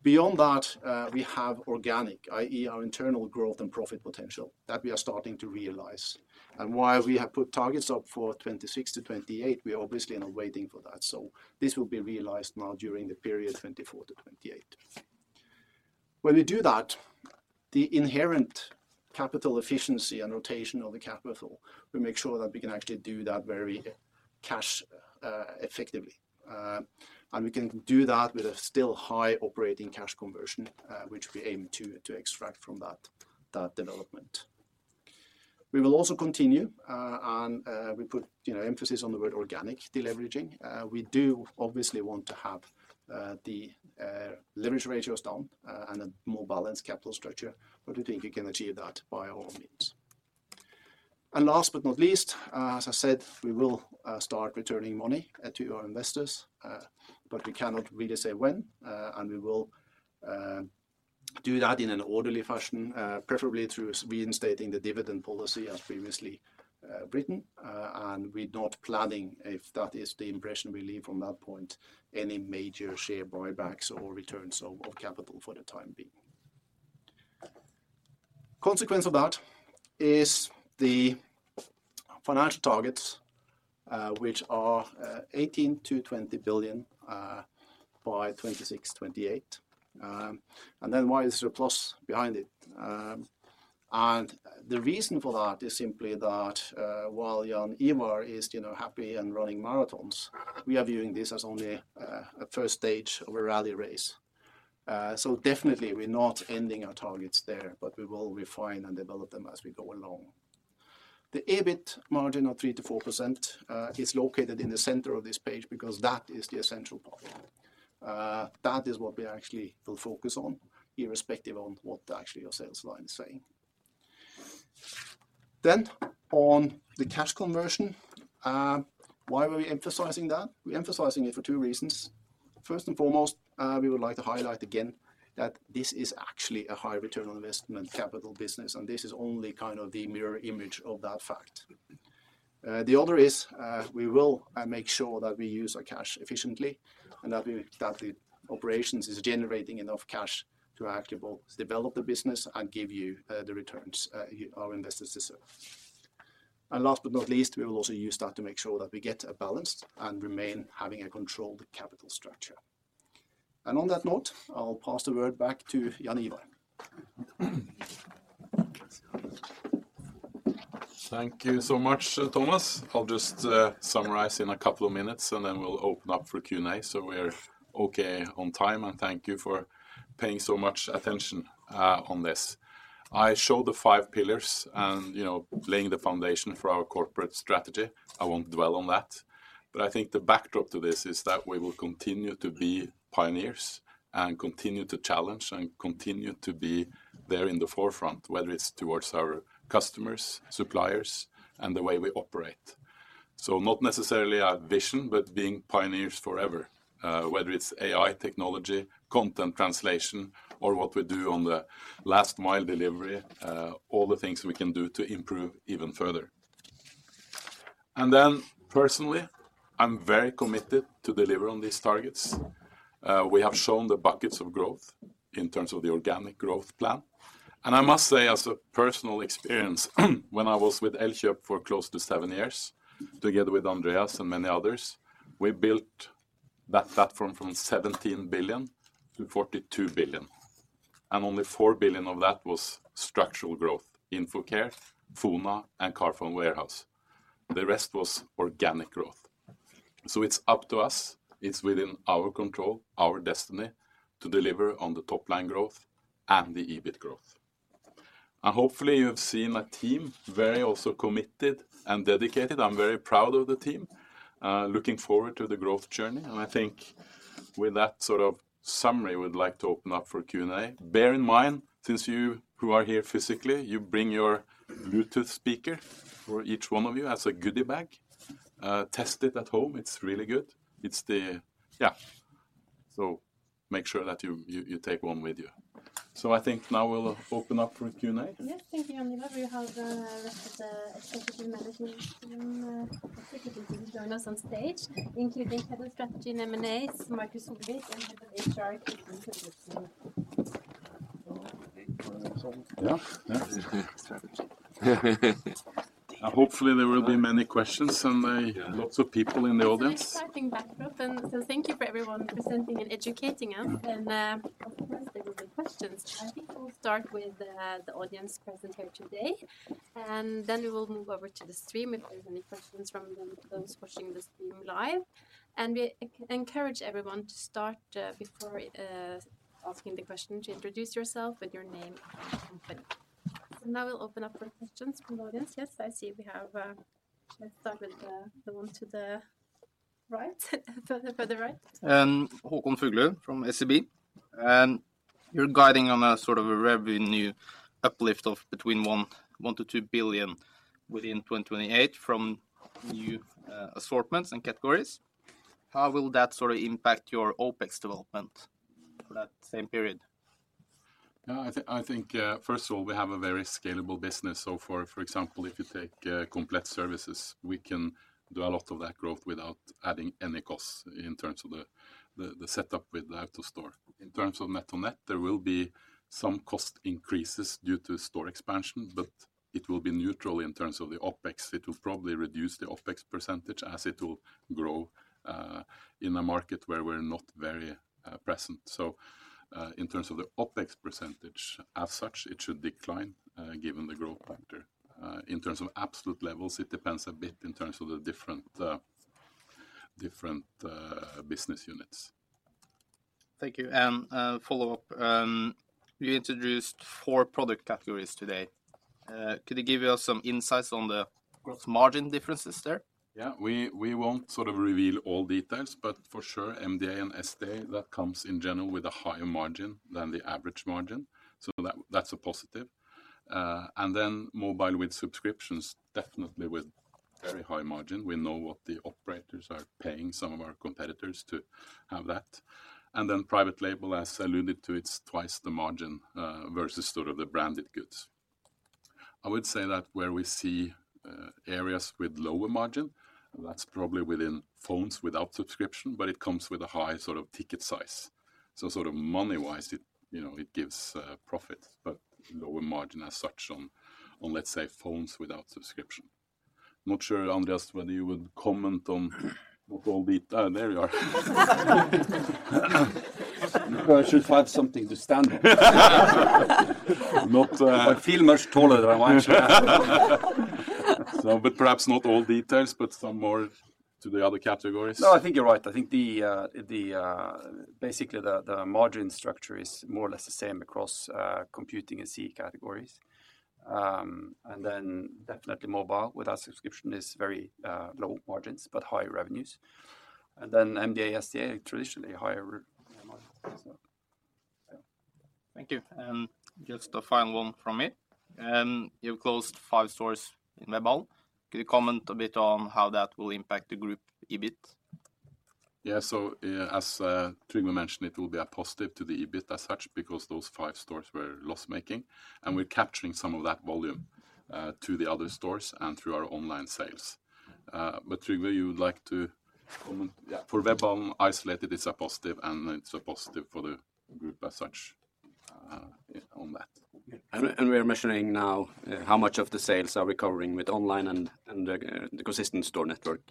I: Beyond that, we have organic, i.e., our internal growth and profit potential that we are starting to realize. And while we have put targets up for 2026 to 2028, we're obviously not waiting for that. So this will be realized now during the period 2024 to 2028. When we do that, the inherent capital efficiency and rotation of the capital, we make sure that we can actually do that very cash effectively. And we can do that with a still high operating cash conversion, which we aim to extract from that development. We will also continue, and we put emphasis on the word organic deleveraging. We do obviously want to have the leverage ratios down and a more balanced capital structure, but we think you can achieve that by all means. And last but not least, as I said, we will start returning money to our investors, but we cannot really say when. And we will do that in an orderly fashion, preferably through reinstating the dividend policy as previously written and with not planning, if that is the impression we leave from that point, any major share buybacks or returns of capital for the time being. Consequence of that is the financial targets, which are NOK 18-20 billion by 2026-2028. And then why is there a plus behind it? The reason for that is simply that while Jaan Ivar is happy and running marathons, we are viewing this as only a first stage of a rally race. Definitely, we're not ending our targets there, but we will refine and develop them as we go along. The EBIT margin of 3%-4% is located in the center of this page because that is the essential part. That is what we actually will focus on, irrespective of what actually your sales line is saying. Then on the cash conversion, why were we emphasizing that? We're emphasizing it for two reasons. First and foremost, we would like to highlight again that this is actually a high return on investment capital business, and this is only kind of the mirror image of that fact. The other is we will make sure that we use our cash efficiently and that the operations are generating enough cash to actually both develop the business and give you the returns our investors deserve. Last but not least, we will also use that to make sure that we get a balanced and remain having a controlled capital structure. On that note, I'll pass the word back to Jaan Ivar.
B: Thank you so much, Thomas. I'll just summarize in a couple of minutes, and then we'll open up for Q&A. We're okay on time, and thank you for paying so much attention on this. I showed the five pillars and laying the foundation for our corporate strategy. I won't dwell on that. I think the backdrop to this is that we will continue to be pioneers and continue to challenge and continue to be there in the forefront, whether it's towards our customers, suppliers, and the way we operate. Not necessarily a vision, but being pioneers forever, whether it's AI technology, content translation, or what we do on the last mile delivery, all the things we can do to improve even further. Then personally, I'm very committed to deliver on these targets. We have shown the buckets of growth in terms of the organic growth plan. I must say, as a personal experience, when I was with Elkjøp for close to seven years together with Andreas and many others, we built that platform from 17 billion to 42 billion. And only 4 billion of that was structural growth: Infocare, Fona, and Carphone Warehouse. The rest was organic growth. So it's up to us. It's within our control, our destiny, to deliver on the top-line growth and the EBIT growth. And hopefully, you have seen a team very also committed and dedicated. I'm very proud of the team, looking forward to the growth journey. And I think with that sort of summary, we'd like to open up for Q&A. Bear in mind, since you who are here physically, you bring your Bluetooth speaker for each one of you as a goodie bag. Test it at home. It's really good. It's the yeah. So make sure that you take one with you. So I think now we'll open up for Q&A.
A: Yes. Thank you, Jaan Ivar. We have the rest of the executive management team join us on stage, including Head of Strategy and M&A, Markus Solvik, and Head of HR, Kristin Hovland. Yeah. Yeah.
B: Hopefully, there will be many questions and lots of people in the audience.
A: Exciting backdrop. And so thank you for everyone presenting and educating us. And of course, there will be questions. I think we'll start with the audience present here today, and then we will move over to the stream if there's any questions from those watching the stream live. And we encourage everyone to start before asking the question to introduce yourself with your name and company. So now we'll open up for questions from the audience. Yes, I see we have. Should I start with the one to the right, further right?
J: Håkon Fuglu from SEB. You're guiding on a sort of a revenue uplift of between 1-2 billion within 2028 from new assortments and categories. How will that sort of impact your OPEX development for that same period?
B: Yeah. I think, first of all, we have a very scalable business. So for example, if you take Komplett Services, we can do a lot of that growth without adding any costs in terms of the setup with the AutoStore. In terms of NetOnNet, there will be some cost increases due to store expansion, but it will be neutral in terms of the OPEX. It will probably reduce the OPEX percentage as it will grow in a market where we're not very present. So in terms of the OPEX percentage as such, it should decline given the growth factor. In terms of absolute levels, it depends a bit in terms of the different business units.
J: Thank you. And follow-up, you introduced four product categories today. Could you give us some insights on the gross margin differences there? Yeah.
B: We won't sort of reveal all details, but for sure, MDA and SDA, that comes in general with a higher margin than the average margin. So that's a positive. And then mobile with subscriptions, definitely with very high margin. We know what the operators are paying some of our competitors to have that. And then private label, as alluded to, it's twice the margin versus sort of the branded goods. I would say that where we see areas with lower margin, that's probably within phones without subscription, but it comes with a high sort of ticket size. So sort of money-wise, it gives profits, but lower margin as such on, let's say, phones without subscription. Not sure, Andreas, whether you would comment on not all details. Oh, there you are.
D: I should have something to stand on. Not. I feel much taller than I'm actually.
B: But perhaps not all details, but some more to the other categories.
D: No, I think you're right. I think basically the margin structure is more or less the same across computing and SEE categories. And then definitely mobile without subscription is very low margins but high revenues. And then MDA/SDA, traditionally higher margins, so. Thank you.
J: And just a final one from me. You've closed five stores in Webhallen. Could you comment a bit on how that will impact the group EBIT?
B: Yeah. So as Trygve mentioned, it will be a positive to the EBIT as such because those five stores were loss-making. And we're capturing some of that volume to the other stores and through our online sales. But Trygve, you would like to comment. Yeah. For Webhallen isolated, it's a positive, and it's a positive for the group as such on that.
G: We are measuring now how much of the sales are recovering with online and the consistent store network.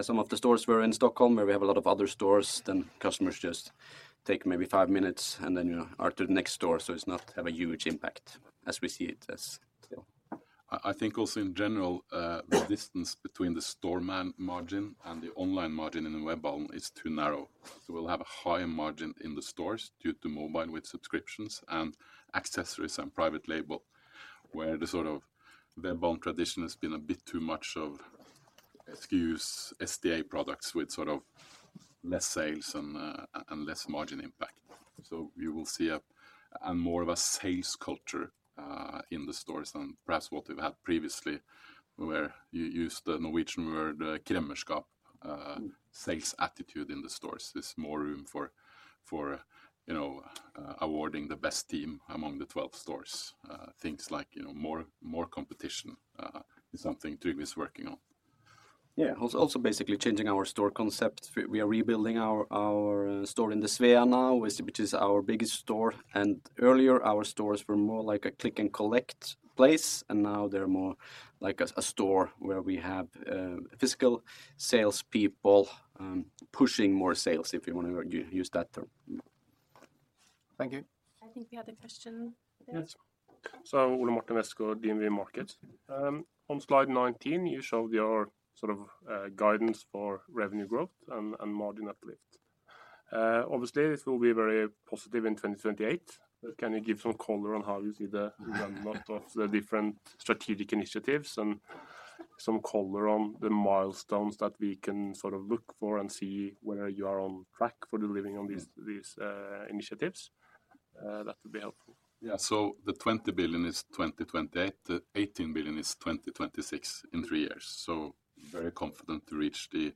G: Some of the stores were in Stockholm, where we have a lot of other stores. Then customers just take maybe five minutes and then are to the next store. So it's not have a huge impact as we see it as still.
B: I think also in general, the distance between the store margin and the online margin in mobile is too narrow. So we'll have a higher margin in the stores due to mobile with subscriptions and accessories and private label, where the sort of mobile tradition has been a bit too much of SKUs, SDA products with sort of less sales and less margin impact. So you will see a and more of a sales culture in the stores than perhaps what we've had previously, where you used the Norwegian word kremmerskap, sales attitude in the stores. There's more room for awarding the best team among the 12 stores. Things like more competition is something Trygve is working on.
G: Yeah. Also basically changing our store concept. We are rebuilding our store in the Sveavägen now, which is our biggest store. And earlier, our stores were more like a click-and-collect place, and now they're more like a store where we have physical salespeople pushing more sales, if you want to use that term. Thank you. I think we had a question there.
K: Yes. So Ole-Martin Westby, DNB Markets. On slide 19, you showed your sort of guidance for revenue growth and margin uplift. Obviously, it will be very positive in 2028. But can you give some color on how you see the run-out of the different strategic initiatives and some color on the milestones that we can sort of look for and see whether you are on track for delivering on these initiatives? That would be helpful.
B: Yeah. So the 20 billion is 2028. The 18 billion is 2026 in three years. So very confident to reach the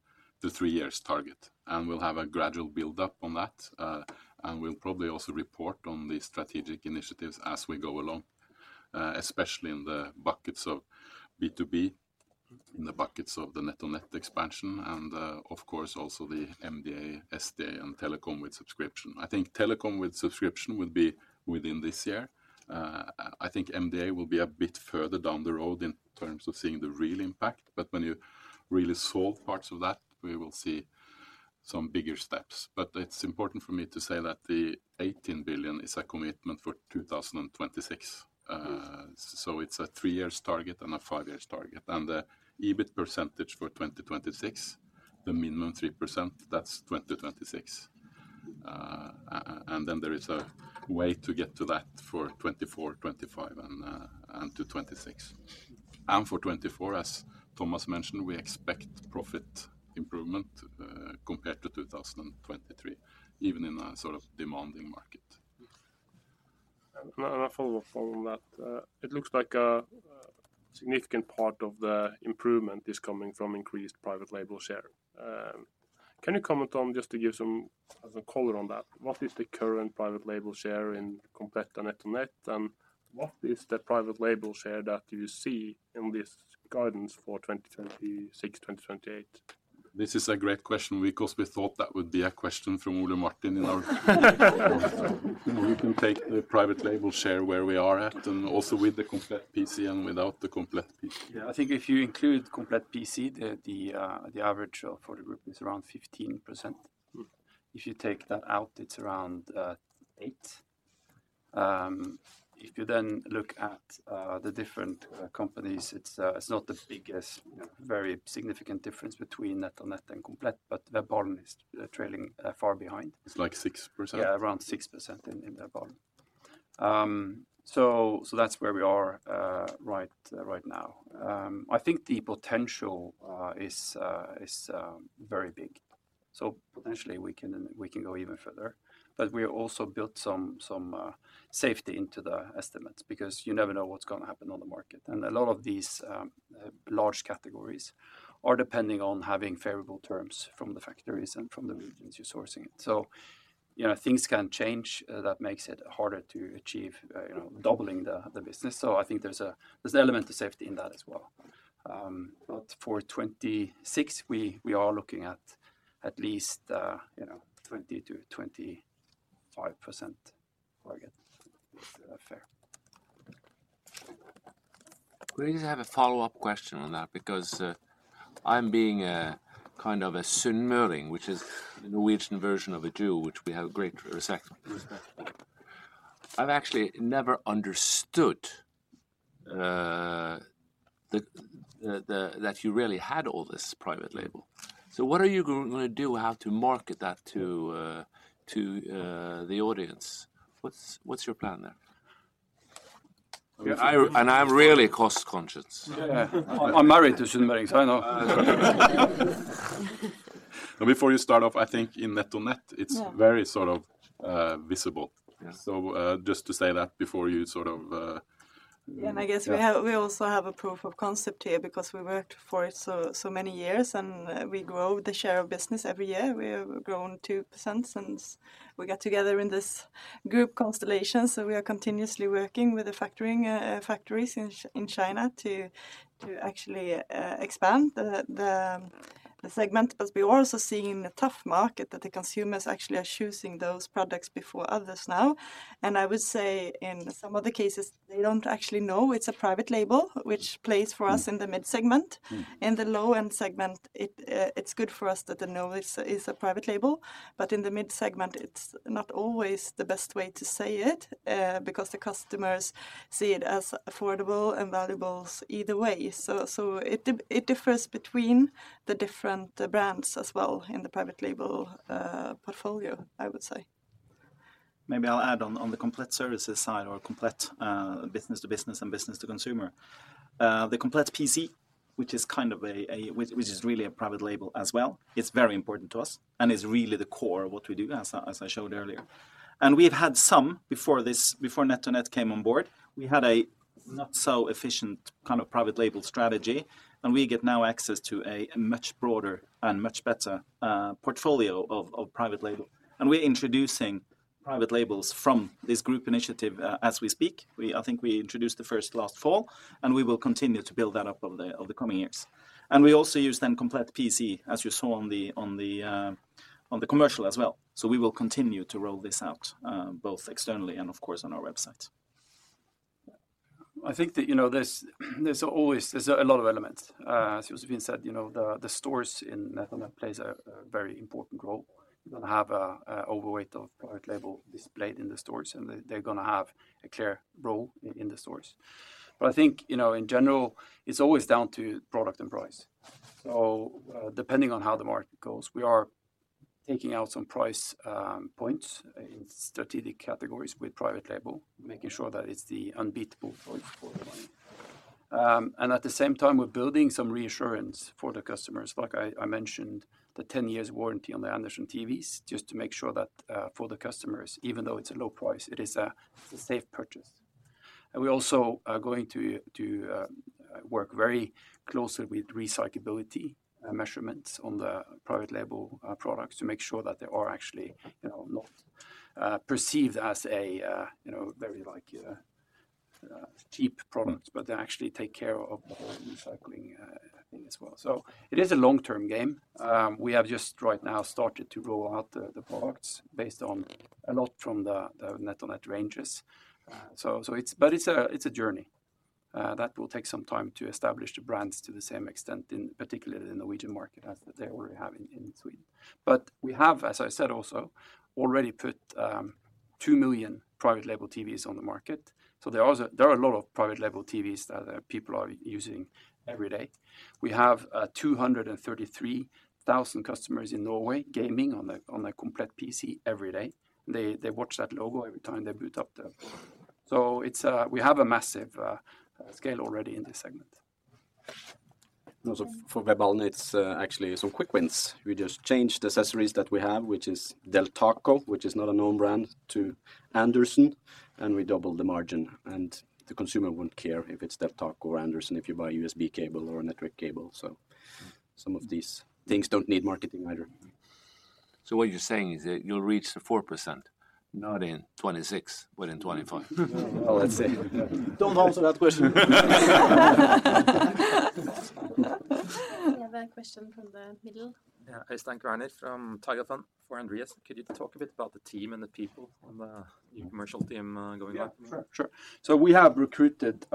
B: three-year target. And we'll have a gradual build-up on that. And we'll probably also report on the strategic initiatives as we go along, especially in the buckets of B2B, in the buckets of the NetOnNet expansion, and of course, also the MDA, SDA, and telecom with subscription. I think telecom with subscription would be within this year. I think MDA will be a bit further down the road in terms of seeing the real impact. But when you really solve parts of that, we will see some bigger steps. But it's important for me to say that the 18 billion is a commitment for 2026. So it's a three-year target and a five-year target. And the EBIT percentage for 2026, the minimum 3%, that's 2026. And then there is a way to get to that for 2024, 2025, and to 2026. And for 2024, as Thomas mentioned, we expect profit improvement compared to 2023, even in a sort of demanding market.
K: And a follow-up on that, it looks like a significant part of the improvement is coming from increased private label share. Can you comment on, just to give some color on that, what is the current private label share in Komplett and NetOnNet, and what is the private label share that you see in this guidance for 2026, 2028?
B: This is a great question because we thought that would be a question from Ole-Martin in our group. Who can take the private label share where we are at, and also with the Komplett PC and without the Komplett PC?
D: Yeah. I think if you include Komplett PC, the average for the group is around 15%. If you take that out, it's around 8%. If you then look at the different companies, it's not the biggest, very significant difference between NetOnNet and Komplett, but Webhallen is trailing far behind.
B: It's like 6%.
D: Yeah. Around 6% in Webhallen. So that's where we are right now. I think the potential is very big. So potentially, we can go even further. But we have also built some safety into the estimates because you never know what's going to happen on the market. And a lot of these large categories are depending on having favorable terms from the factories and from the regions you're sourcing it. So things can change. That makes it harder to achieve doubling the business. So I think there's an element of safety in that as well. But for 2026, we are looking at at least 20%-25% target. It's fair.
L: We just have a follow-up question on that because I'm being kind of a sunnmøring, which is the Norwegian version of a Jew, which we have great respect for. I've actually never understood that you really had all this private label. So what are you going to do, how to market that to the audience? What's your plan there? And I'm really cost-conscious.
B: Yeah. I'm married to sunnmøringer. I know. Before you start off, I think in NetOnNet, it's very sort of visible. So just to say that before you sort of.
E: Yeah. And I guess we also have a proof of concept here because we worked for it so many years, and we grow the share of business every year. We have grown 2% since we got together in this group constellation. So we are continuously working with the factories in China to actually expand the segment. But we're also seeing a tough market, that the consumers actually are choosing those products before others now. And I would say in some of the cases, they don't actually know it's a private label, which plays for us in the mid-segment. In the low-end segment, it's good for us that they know it's a private label. But in the mid-segment, it's not always the best way to say it because the customers see it as affordable and valuable either way. So it differs between the different brands as well in the private label portfolio, I would say.
H: Maybe I'll add on the Komplett Services side or Komplett business-to-business and business-to-consumer. The Komplett PC, which is really a private label as well, is very important to us and is really the core of what we do, as I showed earlier. And we've had some before NetOnNet came on board. We had a not-so-efficient kind of private label strategy, and we get now access to a much broader and much better portfolio of private label. And we're introducing private labels from this group initiative as we speak. I think we introduced the first last fall, and we will continue to build that up over the coming years. And we also use then Komplett PC, as you saw on the commercial as well. So we will continue to roll this out both externally and, of course, on our website.
D: I think that there's always a lot of elements. As you've said, the stores in NetOnNet play a very important role. You're going to have an overweight of private label displayed in the stores, and they're going to have a clear role in the stores. But I think in general, it's always down to product and price. So depending on how the market goes, we are taking out some price points in strategic categories with private label, making sure that it's the unbeatable choice for the money. And at the same time, we're building some reassurance for the customers. Like I mentioned, the 10-year warranty on the Andersson TVs, just to make sure that for the customers, even though it's a low price, it is a safe purchase. We're also going to work very closely with recyclability measurements on the private label products to make sure that they are actually not perceived as very cheap products, but they actually take care of the whole recycling thing as well. So it is a long-term game. We have just right now started to roll out the products based on a lot from the NetOnNet ranges. But it's a journey that will take some time to establish the brands to the same extent, particularly in the Norwegian market as they already have in Sweden. But we have, as I said also, already put 2 million private label TVs on the market. So there are a lot of private label TVs that people are using every day. We have 233,000 customers in Norway gaming on a Komplett PC every day. They watch that logo every time they boot up the. So we have a massive scale already in this segment.
E: And also for Webhallen, it's actually some quick wins. We just changed the accessories that we have, which is Deltaco, which is not a known brand, to Andersson, and we doubled the margin. And the consumer won't care if it's Deltaco or Andersson if you buy a USB cable or a network cable. So some of these things don't need marketing either.
L: So what you're saying is that you'll reach the 4%, not in 2026 but in 2025.
E: Well, let's see.
B: Don't answer that question.
A: We have a question from the middle.
M: Yeah. Hi, Stian currently from Taiga Fund for Andreas. Could you talk a bit about the team and the people and the new commercial team going on? Sure. Sure.
D: So we have recruited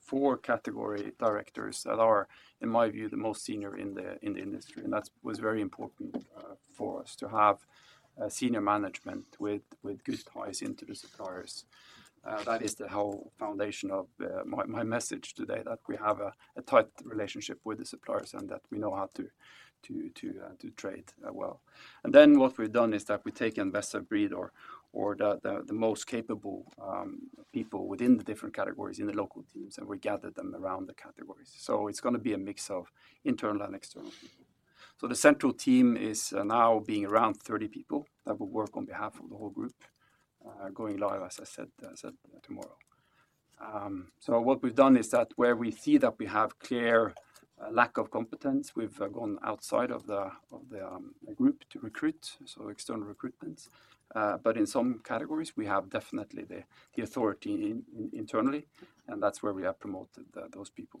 D: four category directors that are, in my view, the most senior in the industry. That was very important for us to have senior management with good ties into the suppliers. That is the whole foundation of my message today, that we have a tight relationship with the suppliers and that we know how to trade well. And then what we've done is that we take investor breed or the most capable people within the different categories in the local teams, and we gather them around the categories. It's going to be a mix of internal and external people. The central team is now being around 30 people that will work on behalf of the whole group, going live, as I said, tomorrow. So what we've done is that where we see that we have clear lack of competence, we've gone outside of the group to recruit, so external recruitments. But in some categories, we have definitely the authority internally, and that's where we have promoted those people.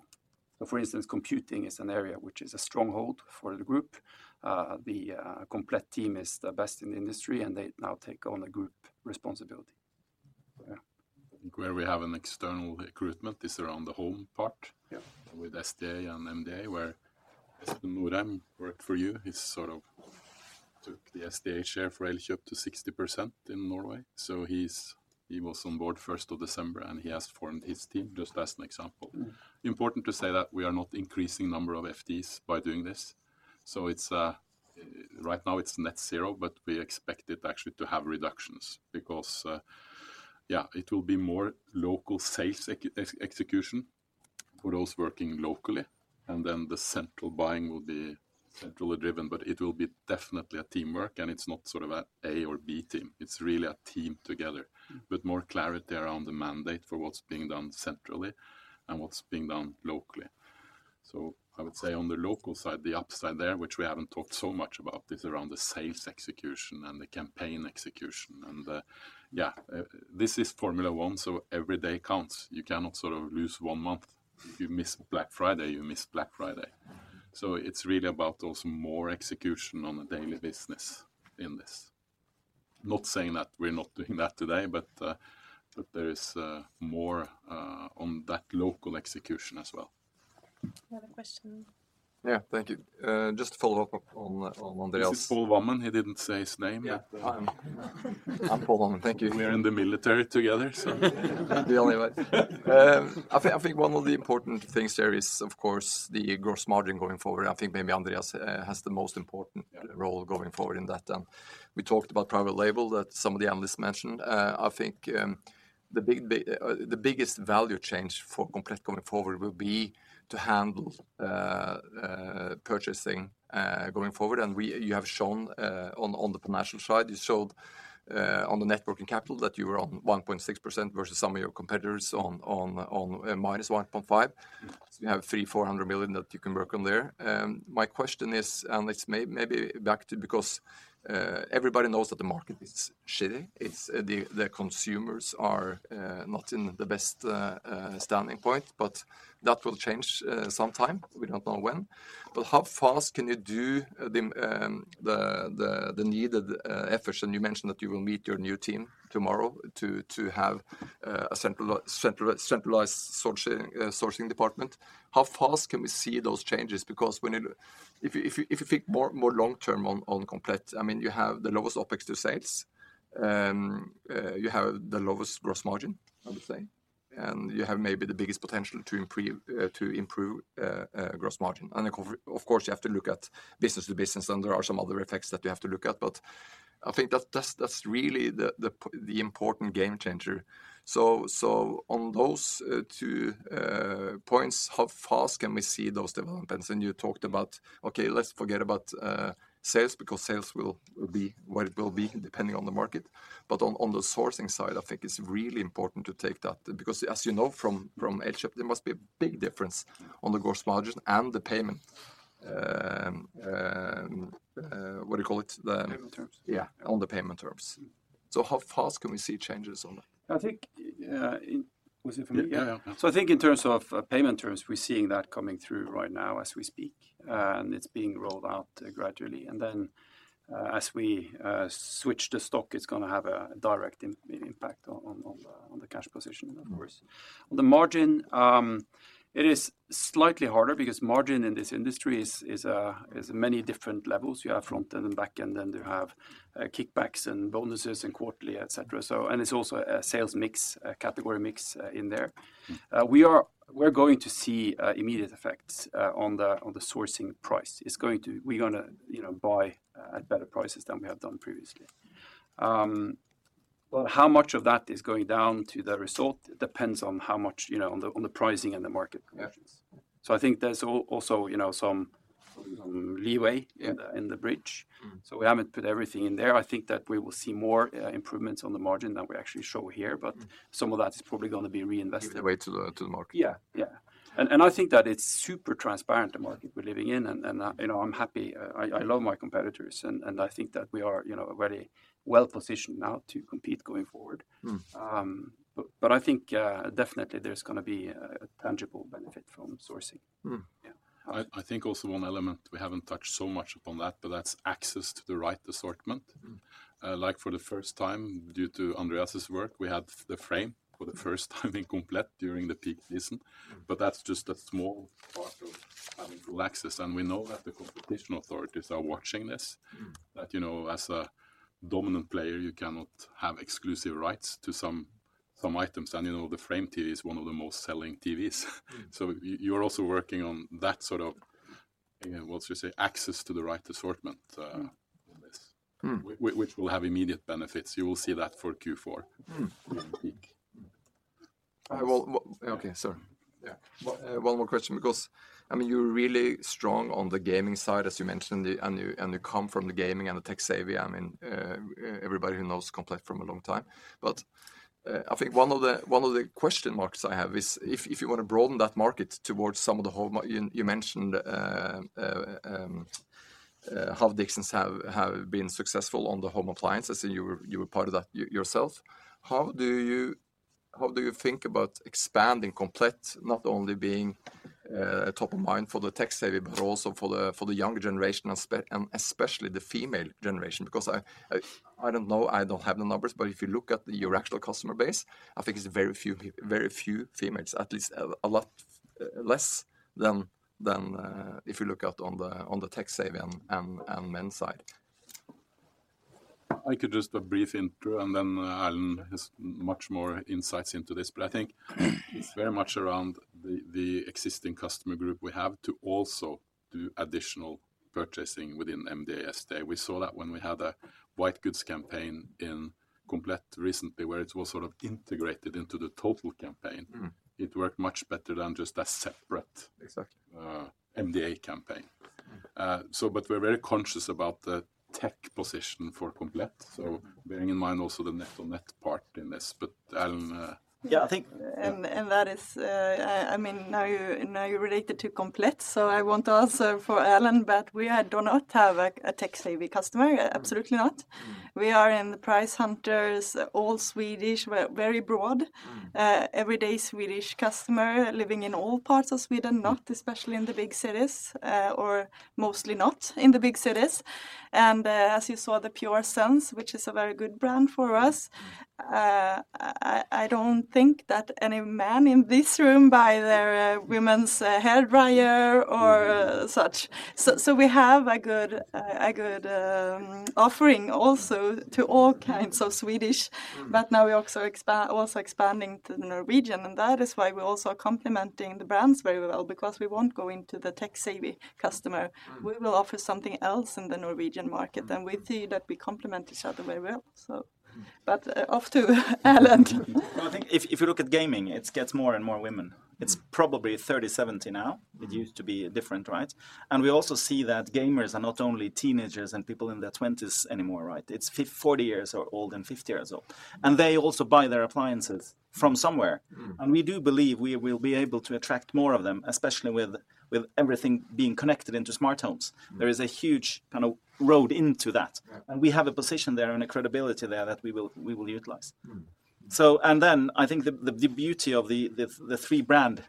D: So for instance, computing is an area which is a stronghold for the group. The Komplett team is the best in the industry, and they now take on a group responsibility. Yeah.
B: I think where we have an external recruitment is around the home part with SDA and MDA, where Espen Nordheim worked for you. He sort of took the SDA share for Elkjøp to 60% in Norway. So he was on board first of December, and he has formed his team, just as an example. Important to say that we are not increasing the number of FDs by doing this. So right now, it's net zero, but we expect it actually to have reductions because, yeah, it will be more local sales execution for those working locally, and then the central buying will be centrally driven. But it will be definitely a teamwork, and it's not sort of an A or B team. It's really a team together, but more clarity around the mandate for what's being done centrally and what's being done locally. So I would say on the local side, the upside there, which we haven't talked so much about, is around the sales execution and the campaign execution. And yeah, this is Formula One, so every day counts. You cannot sort of lose one month. If you miss Black Friday, you miss Black Friday. So it's really about also more execution on a daily business in this. Not saying that we're not doing that today, but there is more on that local execution as well.
A: You have a question?
L: Yeah. Thank you. Just to follow up on Andreas.
B: Is he Paul Wohman? He didn't say his name.
L: Yeah. I'm Paul Wohman. Thank you.
B: We're in the military together, so.
L: The only way. I think one of the important things there is, of course, the gross margin going forward. I think maybe Andreas has the most important role going forward in that. And we talked about private label that some of the analysts mentioned. I think the biggest value change for Komplett going forward will be to handle purchasing going forward. And you have shown on the financial side, you showed on the net working capital that you were on 1.6% versus some of your competitors on -1.5%. So you have 3,400 million that you can work on there. My question is, and it's maybe back to because everybody knows that the market is shitty. The consumers are not in the best standing point, but that will change sometime. We don't know when. But how fast can you do the needed efforts? And you mentioned that you will meet your new team tomorrow to have a centralized sourcing department. How fast can we see those changes? Because if you think more long-term on Komplett, I mean, you have the lowest OPEX to sales. You have the lowest gross margin, I would say. And you have maybe the biggest potential to improve gross margin. And of course, you have to look at business to business, and there are some other effects that you have to look at. But I think that's really the important game changer. So on those two points, how fast can we see those developments? And you talked about, "Okay, let's forget about sales because sales will be what it will be depending on the market." But on the sourcing side, I think it's really important to take that because, as you know from Elkjøp, there must be a big difference on the gross margin and the payment. What do you call it? The payment terms. Yeah. On the payment terms. So how fast can we see changes on that?
D: I think was it for me? Yeah. Yeah. Yeah. So I think in terms of payment terms, we're seeing that coming through right now as we speak, and it's being rolled out gradually. And then as we switch the stock, it's going to have a direct impact on the cash position, of course. On the margin, it is slightly harder because margin in this industry is many different levels. You have front-end and back-end, and you have kickbacks and bonuses and quarterly, etc. And it's also a sales mix, a category mix in there. We're going to see immediate effects on the sourcing price. We're going to buy at better prices than we have done previously. But how much of that is going down to the result depends on how much on the pricing and the market conditions. So I think there's also some leeway in the bridge. So we haven't put everything in there. I think that we will see more improvements on the margin than we actually show here, but some of that is probably going to be reinvested. Leeway to the market. Yeah. Yeah. And I think that it's super transparent, the market we're living in. And I'm happy. I love my competitors, and I think that we are really well-positioned now to compete going forward. But I think definitely there's going to be a tangible benefit from sourcing. Yeah.
B: I think also one element we haven't touched so much upon that, but that's access to the right assortment. Like for the first time, due to Andreas's work, we had the Frame for the first time in Komplett during the peak season. But that's just a small part of having full access. And we know that the competition authorities are watching this, that as a dominant player, you cannot have exclusive rights to some items. And the Frame TV is one of the most selling TVs. So you're also working on that sort of, again, what's your say? Access to the right assortment in this, which will have immediate benefits. You will see that for Q4 during peak. Okay.
L: Sorry. Yeah. One more question because, I mean, you're really strong on the gaming side, as you mentioned, and you come from the gaming and the tech savvy. I mean, everybody who knows Komplett from a long time. But I think one of the question marks I have is if you want to broaden that market towards some of the home you mentioned Elkjøp Dixons have been successful on the home appliances. And you were part of that yourself. How do you think about expanding Komplett, not only being top of mind for the tech savvy but also for the younger generation, and especially the female generation? Because I don't know. I don't have the numbers. But if you look at your actual customer base, I think it's very few females, at least a lot less than if you look at on the tech savvy and men side.
B: I could just do a brief intro, and then Erlend has much more insights into this. But I think it's very much around the existing customer group we have to also do additional purchasing within MDA SDA. We saw that when we had a white goods campaign in Komplett recently where it was sort of integrated into the total campaign. It worked much better than just a separate MDA campaign. But we're very conscious about the tech position for Komplett, so bearing in mind also the NetOnNet part in this. But Erlend. Yeah.
E: And that is I mean, now you're related to Komplett, so I want to answer for Erlend, but we do not have a tech-savvy customer. Absolutely not. We are in the price hunters, all Swedish, very broad, everyday Swedish customer living in all parts of Sweden, not especially in the big cities or mostly not in the big cities. As you saw, the Pure Sense, which is a very good brand for us, I don't think that any man in this room buys their women's hair dryer or such. So we have a good offering also to all kinds of Swedish. Now we're also expanding to Norwegian, and that is why we also are complementing the brands very well because we won't go into the tech-savvy customer. We will offer something else in the Norwegian market, and we see that we complement each other very well. But off to Erlend.
H: I think if you look at gaming, it gets more and more women. It's probably 30-70 now. It used to be different, right? And we also see that gamers are not only teenagers and people in their 20s anymore, right? It's 40 years old and 50 years old. And they also buy their appliances from somewhere. And we do believe we will be able to attract more of them, especially with everything being connected into smart homes. There is a huge kind of road into that. And we have a position there and a credibility there that we will utilize. And then I think the beauty of the three brands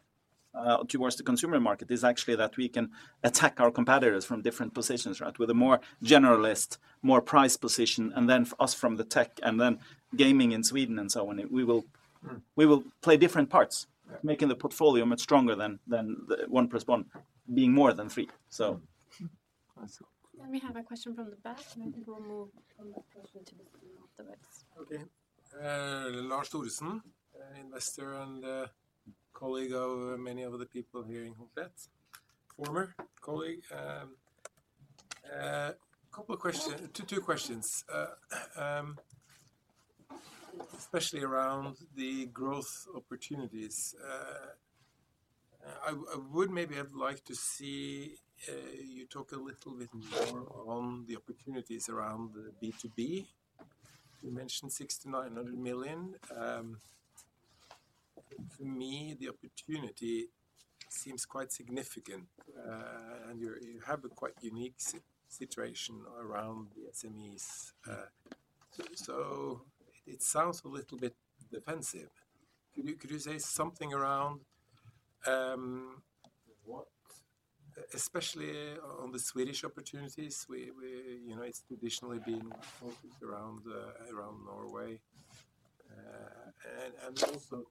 H: towards the consumer market is actually that we can attack our competitors from different positions, right? With a more generalist, more price position, and then us from the tech and then gaming in Sweden and so on. We will play different parts, making the portfolio much stronger than one plus one being more than three, so.
A: Then we have a question from the back, and I think we'll move from that question to the stream afterwards.
L: Okay. Lars Olavsen, investor and colleague of many of the people here in Komplett, former colleague. A couple of questions, two questions, especially around the growth opportunities. I would maybe have liked to see you talk a little bit more on the opportunities around the B2B. You mentioned 6 million-900 million. For me, the opportunity seems quite significant, and you have a quite unique situation around the SMEs. So it sounds a little bit defensive. Could you say something around especially on the Swedish opportunities? It's traditionally been focused around Norway. And also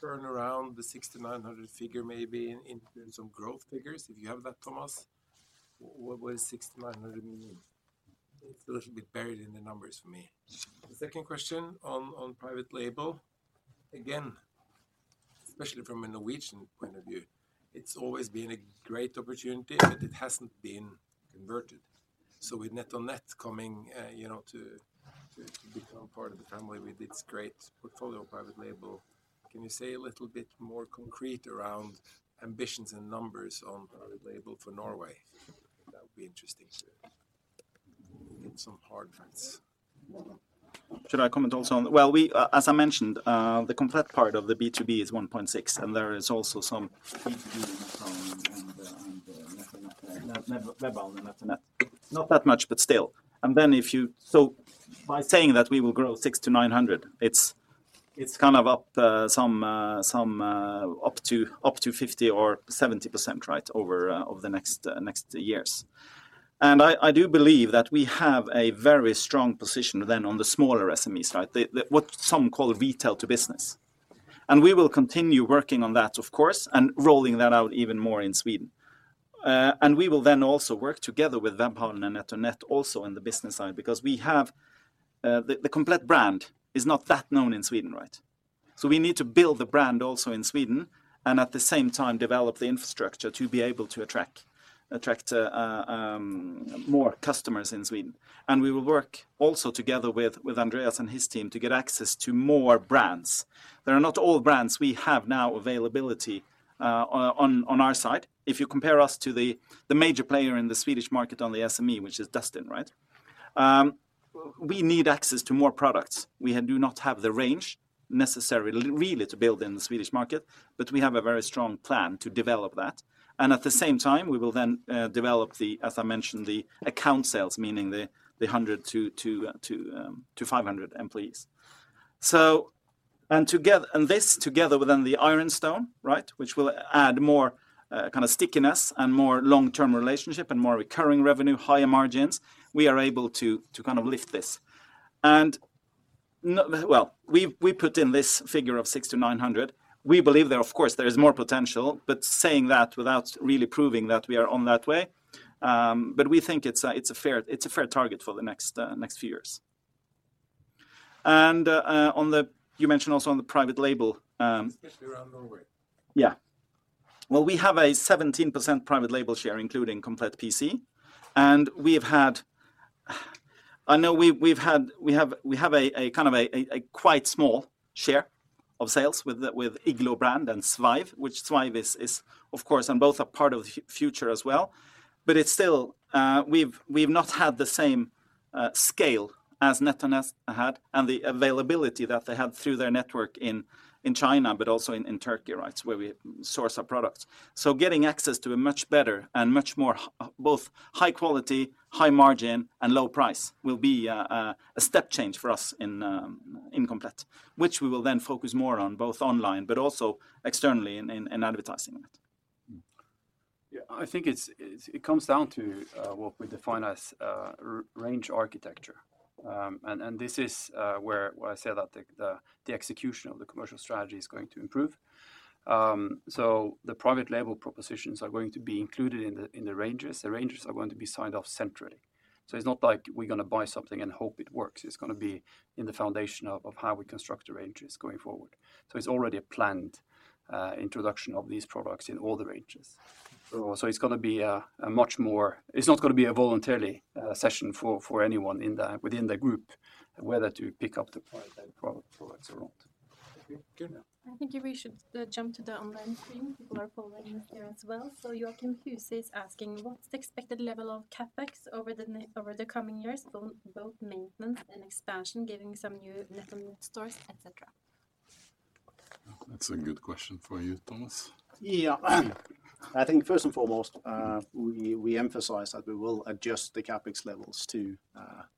L: turn around the 6 million-900 million figure maybe into some growth figures. If you have that, Thomas, what does 6 million-900 million mean? It's a little bit buried in the numbers for me. The second question on private label, again, especially from a Norwegian point of view, it's always been a great opportunity, but it hasn't been converted. So with NetOnNet coming to become part of the family with its great portfolio of private label, can you say a little bit more concrete around ambitions and numbers on private label for Norway? That would be interesting to get some hard facts.
H: Should I comment also on, well, as I mentioned, the Komplett part of the B2B is 1.6, and there is also some B2B and NetOnNet and NetOnNet and NetOnNet. Not that much, but still. And then if you so by saying that we will grow 6-900, it's kind of up to 50% or 70%, right, over the next years. I do believe that we have a very strong position then on the smaller SMEs, right, what some call retail to business. We will continue working on that, of course, and rolling that out even more in Sweden. We will then also work together with Webhallen and NetOnNet also in the business side because the Komplett brand is not that known in Sweden, right? So we need to build the brand also in Sweden and at the same time develop the infrastructure to be able to attract more customers in Sweden. We will work also together with Andreas and his team to get access to more brands. There are not all brands we have now availability on our side. If you compare us to the major player in the Swedish market on the SME, which is Dustin, right? We need access to more products. We do not have the range necessarily, really, to build in the Swedish market, but we have a very strong plan to develop that. At the same time, we will then develop the, as I mentioned, the account sales, meaning the 100-500 employees. This together with then the Ironstone, right, which will add more kind of stickiness and more long-term relationship and more recurring revenue, higher margins, we are able to kind of lift this. Well, we put in this figure of 6-900. We believe there, of course, there is more potential, but saying that without really proving that we are on that way. But we think it's a fair target for the next few years. You mentioned also on the private label. Especially around Norway. Yeah. Well, we have a 17% private label share, including Komplett PC. I know we have a kind of a quite small share of sales with Iglo brand and Svive, which Svive is, of course, and both are part of the future as well. But we've not had the same scale as NetOnNet had and the availability that they had through their network in China but also in Turkey, right, where we source our products. So getting access to a much better and much more both high quality, high margin, and low price will be a step change for us in Komplett, which we will then focus more on both online but also externally in advertising that. Yeah.
D: I think it comes down to what we define as range architecture. This is where I say that the execution of the commercial strategy is going to improve. So the private label propositions are going to be included in the ranges. The ranges are going to be signed off centrally. So it's not like we're going to buy something and hope it works. It's going to be in the foundation of how we construct the ranges going forward. So it's already a planned introduction of these products in all the ranges. So it's going to be a much more it's not going to be a voluntary session for anyone within the group, whether to pick up the private label products or not.
A: Okay. Good. I think you should jump to the online stream. People are following us here as well. So Joachim Huse is asking, "What's the expected level of CapEx over the coming years, both maintenance and expansion, given some new NetOnNet stores, etc.?"
B: That's a good question for you, Thomas.
I: Yeah. I think first and foremost, we emphasize that we will adjust the CapEx levels to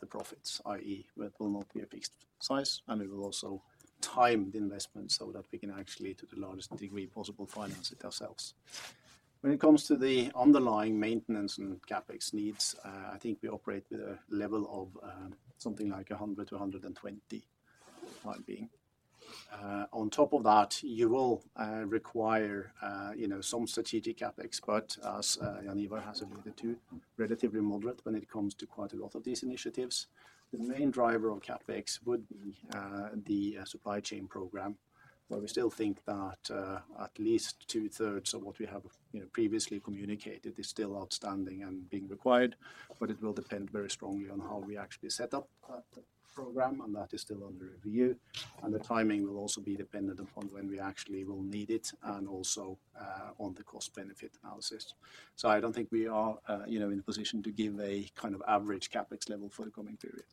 I: the profits, i.e., it will not be a fixed size, and it will also time the investment so that we can actually, to the largest degree possible, finance it ourselves. When it comes to the underlying maintenance and CapEx needs, I think we operate with a level of something like 100-120 for the time being. On top of that, you will require some strategic CapEx, but as Jaan Ivar has alluded to, relatively moderate when it comes to quite a lot of these initiatives. The main driver of CapEx would be the supply chain program, where we still think that at least two-thirds of what we have previously communicated is still outstanding and being required. But it will depend very strongly on how we actually set up that program, and that is still under review. The timing will also be dependent upon when we actually will need it and also on the cost-benefit analysis. So I don't think we are in a position to give a kind of average CapEx level for the coming period.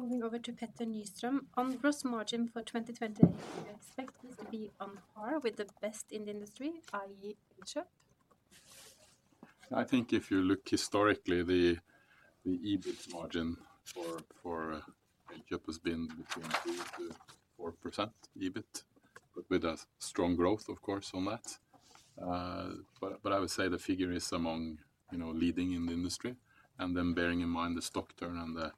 A: Moving over to Petter Nystrøm. On gross margin for 2028, do you expect this to be on par with the best in the industry, i.e., Elkjøp?
B: I think if you look historically, the EBIT margin for Elkjøp has been between 3%-4% EBIT, but with a strong growth, of course, on that. But I would say the figure is among leading in the industry, and then bearing in mind the stock turn and the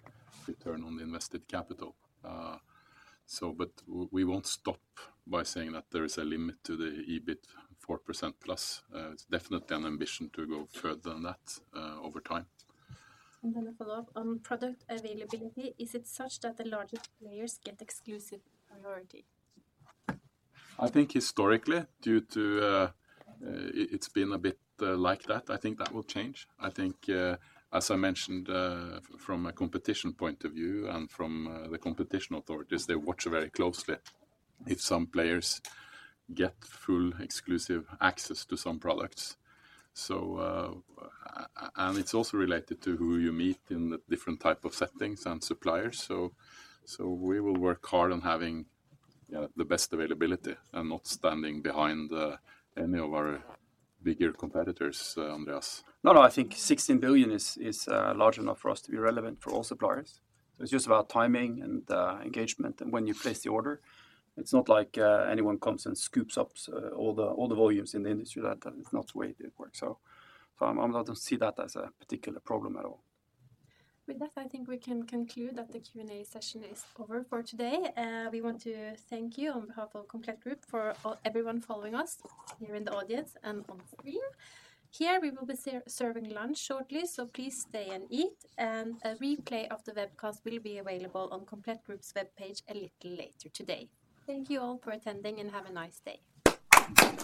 B: return on the invested capital. But we won't stop by saying that there is a limit to the EBIT 4%+. It's definitely an ambition to go further than that over time. And then a follow-up on product availability. Is it such that the largest players get exclusive priority? I think historically, due to it's been a bit like that, I think that will change. I think, as I mentioned, from a competition point of view and from the competition authorities, they watch very closely if some players get full exclusive access to some products. And it's also related to who you meet in the different type of settings and suppliers. So we will work hard on having the best availability and not standing behind any of our bigger competitors, Andreas.
D: No, no. I think 16 billion is large enough for us to be relevant for all suppliers. So it's just about timing and engagement and when you place the order. It's not like anyone comes and scoops up all the volumes in the industry. That's not the way it works. So I don't see that as a particular problem at all.
A: With that, I think we can conclude that the Q&A session is over for today. We want to thank you on behalf of Komplett Group for everyone following us here in the audience and on the stream. Here, we will be serving lunch shortly, so please stay and eat. And a replay of the webcast will be available on Komplett Group's webpage a little later today. Thank you all for attending, and have a nice day.